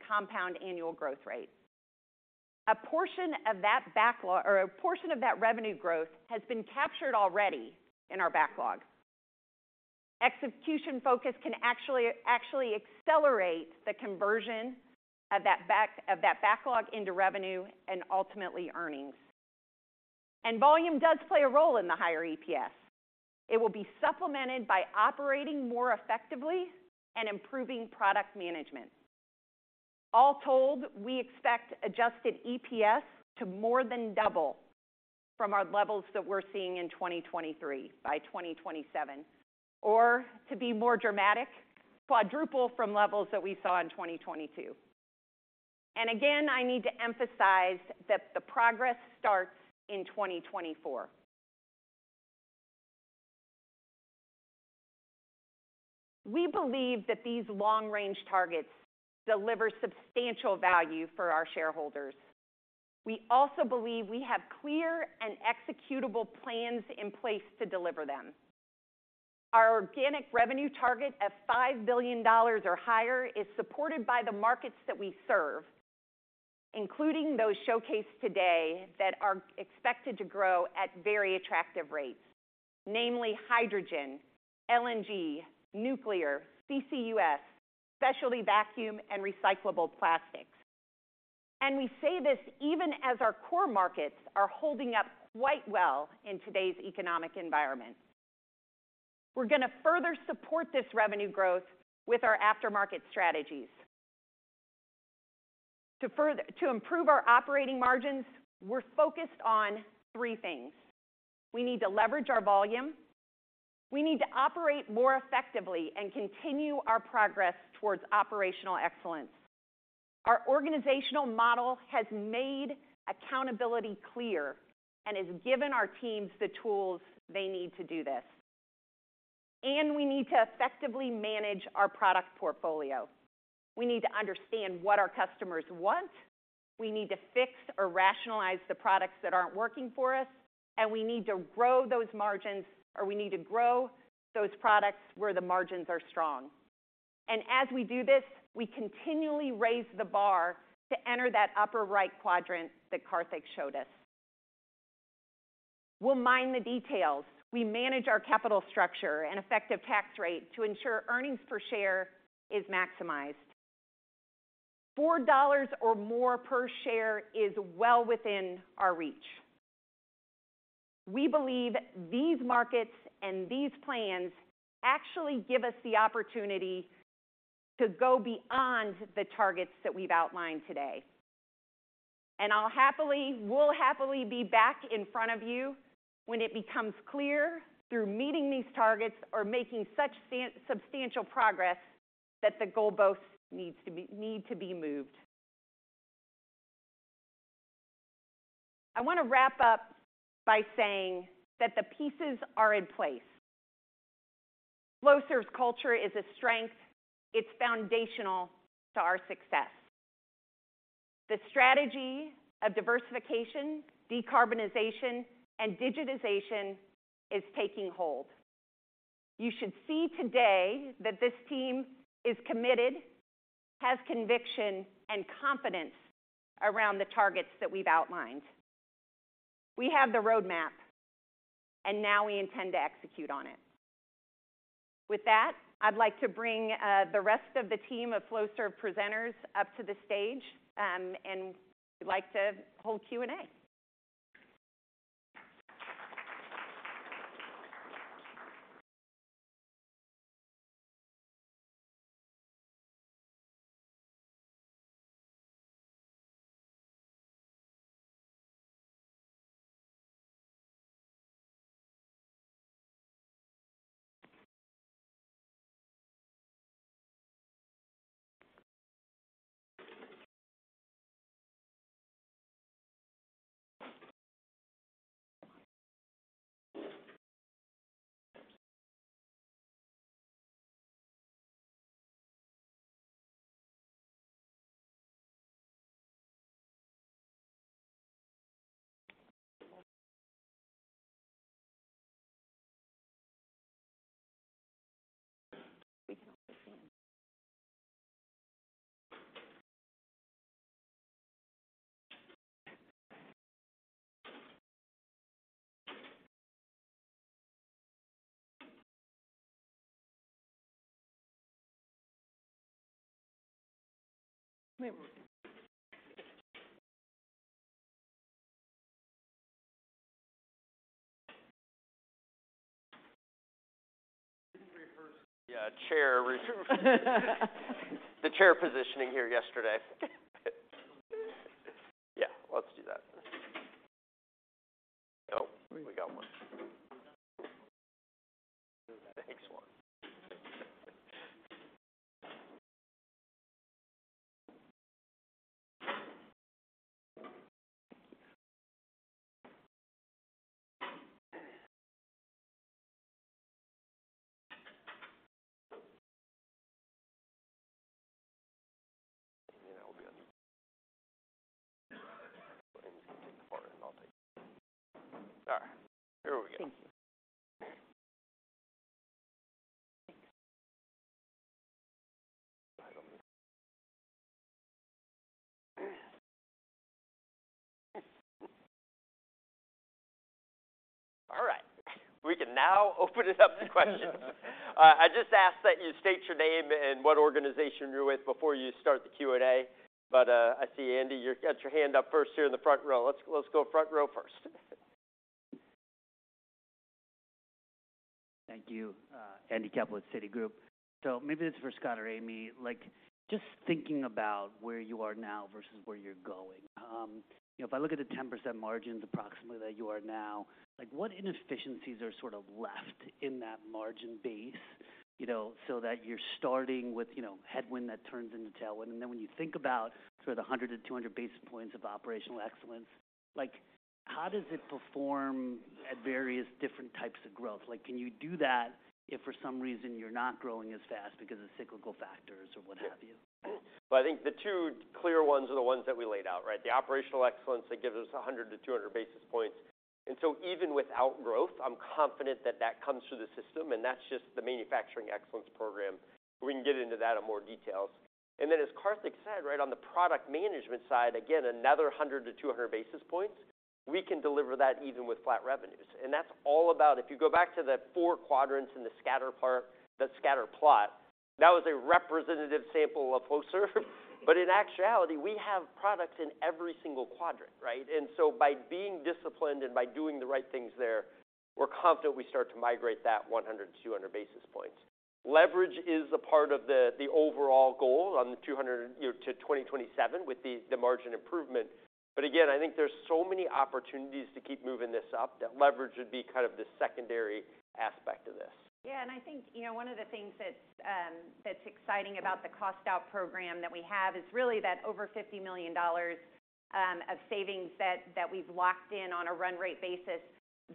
compound annual growth rate. A portion of that backlog, or a portion of that revenue growth has been captured already in our backlog. Execution focus can actually accelerate the conversion of that backlog into revenue and ultimately earnings. Volume does play a role in the higher EPS. It will be supplemented by operating more effectively and improving product management. All told, we expect adjusted EPS to more than double from our levels that we're seeing in 2023, by 2027, or to be more dramatic, quadruple from levels that we saw in 2022. Again, I need to emphasize that the progress starts in 2024. We believe that these long-range targets deliver substantial value for our shareholders. We also believe we have clear and executable plans in place to deliver them. Our organic revenue target of $5 billion or higher is supported by the markets that we serve, including those showcased today that are expected to grow at very attractive rates, namely hydrogen, LNG, nuclear, CCUS, specialty vacuum, and recyclable plastics. We say this even as our core markets are holding up quite well in today's economic environment. We're gonna further support this revenue growth with our aftermarket strategies. To improve our operating margins, we're focused on three things: We need to leverage our volume, we need to operate more effectively and continue our progress towards operational excellence. Our organizational model has made accountability clear and has given our teams the tools they need to do this. We need to effectively manage our product portfolio. We need to understand what our customers want. We need to fix or rationalize the products that aren't working for us, and we need to grow those margins, or we need to grow those products where the margins are strong. As we do this, we continually raise the bar to enter that upper right quadrant that Karthik showed us. We'll mind the details. We manage our capital structure and effective tax rate to ensure earnings per share is maximized. $4 or more per share is well within our reach. We believe these markets and these plans actually give us the opportunity to go beyond the targets that we've outlined today. And I'll happily... we'll happily be back in front of you when it becomes clear, through meeting these targets or making such substantial progress, that the goal needs to be moved. I want to wrap up by saying that the pieces are in place. Flowserve's culture is a strength. It's foundational to our success. The strategy of diversification, decarbonization, and digitization is taking hold. You should see today that this team is committed, has conviction and confidence around the targets that we've outlined. We have the roadmap, and now we intend to execute on it. With that, I'd like to bring the rest of the team of Flowserve presenters up to the stage, and we'd like to hold Q&A. Yeah, chair. The chair positioning here yesterday. We got one. Thanks, one. Yeah, that'll be good. Take apart, and I'll take it. All right, here we go. All right, we can now open it up to questions. I just ask that you state your name and what organization you're with before you start the Q&A. But I see Andy, you've got your hand up first here in the front row. Let's go front row first. Thank you. Andy Kaplowitz, Citigroup. So maybe this is for Scott or Amy. Like, just thinking about where you are now versus where you're going, you know, if I look at the 10% margins approximately that you are now, like, what inefficiencies are sort of left in that margin base? You know, so that you're starting with, you know, headwind that turns into tailwind. And then when you think about sort of the 100-200 basis points of operational excellence, like, how does it perform at various different types of growth? Like, can you do that if for some reason you're not growing as fast because of cyclical factors or what have you? Well, I think the two clear ones are the ones that we laid out, right? The operational excellence that gives us 100-200 basis points. And so even without growth, I'm confident that that comes through the system, and that's just the manufacturing excellence program. We can get into that in more details. And then, as Karthik said, right on the product management side, again, another 100-200 basis points. We can deliver that even with flat revenues. And that's all about. If you go back to the four quadrants in the scatter part, the scatter plot, that was a representative sample of Flowserve. But in actuality, we have products in every single quadrant, right? And so by being disciplined and by doing the right things there, we're confident we start to migrate that 100-200 basis points. Leverage is a part of the overall goal on the 200-year to 2027 with the margin improvement. But again, I think there's so many opportunities to keep moving this up, that leverage would be kind of the secondary aspect of this. Yeah, and I think, you know, one of the things that that's exciting about the cost out program that we have is really that over $50 million of savings that we've locked in on a run rate basis.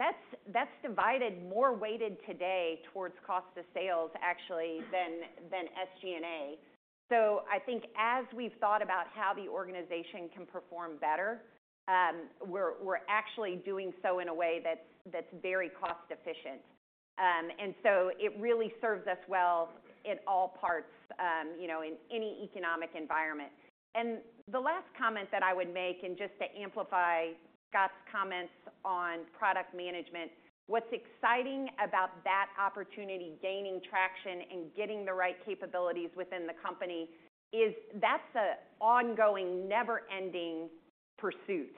That's divided more weighted today towards cost of sales, actually, than SG&A. So I think as we've thought about how the organization can perform better, we're actually doing so in a way that's very cost efficient. And so it really serves us well in all parts, you know, in any economic environment. And the last comment that I would make, and just to amplify Scott's comments on product management, what's exciting about that opportunity, gaining traction and getting the right capabilities within the company, is that's an ongoing, never-ending pursuit.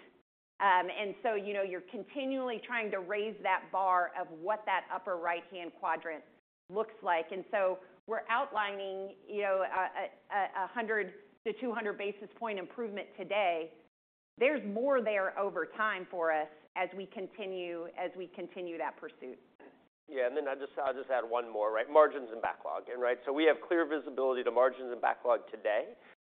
And so, you know, you're continually trying to raise that bar of what that upper right-hand quadrant looks like. And so we're outlining, you know, 100-200 basis point improvement today. There's more there over time for us as we continue that pursuit. Yeah, and then I'll just, I'll just add one more, right? Margins and backlog, right. So we have clear visibility to margins and backlog today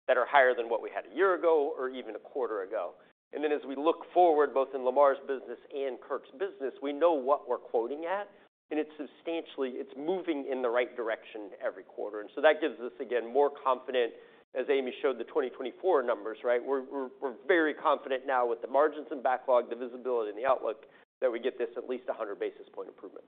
that are higher than what we had a year ago or even a quarter ago. Then as we look forward, both in Lamar's business and Kirk's business, we know what we're quoting at, and it's substantially—it's moving in the right direction every quarter. And so that gives us, again, more confident, as Amy showed the 2024 numbers, right? We're very confident now with the margins and backlog, the visibility and the outlook, that we get this at least 100 basis point improvement.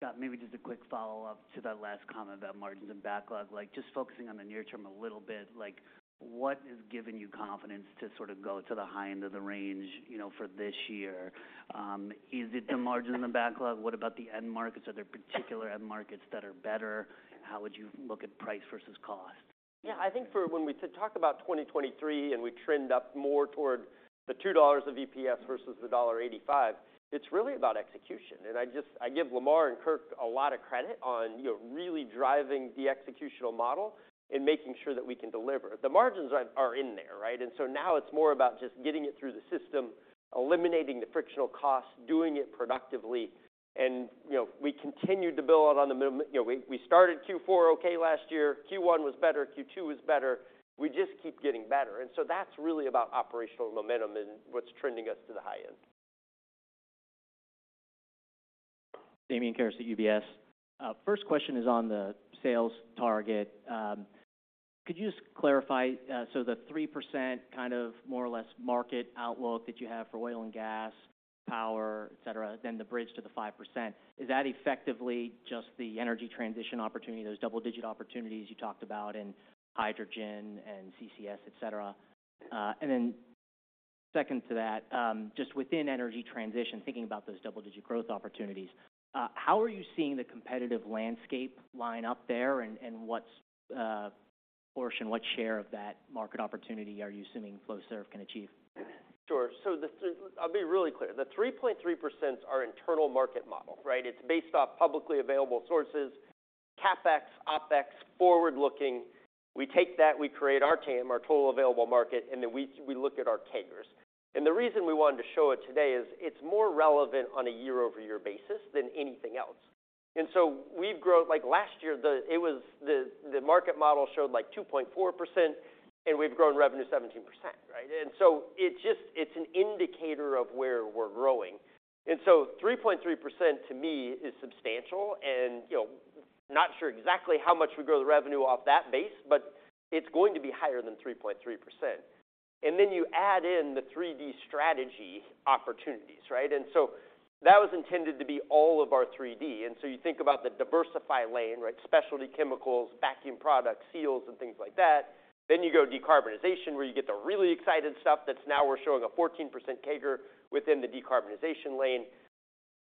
Scott, maybe just a quick follow-up to that last comment about margins and backlog. Like, just focusing on the near term a little bit, like, what has given you confidence to sort of go to the high end of the range, you know, for this year? Is it the margin and the backlog? What about the end markets? Are there particular end markets that are better? How would you look at price versus cost? Yeah, I think for when we talk about 2023 and we trend up more toward the $2 of EPS versus the $1.85, it's really about execution. I just, I give Lamar and Kirk a lot of credit on, you know, really driving the executional model and making sure that we can deliver. The margins are in there, right? So now it's more about just getting it through the system, eliminating the frictional costs, doing it productively. You know, we continued to build on the month-over-month, you know, we started Q4 okay, last year. Q1 was better, Q2 was better. We just keep getting better. So that's really about operational momentum and what's trending us to the high end. Damian Karas, UBS. First question is on the sales target. Could you just clarify? So the 3%, kind of more or less market outlook that you have for oil and gas, power, et cetera, then the bridge to the 5%, is that effectively just the energy transition opportunity, those double-digit opportunities you talked about in hydrogen and CCS, et cetera? And then second to that, just within energy transition, thinking about those double-digit growth opportunities, how are you seeing the competitive landscape line up there? And, and what's portion, what share of that market opportunity are you assuming Flowserve can achieve? Sure. So I'll be really clear. The 3.3% is our internal market model, right? It's based off publicly available sources. CapEx, OpEx, forward-looking. We take that, we create our TAM, our total available market, and then we look at our CAGRs. The reason we wanted to show it today is, it's more relevant on a year-over-year basis than anything else. So we've grown. Like, last year, it was, the market model showed, like, 2.4%, and we've grown revenue 17%, right? So it just, it's an indicator of where we're growing. So 3.3% to me is substantial, and, you know, not sure exactly how much we grow the revenue off that base, but it's going to be higher than 3.3%. And then you add in the 3D strategy opportunities, right? And so that was intended to be all of our 3D. And so you think about the diversify lane, right? Specialty chemicals, vacuum products, seals, and things like that. Then you go decarbonization, where you get the really excited stuff that's now we're showing a 14% CAGR within the decarbonization lane.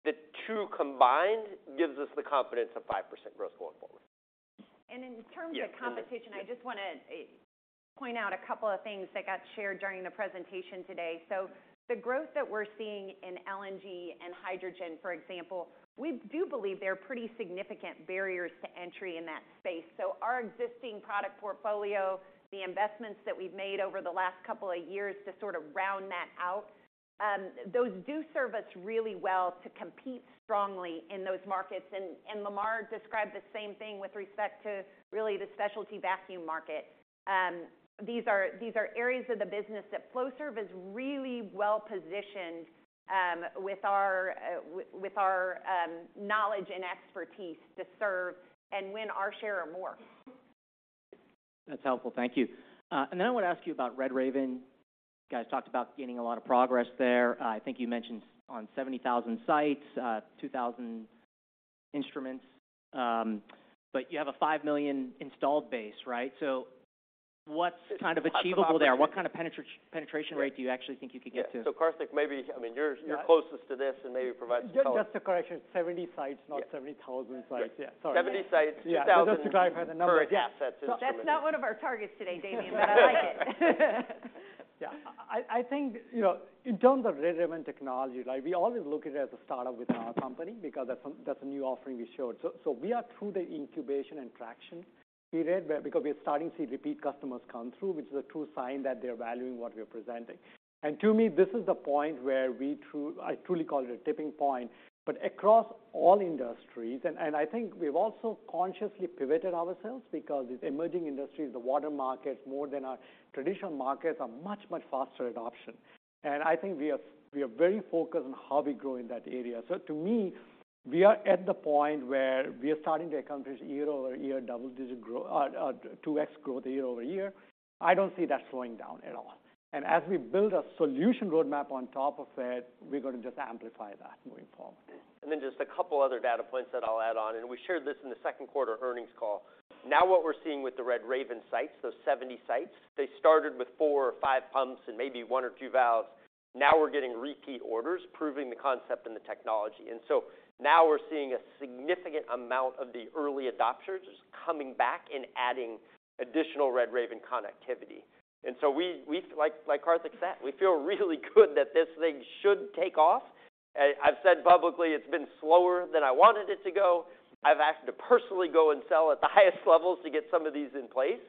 The two combined gives us the confidence of 5% growth going forward. In terms of competition- Yeah. I just want to point out a couple of things that got shared during the presentation today. So the growth that we're seeing in LNG and hydrogen, for example, we do believe there are pretty significant barriers to entry in that space. So our existing product portfolio, the investments that we've made over the last couple of years to sort of round that out, those do serve us really well to compete strongly in those markets. And Lamar described the same thing with respect to really the specialty vacuum market. These are, these are areas of the business that Flowserve is really well-positioned, with our knowledge and expertise to serve and win our share or more. That's helpful. Thank you. And then I want to ask you about RedRaven. You guys talked about gaining a lot of progress there. I think you mentioned on 70,000 sites, 2,000 instruments, but you have a 5 million installed base, right? So what's kind of achievable there? What kind of penetration rate do you actually think you could get to? Yeah. So, Karthik, maybe, I mean, you're- Yeah... you're closest to this, and maybe provide us- Just, just a correction, 70 sites, not 70,000 sites. Yeah. Yeah, sorry. 70 sites, 2,000- Just to clarify the numbers. Yeah. That's not one of our targets today, Damian, but I like it. Yeah, I think, you know, in terms of RedRaven technology, like, we always look at it as a startup within our company because that's a new offering we showed. So, we are through the incubation and traction period where because we are starting to see repeat customers come through, which is a true sign that they're valuing what we are presenting. And to me, this is the point where I truly call it a tipping point, but across all industries, and I think we've also consciously pivoted ourselves because these emerging industries, the water markets, more than our traditional markets, are much, much faster adoption. And I think we are very focused on how we grow in that area. To me, we are at the point where we are starting to accomplish year-over-year double-digit growth, 2x growth year-over-year. I don't see that slowing down at all. As we build a solution roadmap on top of it, we're going to just amplify that moving forward. Then just a couple other data points that I'll add on, and we shared this in the second quarter earnings call. Now, what we're seeing with the RedRaven sites, those 70 sites, they started with four or five pumps and maybe one or two valves. Now we're getting repeat orders, proving the concept and the technology. And so now we're seeing a significant amount of the early adopters just coming back and adding additional RedRaven connectivity. And so we, we, like, like Karthik said, we feel really good that this thing should take off. I, I've said publicly, it's been slower than I wanted it to go. I've asked to personally go and sell at the highest levels to get some of these in place.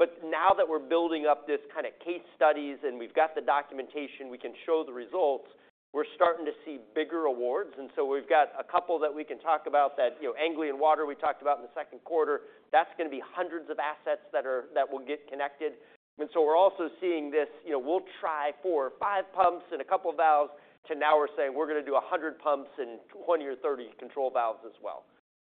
But now that we're building up this kind of case studies and we've got the documentation, we can show the results, we're starting to see bigger awards. And so we've got a couple that we can talk about that, you know, Anglian Water, we talked about in the second quarter. That's going to be hundreds of assets that will get connected. And so we're also seeing this, you know, we'll try four or five pumps and a couple of valves, to now we're saying we're going to do 100 pumps and 20 or 30 control valves as well.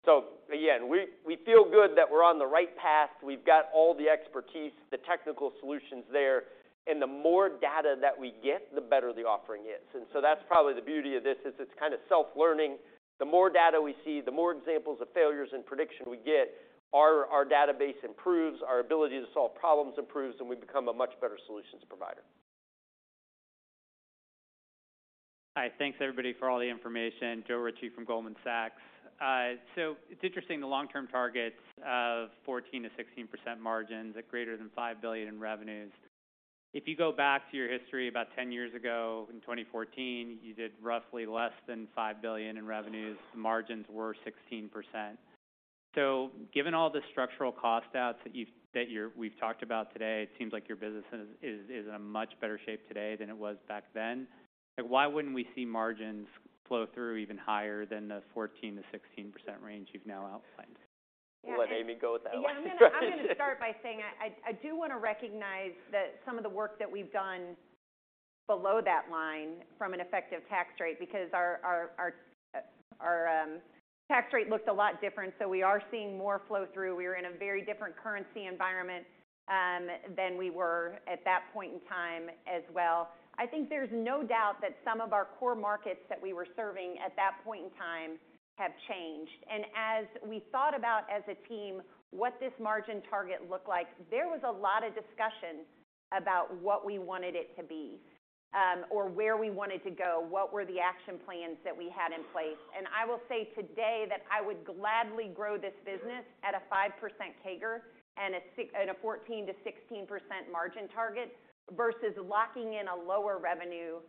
So again, we, we feel good that we're on the right path. We've got all the expertise, the technical solutions there, and the more data that we get, the better the offering is. And so that's probably the beauty of this, is it's kind of self-learning. The more data we see, the more examples of failures and prediction we get, our database improves, our ability to solve problems improves, and we become a much better solutions provider. Hi, thanks, everybody, for all the information. Joe Ritchie from Goldman Sachs. So it's interesting, the long-term targets of 14%-16% margins at greater than $5 billion in revenues. If you go back to your history about 10 years ago in 2014, you did roughly less than $5 billion in revenues. Margins were 16%. So given all the structural cost outs that we've talked about today, it seems like your business is in a much better shape today than it was back then. Why wouldn't we see margins flow through even higher than the 14%-16% range you've now outlined? We'll let Amy go with that one. Yeah, I'm going to start by saying I do want to recognize that some of the work that we've done below that line from an effective tax rate, because our tax rate looked a lot different, so we are seeing more flow through. We are in a very different currency environment than we were at that point in time as well. I think there's no doubt that some of our core markets that we were serving at that point in time have changed. And as we thought about as a team, what this margin target looked like, there was a lot of discussion about what we wanted it to be or where we wanted to go, what were the action plans that we had in place? I will say today that I would gladly grow this business at a 5% CAGR and a 14%-16% margin target, versus locking in a lower revenue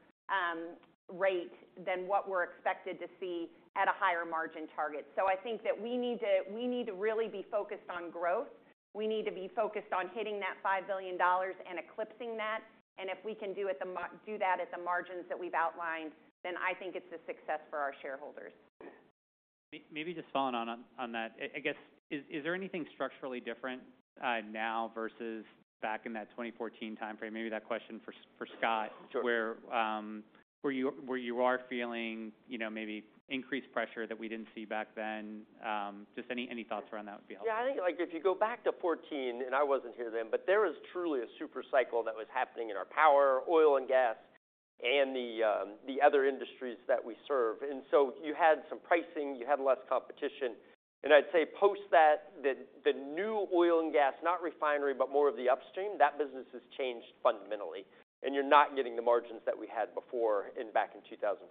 rate than what we're expected to see at a higher margin target. I think that we need to, we need to really be focused on growth. We need to be focused on hitting that $5 billion and eclipsing that. If we can do that at the margins that we've outlined, then I think it's a success for our shareholders. Maybe just following on that, I guess, is there anything structurally different now versus back in that 2014 time frame? Maybe that question for Scott. Sure. Where you are feeling, you know, maybe increased pressure that we didn't see back then. Just any thoughts around that would be helpful. Yeah, I think, like if you go back to 2014, and I wasn't here then, but there was truly a super cycle that was happening in our power, oil and gas, and the other industries that we serve. And so you had some pricing, you had less competition. And I'd say post that, the new oil and gas, not refinery, but more of the upstream, that business has changed fundamentally, and you're not getting the margins that we had before back in 2014.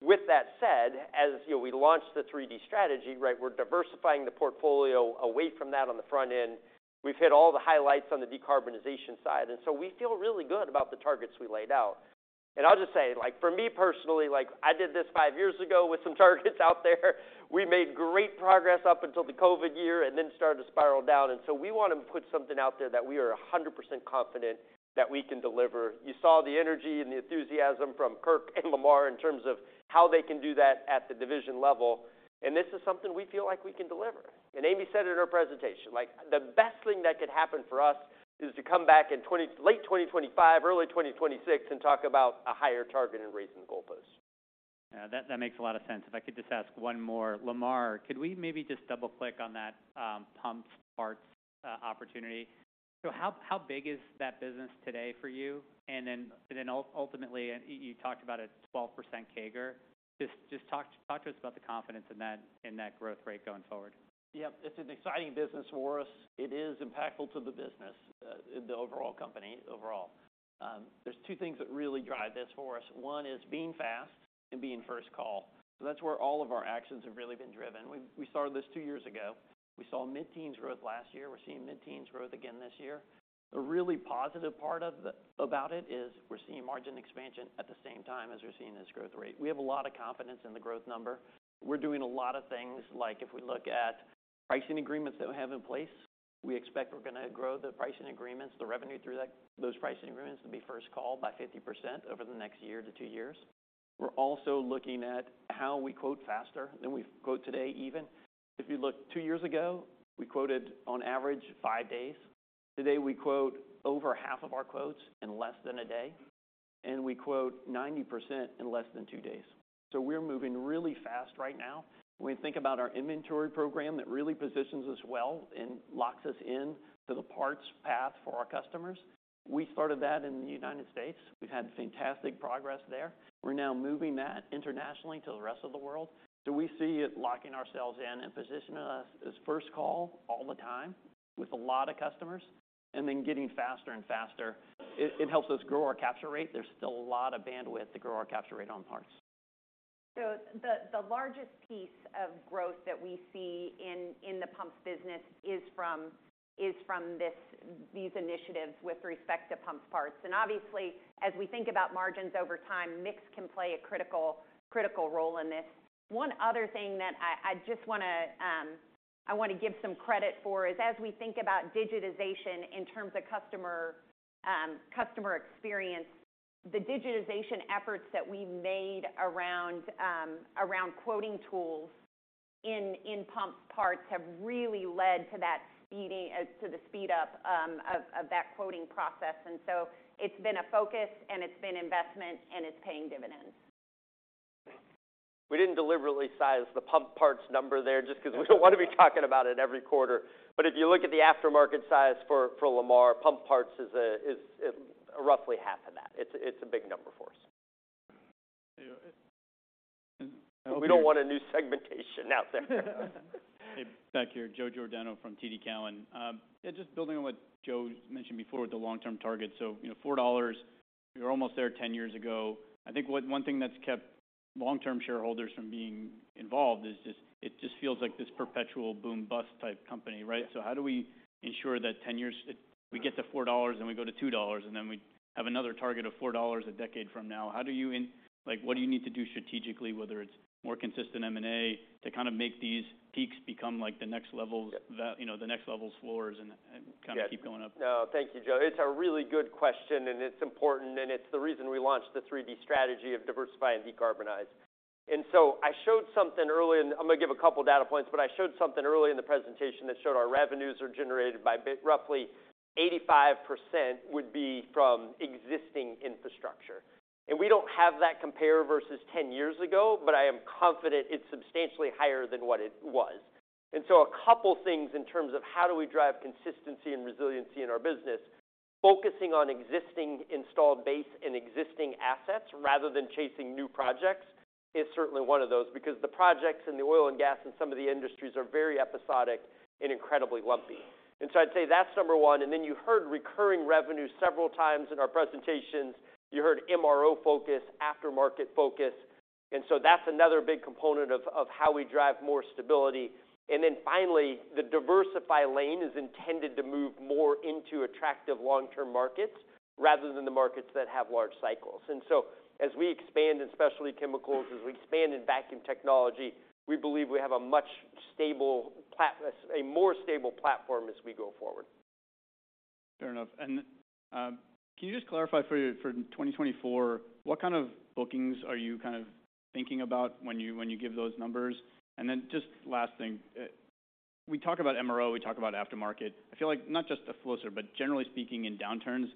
With that said, as you know, we launched the 3D strategy, right? We're diversifying the portfolio away from that on the front end. We've hit all the highlights on the decarbonization side, and so we feel really good about the targets we laid out. I'll just say, like, for me personally, like, I did this five years ago with some targets out there. We made great progress up until the COVID year and then started to spiral down, and so we want to put something out there that we are 100% confident that we can deliver. You saw the energy and the enthusiasm from Kirk and Lamar in terms of how they can do that at the division level, and this is something we feel like we can deliver. And Amy said in her presentation, like, the best thing that could happen for us is to come back in late 2025, early 2026, and talk about a higher target and raising the goalpost. Yeah, that makes a lot of sense. If I could just ask one more. Lamar, could we maybe just double-click on that, pumps parts opportunity? So how big is that business today for you? And then, ultimately, and you talked about a 12% CAGR. Just talk to us about the confidence in that growth rate going forward. Yep, it's an exciting business for us. It is impactful to the business, the overall company overall. There's two things that really drive this for us. One is being fast and being First Call. So that's where all of our actions have really been driven. We started this two years ago. We saw mid-teens growth last year. We're seeing mid-teens growth again this year. The really positive part about it is we're seeing margin expansion at the same time as we're seeing this growth rate. We have a lot of confidence in the growth number. We're doing a lot of things like, if we look at pricing agreements that we have in place, we expect we're going to grow the pricing agreements, the revenue through that those pricing agreements to be First Call by 50% over the next year to two years. We're also looking at how we quote faster than we quote today even. If you look two years ago, we quoted on average five days. Today, we quote over half of our quotes in less than a day, and we quote 90% in less than two days. So we're moving really fast right now. When we think about our inventory program, that really positions us well and locks us in to the parts path for our customers. We started that in the United States. We've had fantastic progress there. We're now moving that internationally to the rest of the world. So we see it locking ourselves in and positioning us as First Call all the time with a lot of customers, and then getting faster and faster. It helps us grow our capture rate. There's still a lot of bandwidth to grow our capture rate on parts. So the largest piece of growth that we see in the pumps business is from these initiatives with respect to pumps parts. And obviously, as we think about margins over time, mix can play a critical role in this. One other thing that I just want to give some credit for is as we think about digitization in terms of customer experience, the digitization efforts that we made around quoting tools in pump parts have really led to the speed up of that quoting process. And so it's been a focus, and it's been investment, and it's paying dividends. We didn't deliberately size the pump parts number there just 'cause we don't want to be talking about it every quarter. But if you look at the aftermarket size for Lamar, pump parts is roughly half of that. It's a big number for us. We don't want a new segmentation out there. Hey, back here, Joe Giordano from TD Cowen. Yeah, just building on what Joe mentioned before with the long-term target. So, you know, $4, you're almost there 10 years ago. I think one thing that's kept long-term shareholders from being involved is just, it just feels like this perpetual boom-bust type company, right? So how do we ensure that 10 years, we get to $4, and we go to $2, and then we have another target of $4 a decade from now? How do you in... like, what do you need to do strategically, whether it's more consistent M&A, to kind of make these peaks become like the next level, the, you know, the next level floors and, and kind of keep going up? No, thank you, Joe. It's a really good question, and it's important, and it's the reason we launched the 3D strategy of diversify and decarbonize. And so I showed something early, and I'm going to give a couple data points, but I showed something early in the presentation that showed our revenues are generated by roughly 85% would be from existing infrastructure. And we don't have that compare versus 10 years ago, but I am confident it's substantially higher than what it was. And so a couple things in terms of how do we drive consistency and resiliency in our business, focusing on existing installed base and existing assets rather than chasing new projects is certainly one of those, because the projects in the oil and gas and some of the industries are very episodic and incredibly lumpy. And so I'd say that's number one. Then you heard recurring revenue several times in our presentations. You heard MRO focus, aftermarket focus, and so that's another big component of how we drive more stability. Then finally, the diversify lane is intended to move more into attractive long-term markets rather than the markets that have large cycles. So as we expand in specialty chemicals, as we expand in vacuum technology, we believe we have a more stable platform as we go forward. Fair enough. Can you just clarify for you, for 2024, what kind of bookings are you kind of thinking about when you, when you give those numbers? And then just last thing, we talk about MRO, we talk about aftermarket. I feel like not just at Flowserve, but generally speaking, in downturns,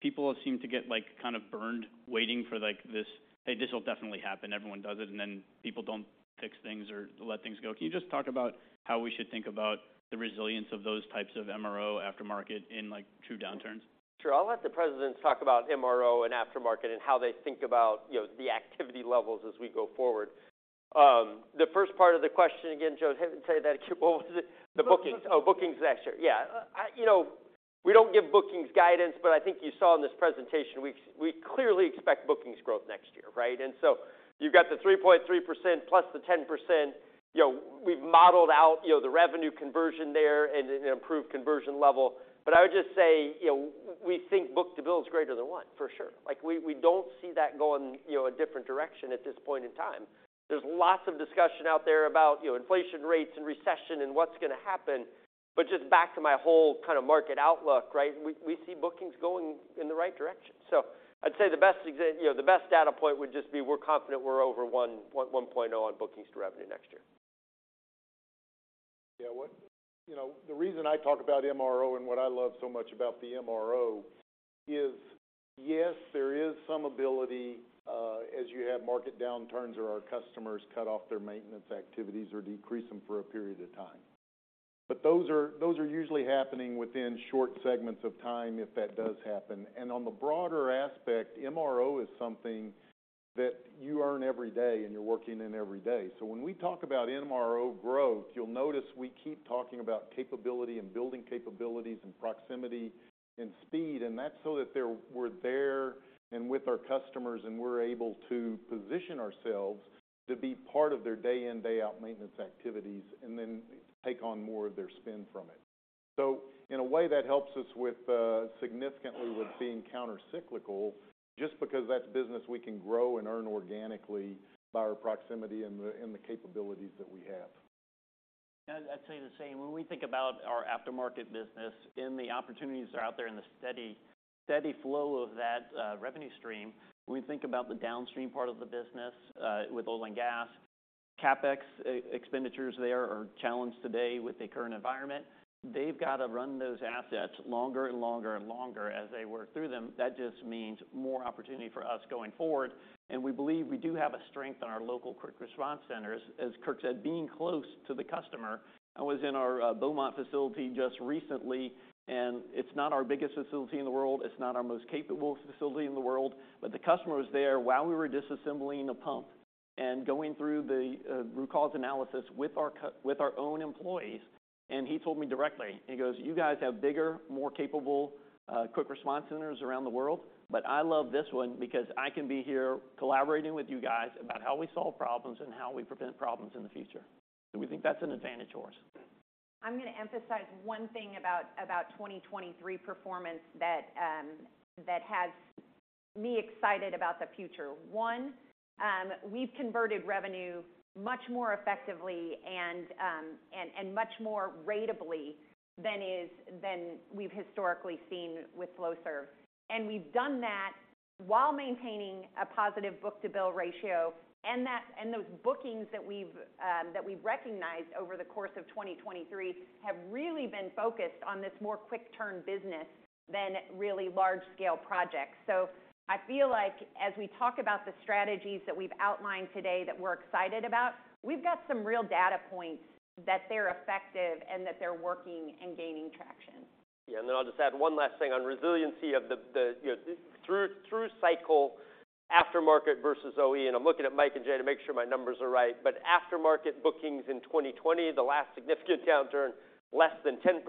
people seem to get, like, kind of burned, waiting for, like, this, "Hey, this will definitely happen." Everyone does it, and then people don't fix things or let things go. Can you just talk about how we should think about the resilience of those types of MRO aftermarket in, like, true downturns? Sure. I'll let the presidents talk about MRO and aftermarket and how they think about, you know, the activity levels as we go forward. The first part of the question again, Joe, say that again. What was it? The bookings. Oh, bookings next year. Yeah. You know, we don't give bookings guidance, but I think you saw in this presentation, we, we clearly expect bookings growth next year, right? And so you've got the 3.3%+ the 10%. You know, we've modeled out, you know, the revenue conversion there and an improved conversion level. But I would just say, you know, we think book-to-bill is greater than one, for sure. Like, we, we don't see that going, you know, a different direction at this point in time. There's lots of discussion out there about, you know, inflation rates and recession and what's going to happen, but just back to my whole kind of market outlook, right? We see bookings going in the right direction. So I'd say the best you know, the best data point would just be, we're confident we're over 1.10 on bookings to revenue next year. Yeah, you know, the reason I talk about MRO and what I love so much about the MRO is, yes, there is some ability, as you have market downturns or our customers cut off their maintenance activities or decrease them for a period of time. But those are, those are usually happening within short segments of time, if that does happen. And on the broader aspect, MRO is something that you earn every day and you're working in every day. So when we talk about MRO growth, you'll notice we keep talking about capability and building capabilities and proximity and speed, and that's so that we're there and with our customers, and we're able to position ourselves to be part of their day in, day out maintenance activities and then take on more of their spend from it. So in a way, that helps us with, significantly with being countercyclical, just because that's business we can grow and earn organically by our proximity and the capabilities that we have. I'd say the same. When we think about our aftermarket business and the opportunities that are out there in the steady, steady flow of that revenue stream, we think about the downstream part of the business with oil and gas. CapEx expenditures there are challenged today with the current environment. They've got to run those assets longer and longer and longer as they work through them. That just means more opportunity for us going forward, and we believe we do have a strength in our local Quick Response Centers. As Kirk said, being close to the customer. I was in our Beaumont facility just recently, and it's not our biggest facility in the world, it's not our most capable facility in the world, but the customer was there while we were disassembling a pump and going through the root cause analysis with our own employees, and he told me directly, he goes: "You guys have bigger, more capable Quick Response Centers around the world, but I love this one because I can be here collaborating with you guys about how we solve problems and how we prevent problems in the future." So we think that's an advantage of ours. I'm going to emphasize one thing about 2023 performance that has me excited about the future. One, we've converted revenue much more effectively and much more ratably than we've historically seen with Flowserve. We've done that while maintaining a positive book-to-bill ratio, and that those bookings that we've recognized over the course of 2023 have really been focused on this more quick turn business than really large scale projects. I feel like as we talk about the strategies that we've outlined today that we're excited about, we've got some real data points that they're effective and that they're working and gaining traction. Yeah, and then I'll just add one last thing on resiliency of the you know, through cycle aftermarket versus OE, and I'm looking at Mike and Jay to make sure my numbers are right. But aftermarket bookings in 2020, the last significant downturn, less than 10%,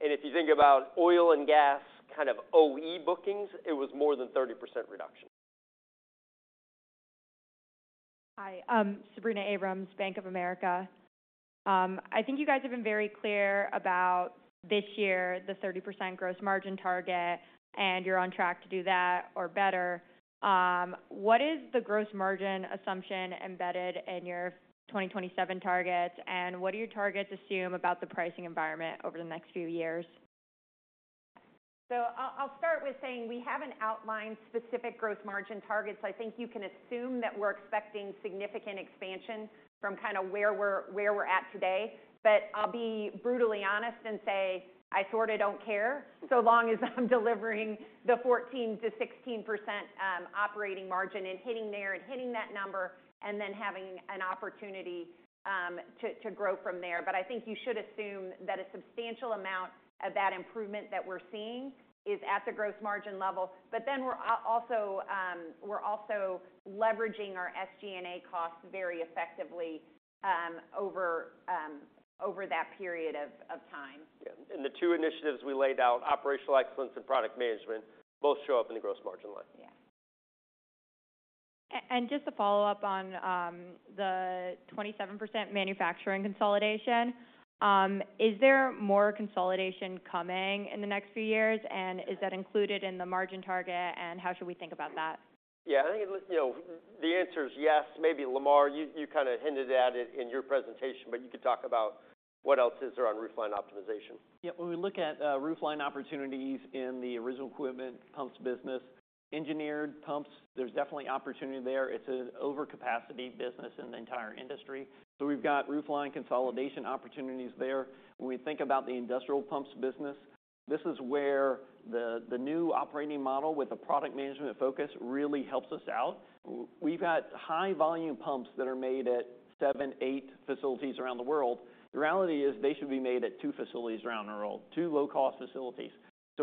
and if you think about oil and gas, kind of OE bookings, it was more than 30% reduction. Hi, Sabrina Abrams, Bank of America. I think you guys have been very clear about this year, the 30% gross margin target, and you're on track to do that or better. What is the gross margin assumption embedded in your 2027 targets, and what do your targets assume about the pricing environment over the next few years? So I'll start with saying we haven't outlined specific gross margin targets. I think you can assume that we're expecting significant expansion from kind of where we're at today. But I'll be brutally honest and say I sort of don't care, so long as I'm delivering the 14%-16% operating margin and hitting there and hitting that number, and then having an opportunity to grow from there. But I think you should assume that a substantial amount of that improvement that we're seeing is at the gross margin level. But then we're also leveraging our SG&A costs very effectively over that period of time. Yeah, and the two initiatives we laid out, operational excellence and product management, both show up in the gross margin line. Yeah. Just to follow up on the 27% manufacturing consolidation, is there more consolidation coming in the next few years, and is that included in the margin target, and how should we think about that? Yeah, I think, you know, the answer is yes. Maybe Lamar, you, you kind of hinted at it in your presentation, but you could talk about what else is there on roofline optimization. Yeah, when we look at roofline opportunities in the original equipment pumps business, Engineered Pumps, there's definitely opportunity there. It's an overcapacity business in the entire industry, so we've got roofline consolidation opportunities there. When we think about the Industrial Pumps business, this is where the new operating model with a product management focus really helps us out. We've got high volume pumps that are made at seven, eight facilities around the world. The reality is they should be made at two facilities around the world, two low-cost facilities.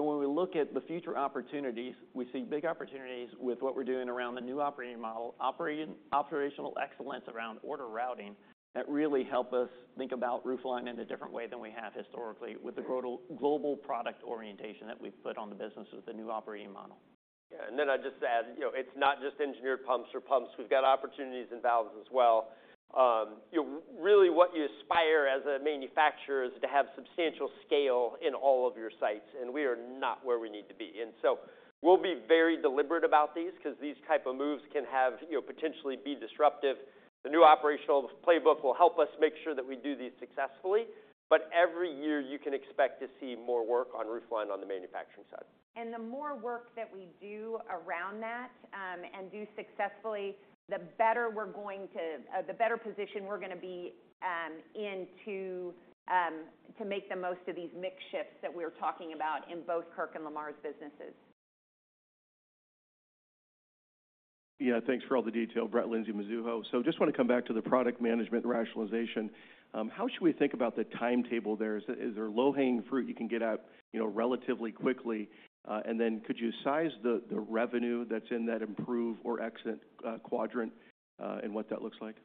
When we look at the future opportunities, we see big opportunities with what we're doing around the new operating model, operational excellence around order routing, that really help us think about roofline in a different way than we have historically with the global product orientation that we've put on the business with the new operating model. Yeah. And then I'd just add, you know, it's not just Engineered Pumps or pumps. We've got opportunities in valves as well. You know, really, what you aspire as a manufacturer is to have substantial scale in all of your sites, and we are not where we need to be. And so we'll be very deliberate about these because these type of moves can have, you know, potentially be disruptive. The new operational playbook will help us make sure that we do these successfully, but every year you can expect to see more work on roofline on the manufacturing side. The more work that we do around that and do successfully, the better position we're going to be in to make the most of these mix shifts that we're talking about in both Kirk and Lamar's businesses. Yeah, thanks for all the detail. Brett Linzey, Mizuho. So just want to come back to the product management rationalization. How should we think about the timetable there? Is there low-hanging fruit you can get out, you know, relatively quickly? And then could you size the revenue that's in that improve or exit quadrant, and what that looks like?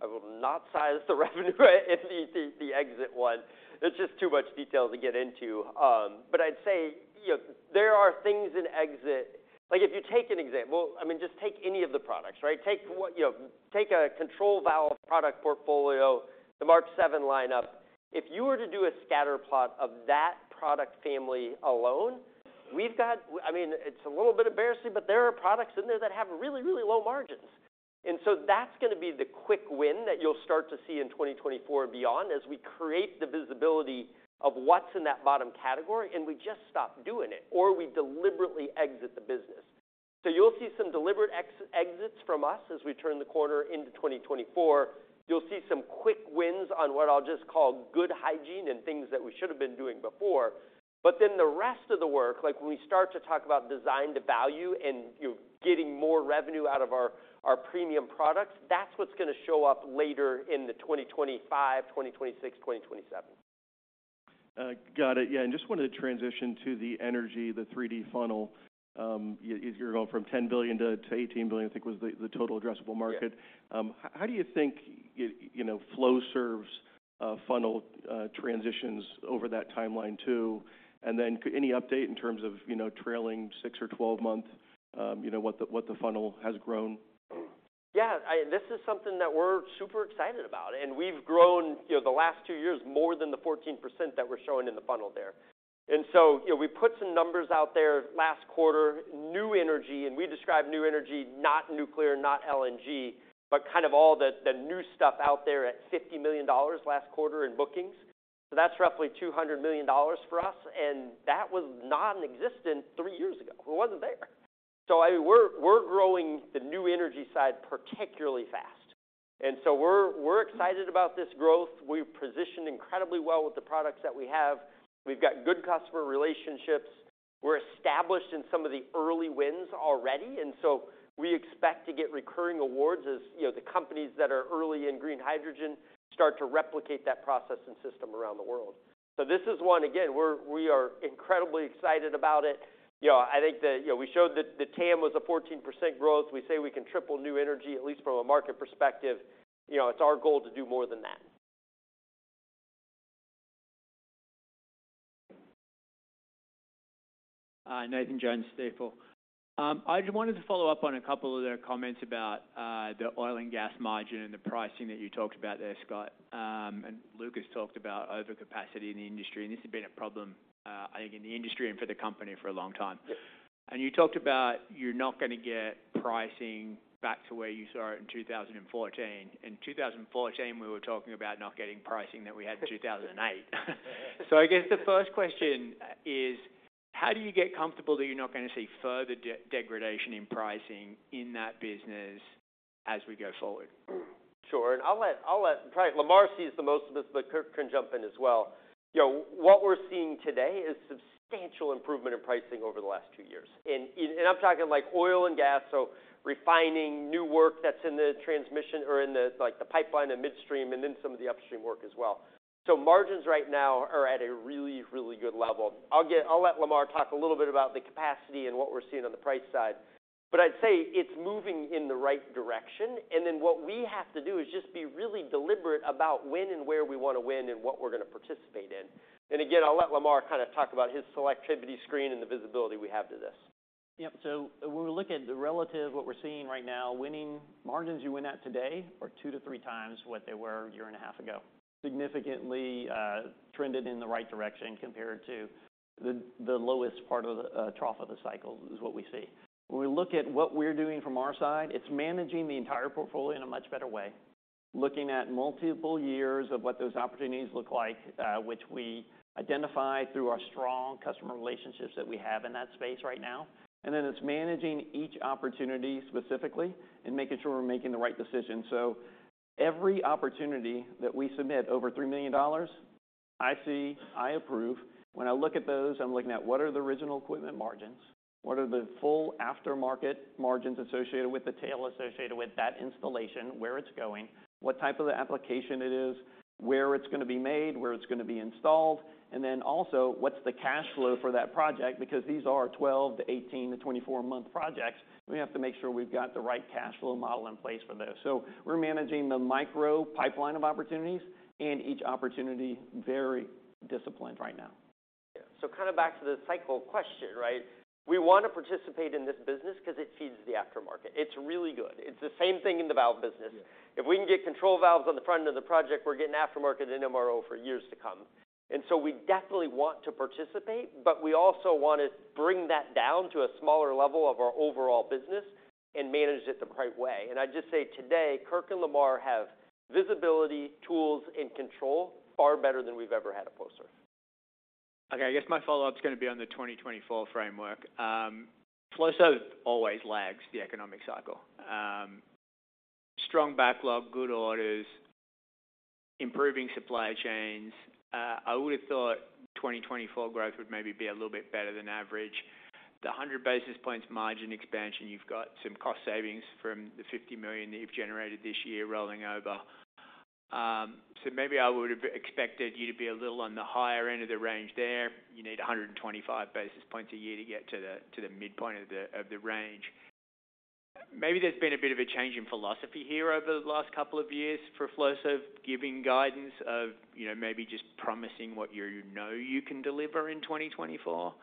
I will not size the revenue in the exit one. It's just too much detail to get into. But I'd say, you know, there are things in exit. Like, if you take an example, I mean, just take any of the products, right? Take, you know, take a control valve product portfolio, the Mark Seven lineup. If you were to do a scatter plot of that product family alone, we've got—I mean, it's a little bit embarrassing, but there are products in there that have really, really low margins. And so that's gonna be the quick win that you'll start to see in 2024 and beyond, as we create the visibility of what's in that bottom category, and we just stop doing it, or we deliberately exit the business. So you'll see some deliberate exits from us as we turn the corner into 2024. You'll see some quick wins on what I'll just call good hygiene and things that we should have been doing before. But then the rest of the work, like, when we start to talk about Design-to-Value and, you know, getting more revenue out of our, our premium products, that's what's gonna show up later in the 2025, 2026, 2027. Got it. Yeah, and just wanted to transition to the energy, the 3D funnel. You're going from $10 billion to $18 billion, I think was the total addressable market. Yeah. How do you think it... You know, Flowserve's funnel transitions over that timeline too? And then any update in terms of, you know, trailing 6 or 12 months, you know, what the, what the funnel has grown? Yeah, this is something that we're super excited about, and we've grown, you know, the last two years, more than the 14% that we're showing in the funnel there. And so, you know, we put some numbers out there last quarter, new energy, and we describe new energy, not nuclear, not LNG, but kind of all the, the new stuff out there at $50 million last quarter in bookings. So that's roughly $200 million for us, and that was nonexistent three years ago. It wasn't there. We're, we're growing the new energy side, particularly fast. And so we're, we're excited about this growth. We've positioned incredibly well with the products that we have. We've got good customer relationships. We're established in some of the early wins already, and so we expect to get recurring awards as, you know, the companies that are early in green hydrogen start to replicate that process and system around the world. So this is one, again, we're- we are incredibly excited about it. You know, I think that, you know, we showed that the TAM was a 14% growth. We say we can triple new energy, at least from a market perspective. You know, it's our goal to do more than that. Hi, Nathan Jones, Stifel. I just wanted to follow up on a couple of the comments about the oil and gas margin and the pricing that you talked about there, Scott, and Lucas talked about overcapacity in the industry, and this has been a problem, I think, in the industry and for the company for a long time. And you talked about you're not gonna get pricing back to where you saw it in 2014. In 2014, we were talking about not getting pricing that we had in 2008. So I guess the first question is: how do you get comfortable that you're not going to see further degradation in pricing in that business as we go forward? Sure. And I'll let... Probably Lamar sees the most of this, but Kirk can jump in as well. You know, what we're seeing today is substantial improvement in pricing over the last two years. And I'm talking like oil and gas, so refining new work that's in the transmission or in the, like, the pipeline and midstream, and then some of the upstream work as well. So margins right now are at a really, really good level. I'll let Lamar talk a little bit about the capacity and what we're seeing on the price side, but I'd say it's moving in the right direction. And then what we have to do is just be really deliberate about when and where we want to win and what we're going to participate in. And again, I'll let Lamar kind of talk about his selectivity screen and the visibility we have to this. Yep. So when we look at the relative, what we're seeing right now, winning margins you win at today are 2x-3x what they were a year and a half ago. Significantly, trended in the right direction compared to the lowest part of the trough of the cycle, is what we see. When we look at what we're doing from our side, it's managing the entire portfolio in a much better way. Looking at multiple years of what those opportunities look like, which we identify through our strong customer relationships that we have in that space right now. And then it's managing each opportunity specifically and making sure we're making the right decision. So every opportunity that we submit over $3 million, I see, I approve. When I look at those, I'm looking at what are the original equipment margins? What are the full aftermarket margins associated with the tail, associated with that installation, where it's going, what type of application it is, where it's going to be made, where it's going to be installed, and then also, what's the cash flow for that project? Because these are 12- to 18- to 24-month projects. We have to make sure we've got the right cash flow model in place for those. So we're managing the micro pipeline of opportunities and each opportunity, very disciplined right now. So back to the cycle question, right? We want to participate in this business because it feeds the aftermarket. It's really good. It's the same thing in the valve business. If we can get control valves on the front end of the project, we're getting aftermarket in MRO for years to come. And so we definitely want to participate, but we also want to bring that down to a smaller level of our overall business and manage it the right way. And I just say today, Kirk and Lamar have visibility, tools, and control, far better than we've ever had at Flowserve. Okay, I guess my follow-up is going to be on the 2024 framework. Flowserve always lags the economic cycle. Strong backlog, good orders, improving supply chains. I would have thought 2024 growth would maybe be a little bit better than average. The 100 basis points margin expansion, you've got some cost savings from the $50 million that you've generated this year rolling over. So maybe I would have expected you to be a little on the higher end of the range there. You need 125 basis points a year to get to the, to the midpoint of the, of the range. Maybe there's been a bit of a change in philosophy here over the last couple of years for Flowserve, giving guidance of, you know, maybe just promising what you know you can deliver in 2024.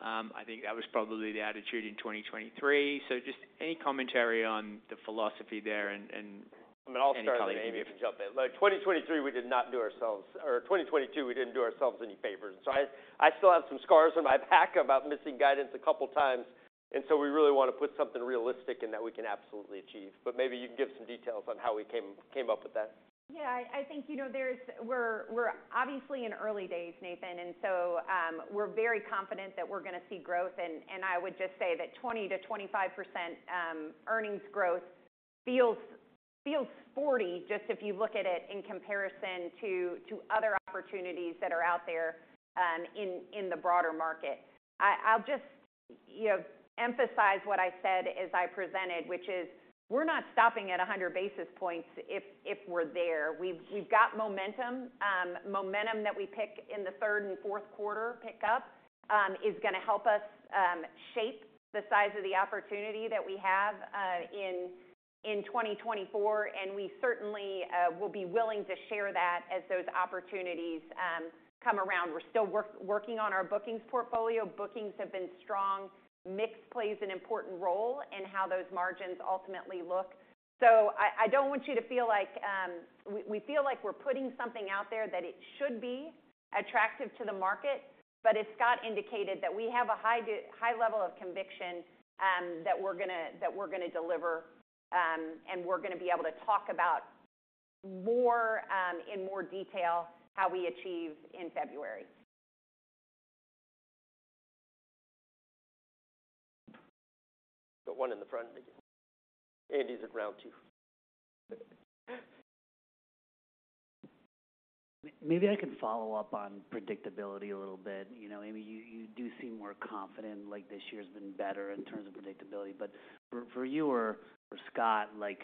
I think that was probably the attitude in 2023. So just any commentary on the philosophy there and... I mean, I'll start then Amy, you can jump in. Like 2023, we did not do ourselves... Or 2022, we didn't do ourselves any favors. So I, I still have some scars on my back about missing guidance a couple of times, and so we really want to put something realistic and that we can absolutely achieve. But maybe you can give some details on how we came, came up with that. Yeah, I think, you know, there's, we're, we're obviously in early days, Nathan, and so, we're very confident that we're going to see growth. And, and I would just say that 20%-25% earnings growth feels, feels sporty, just if you look at it in comparison to, to other opportunities that are out there, in, in the broader market. I, I'll just, you know, emphasize what I said as I presented, which is we're not stopping at 100 basis points if, if we're there. We've, we've got momentum, momentum that we pick in the third and fourth quarter pickup, is going to help us, shape the size of the opportunity that we have, in, in 2024, and we certainly, will be willing to share that as those opportunities, come around. We're still working on our bookings portfolio. Bookings have been strong. Mix plays an important role in how those margins ultimately look. So I, I don't want you to feel like... We, we feel like we're putting something out there that it should be attractive to the market, but as Scott indicated, that we have a high high level of conviction, that we're going to, that we're going to deliver, and we're going to be able to talk about more, in more detail how we achieve in February. Got one in the front. Andy's at round two. Maybe I can follow up on predictability a little bit. You know, Amy, you, you do seem more confident, like this year's been better in terms of predictability. But for, for you or Scott, like,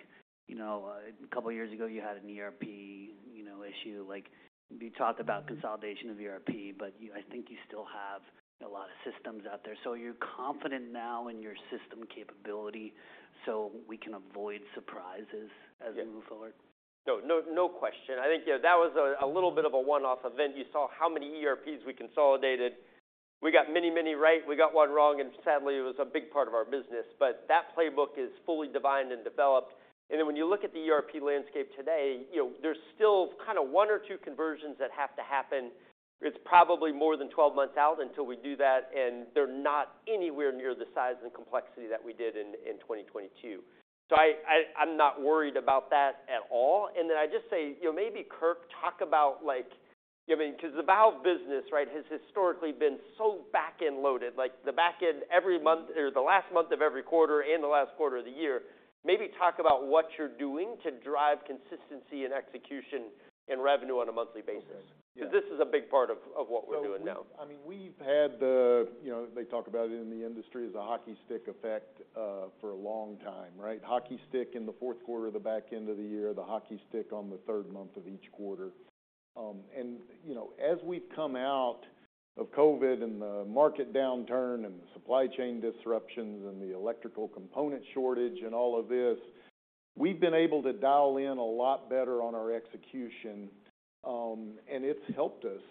you know, a couple of years ago, you had an ERP, you know, issue. Like, you talked about consolidation of ERP, but you, I think you still have a lot of systems out there. So you're confident now in your system capability, so we can avoid surprises as we move forward? No, no question. I think, yeah, that was a little bit of a one-off event. You saw how many ERPs we consolidated. We got many, many right. We got one wrong, and sadly, it was a big part of our business. But that playbook is fully defined and developed. And then when you look at the ERP landscape today, you know, there's still kind of one or two conversions that have to happen. It's probably more than 12 months out until we do that, and they're not anywhere near the size and complexity that we did in 2022. So I'm not worried about that at all. Then I just say, you know, maybe Kirk, talk about like, I mean, because the valve business, right, has historically been so back-end loaded, like the back end every month or the last month of every quarter and the last quarter of the year. Maybe talk about what you're doing to drive consistency and execution in revenue on a monthly basis. Because this is a big part of what we're doing now. I mean, we've had the... You know, they talk about it in the industry as a hockey stick effect for a long time, right? Hockey stick in the fourth quarter, the back end of the year, the hockey stick on the third month of each quarter. And, you know, as we've come out of COVID and the market downturn and supply chain disruptions and the electrical component shortage and all of this... We've been able to dial in a lot better on our execution, and it's helped us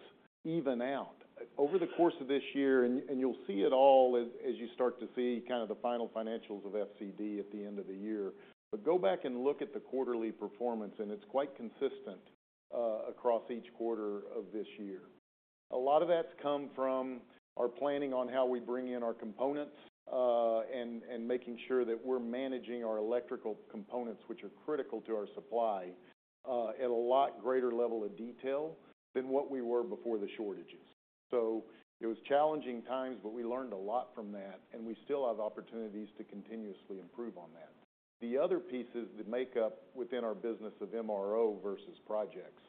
even out. Over the course of this year, and, and you'll see it all as, as you start to see kind of the final financials of FCD at the end of the year. But go back and look at the quarterly performance, and it's quite consistent across each quarter of this year. A lot of that's come from our planning on how we bring in our components, and, and making sure that we're managing our electrical components, which are critical to our supply, at a lot greater level of detail than what we were before the shortages. So it was challenging times, but we learned a lot from that, and we still have opportunities to continuously improve on that. The other pieces that make up within our business of MRO versus projects.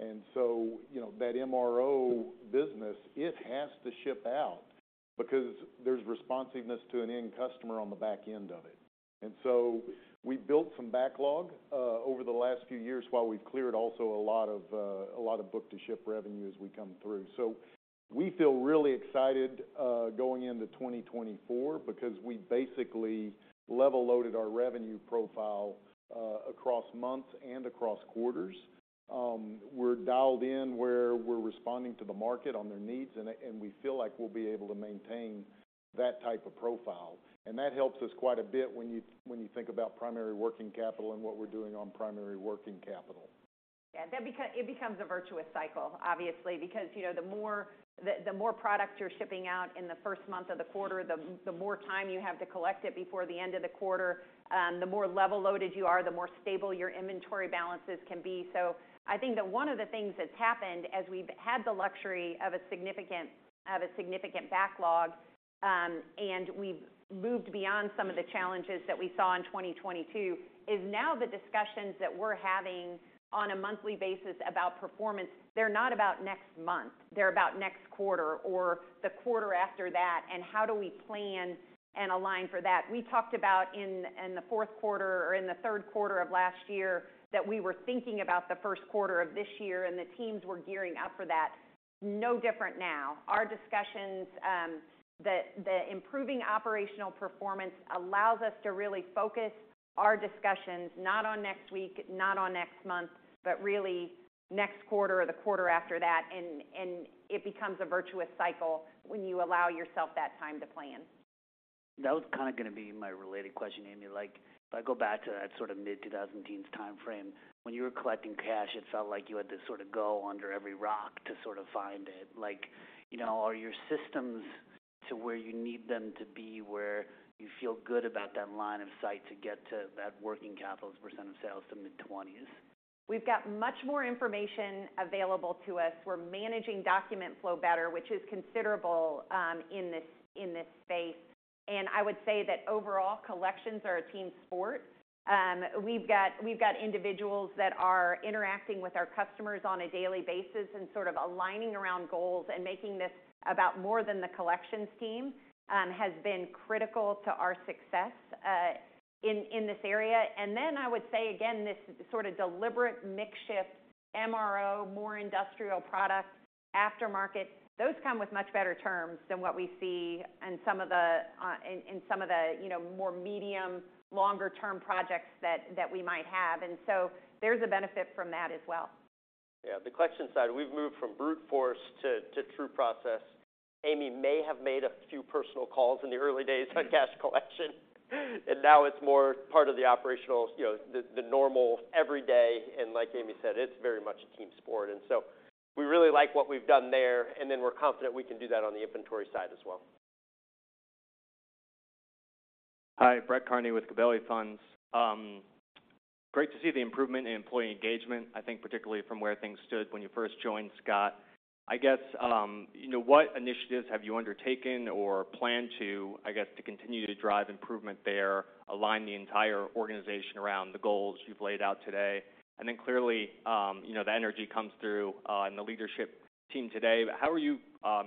And so, you know, that MRO business, it has to ship out because there's responsiveness to an end customer on the back end of it. And so we built some backlog over the last few years while we've cleared also a lot of, a lot of book to ship revenue as we come through. So we feel really excited going into 2024, because we basically level loaded our revenue profile across months and across quarters. We're dialed in where we're responding to the market on their needs, and, and we feel like we'll be able to maintain that type of profile. That helps us quite a bit when you, when you think about primary working capital and what we're doing on primary working capital. Yeah, that become-- it becomes a virtuous cycle, obviously, because, you know, the more, the, the more product you're shipping out in the first month of the quarter, the, the more time you have to collect it before the end of the quarter, the more level loaded you are, the more stable your inventory balances can be. So I think that one of the things that's happened as we've had the luxury of a significant, of a significant backlog, and we've moved beyond some of the challenges that we saw in 2022, is now the discussions that we're having on a monthly basis about performance, they're not about next month, they're about next quarter or the quarter after that, and how do we plan and align for that. We talked about in the fourth quarter or in the third quarter of last year, that we were thinking about the first quarter of this year, and the teams were gearing up for that. No different now. Our discussions, the improving operational performance allows us to really focus our discussions, not on next week, not on next month, but really next quarter or the quarter after that, and it becomes a virtuous cycle when you allow yourself that time to plan. That was kinda gonna be my related question, Amy. Like, if I go back to that sort of mid-2000 teens timeframe, when you were collecting cash, it felt like you had to sort of go under every rock to sort of find it. Like, you know, are your systems to where you need them to be, where you feel good about that line of sight to get to that working capital as a % of sales to mid-20s%? We've got much more information available to us. We're managing document flow better, which is considerable in this space. And I would say that overall, collections are a team sport. We've got individuals that are interacting with our customers on a daily basis and sort of aligning around goals and making this about more than the collections team has been critical to our success in this area. And then I would say, again, this sort of deliberate mix shift, MRO, more industrial product, aftermarket, those come with much better terms than what we see in some of the more medium, longer term projects that we might have. And so there's a benefit from that as well. Yeah, the collection side, we've moved from brute force to true process. Amy may have made a few personal calls in the early days on cash collection, and now it's more part of the operational, you know, the normal every day, and like Amy said, it's very much a team sport. And so we really like what we've done there, and then we're confident we can do that on the inventory side as well. Hi, Brett Kearney with Gabelli Funds. Great to see the improvement in employee engagement, I think particularly from where things stood when you first joined, Scott. I guess, you know, what initiatives have you undertaken or plan to, I guess, to continue to drive improvement there, align the entire organization around the goals you've laid out today? And then clearly, you know, the energy comes through in the leadership team today, but how are you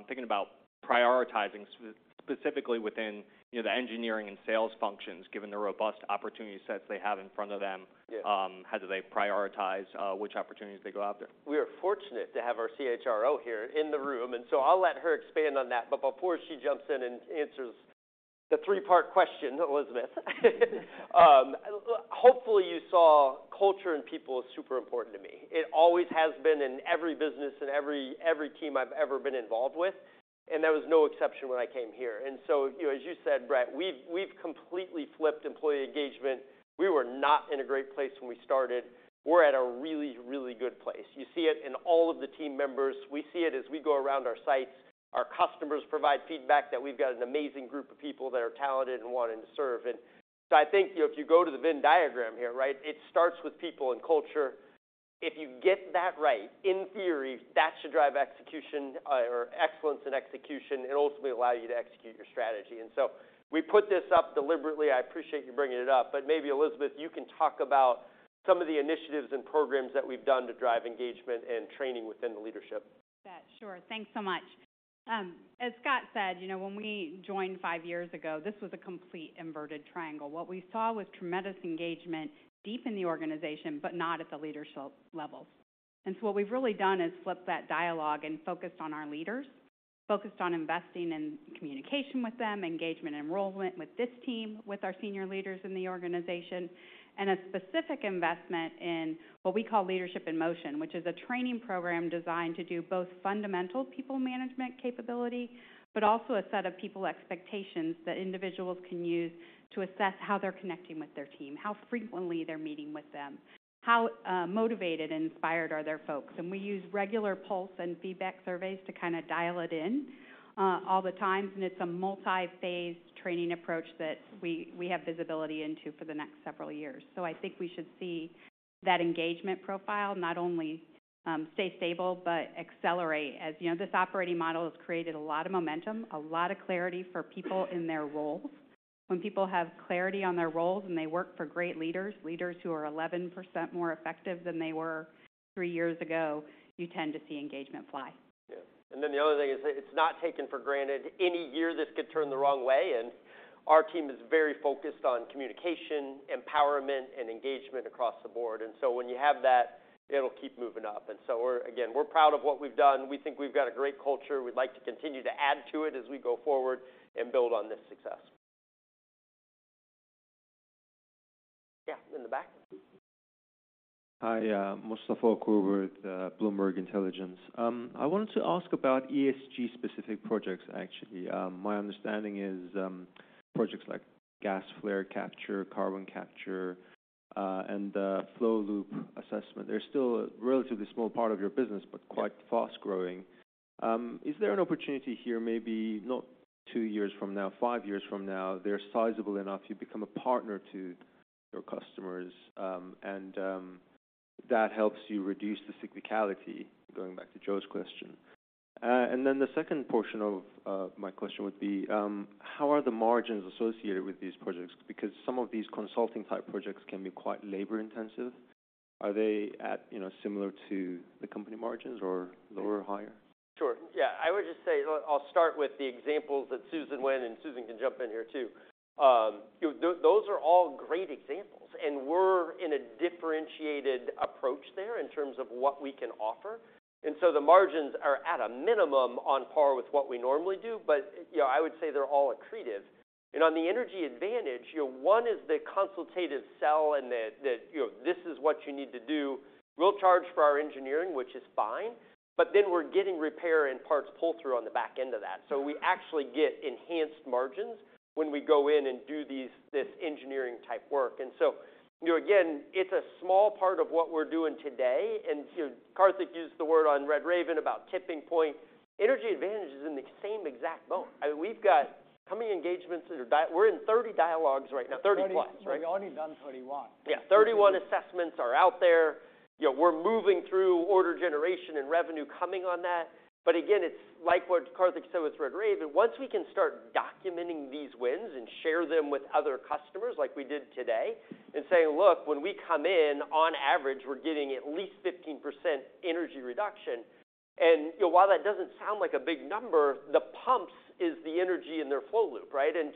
thinking about prioritizing, specifically within, you know, the engineering and sales functions, given the robust opportunity sets they have in front of them? Yeah. How do they prioritize which opportunities they go after? We are fortunate to have our CHRO here in the room, and so I'll let her expand on that. But before she jumps in and answers the three-part question, Elizabeth, hopefully, you saw culture and people is super important to me. It always has been in every business and every, every team I've ever been involved with, and that was no exception when I came here. And so, you know, as you said, Brett, we've, we've completely flipped employee engagement. We were not in a great place when we started. We're at a really, really good place. You see it in all of the team members. We see it as we go around our sites. Our customers provide feedback that we've got an amazing group of people that are talented and wanting to serve. And so I think if you go to the Venn diagram here, right, it starts with people and culture. If you get that right, in theory, that should drive execution or excellence in execution, and ultimately allow you to execute your strategy. And so we put this up deliberately. I appreciate you bringing it up, but maybe, Elizabeth, you can talk about some of the initiatives and programs that we've done to drive engagement and training within the leadership. Yeah, sure. Thanks so much. As Scott said, you know, when we joined five years ago, this was a complete inverted triangle. What we saw was tremendous engagement deep in the organization, but not at the leadership levels. And so what we've really done is flipped that dialogue and focused on our leaders, focused on investing in communication with them, engagement, enrollment with this team, with our senior leaders in the organization, and a specific investment in what we call Leadership in Motion, which is a training program designed to do both fundamental people management capability, but also a set of people expectations that individuals can use to assess how they're connecting with their team, how frequently they're meeting with them, how motivated and inspired are their folks. We use regular pulse and feedback surveys to kind of dial it in, all the time, and it's a multi-phase training approach that we, we have visibility into for the next several years. I think we should see that engagement profile not only stay stable, but accelerate. As you know, this operating model has created a lot of momentum, a lot of clarity for people in their roles. When people have clarity on their roles and they work for great leaders, leaders who are 11% more effective than they were three years ago, you tend to see engagement fly. Yeah. Then the other thing is, it's not taken for granted. Any year, this could turn the wrong way, and our team is very focused on communication, empowerment, and engagement across the board. So when you have that, it'll keep moving up. So we're... Again, we're proud of what we've done. We think we've got a great culture. We'd like to continue to add to it as we go forward and build on this success. Yeah, in the back. Hi, Mustafa Okur with Bloomberg Intelligence. I wanted to ask about ESG-specific projects, actually. My understanding is, projects like gas flare capture, carbon capture, and flow loop assessment, they're still a relatively small part of your business, but quite fast-growing. Is there an opportunity here, maybe not two years from now, five years from now, they're sizable enough, you become a partner to your customers, and that helps you reduce the cyclicality, going back to Joe's question? And then the second portion of my question would be, how are the margins associated with these projects? Because some of these consulting-type projects can be quite labor-intensive. Are they at, you know, similar to the company margins or lower or higher? Sure. Yeah, I would just say, I'll start with the examples that Susan went, and Susan can jump in here, too. Those are all great examples, and we're in a differentiated approach there in terms of what we can offer. And so the margins are, at a minimum, on par with what we normally do, but, you know, I would say they're all accretive. And on the Energy Advantage, you know, one is the consultative sell and the, the, "This is what you need to do." We'll charge for our engineering, which is fine, but then we're getting repair and parts pull-through on the back end of that. So we actually get enhanced margins when we go in and do these, this engineering-type work. And so, you know, again, it's a small part of what we're doing today. You know, Karthik used the word on RedRaven about tipping point. Energy Advantage is in the same exact boat. I mean, we've got how many engagements that are we're in 30 dialogues right now. 30+, right? We've already done 31. Yeah, 31 assessments are out there. You know, we're moving through order generation and revenue coming on that. But again, it's like what Karthik said with RedRaven, once we can start documenting these wins and share them with other customers like we did today, and say, "Look, when we come in, on average, we're getting at least 15% energy reduction." And, you know, while that doesn't sound like a big number, the pumps is the energy in their flow loop, right? And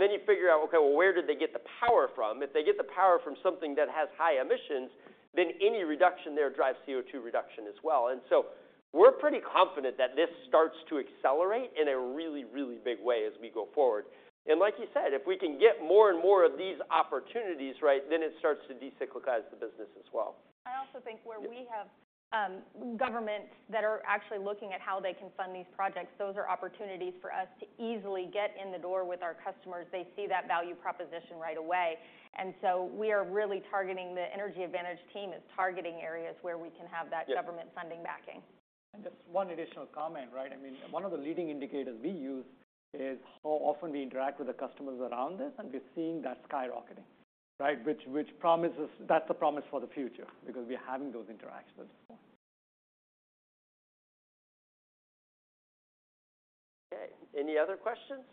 then you figure out, okay, well, where did they get the power from? If they get the power from something that has high emissions, then any reduction there drives CO2 reduction as well. And so we're pretty confident that this starts to accelerate in a really, really big way as we go forward. And like you said, if we can get more and more of these opportunities right, then it starts to de-cyclicalize the business as well. I also think where we have governments that are actually looking at how they can fund these projects, those are opportunities for us to easily get in the door with our customers. They see that value proposition right away, and so we are really targeting. The Energy Advantage team is targeting areas where we can have that- Yeah.... government funding backing. Just one additional comment, right? I mean, one of the leading indicators we use is how often we interact with the customers around this, and we're seeing that skyrocketing, right? Which promises- that's a promise for the future because we're having those interactions. Okay. Any other questions?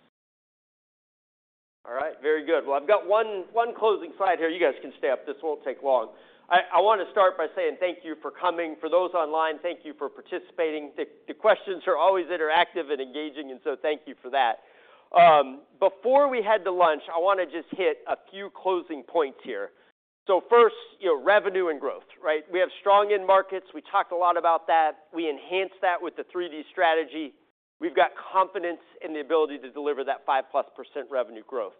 All right, very good. Well, I've got one closing slide here. You guys can stay up. This won't take long. I want to start by saying thank you for coming. For those online, thank you for participating. The questions are always interactive and engaging, and so thank you for that. Before we head to lunch, I want to just hit a few closing points here. So first, your revenue and growth, right? We have strong end markets. We talked a lot about that. We enhanced that with the 3D strategy. We've got confidence in the ability to deliver that 5%+ revenue growth.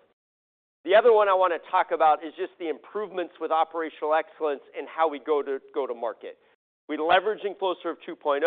The other one I want to talk about is just the improvements with operational excellence and how we go-to-market. We're leveraging Flowserve 2.0.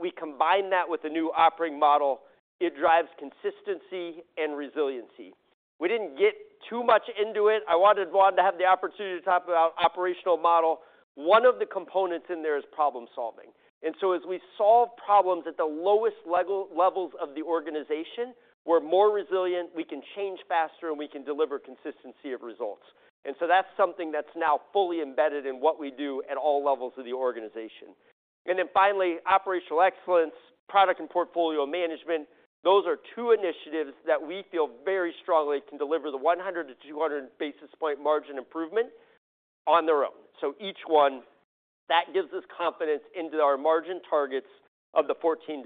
We combine that with the new operating model. It drives consistency and resiliency. We didn't get too much into it. I wanted Juan to have the opportunity to talk about operational model. One of the components in there is problem-solving, and so as we solve problems at the lowest levels of the organization, we're more resilient, we can change faster, and we can deliver consistency of results. And so that's something that's now fully embedded in what we do at all levels of the organization. And then finally, operational excellence, product and portfolio management. Those are two initiatives that we feel very strongly can deliver the 100-200 basis point margin improvement on their own. So each one, that gives us confidence into our margin targets of the 14%-16%.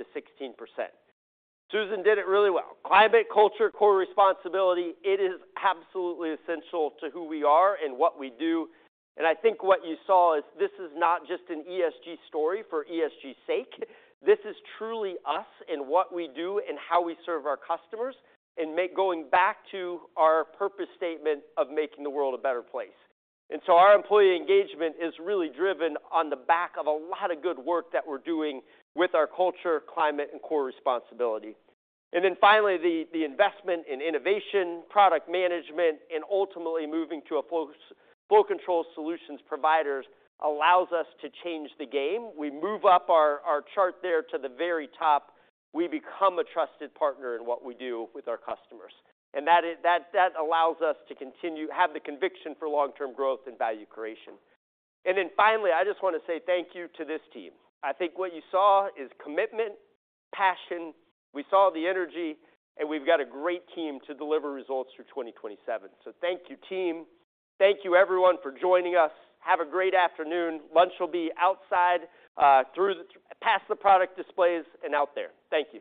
Susan did it really well. Climate, culture, core responsibility, it is absolutely essential to who we are and what we do. I think what you saw is this is not just an ESG story for ESG's sake. This is truly us and what we do and how we serve our customers, and, going back to our purpose statement of making the world a better place. Our employee engagement is really driven on the back of a lot of good work that we're doing with our culture, climate, and core responsibility. Then finally, the investment in innovation, product management, and ultimately moving to a flow control solutions providers allows us to change the game. We move up our chart there to the very top. We become a trusted partner in what we do with our customers. That is, that allows us to continue to have the conviction for long-term growth and value creation. Then finally, I just want to say thank you to this team. I think what you saw is commitment, passion. We saw the energy, and we've got a great team to deliver results through 2027. So thank you, team. Thank you, everyone, for joining us. Have a great afternoon. Lunch will be outside, past the product displays and out there. Thank you.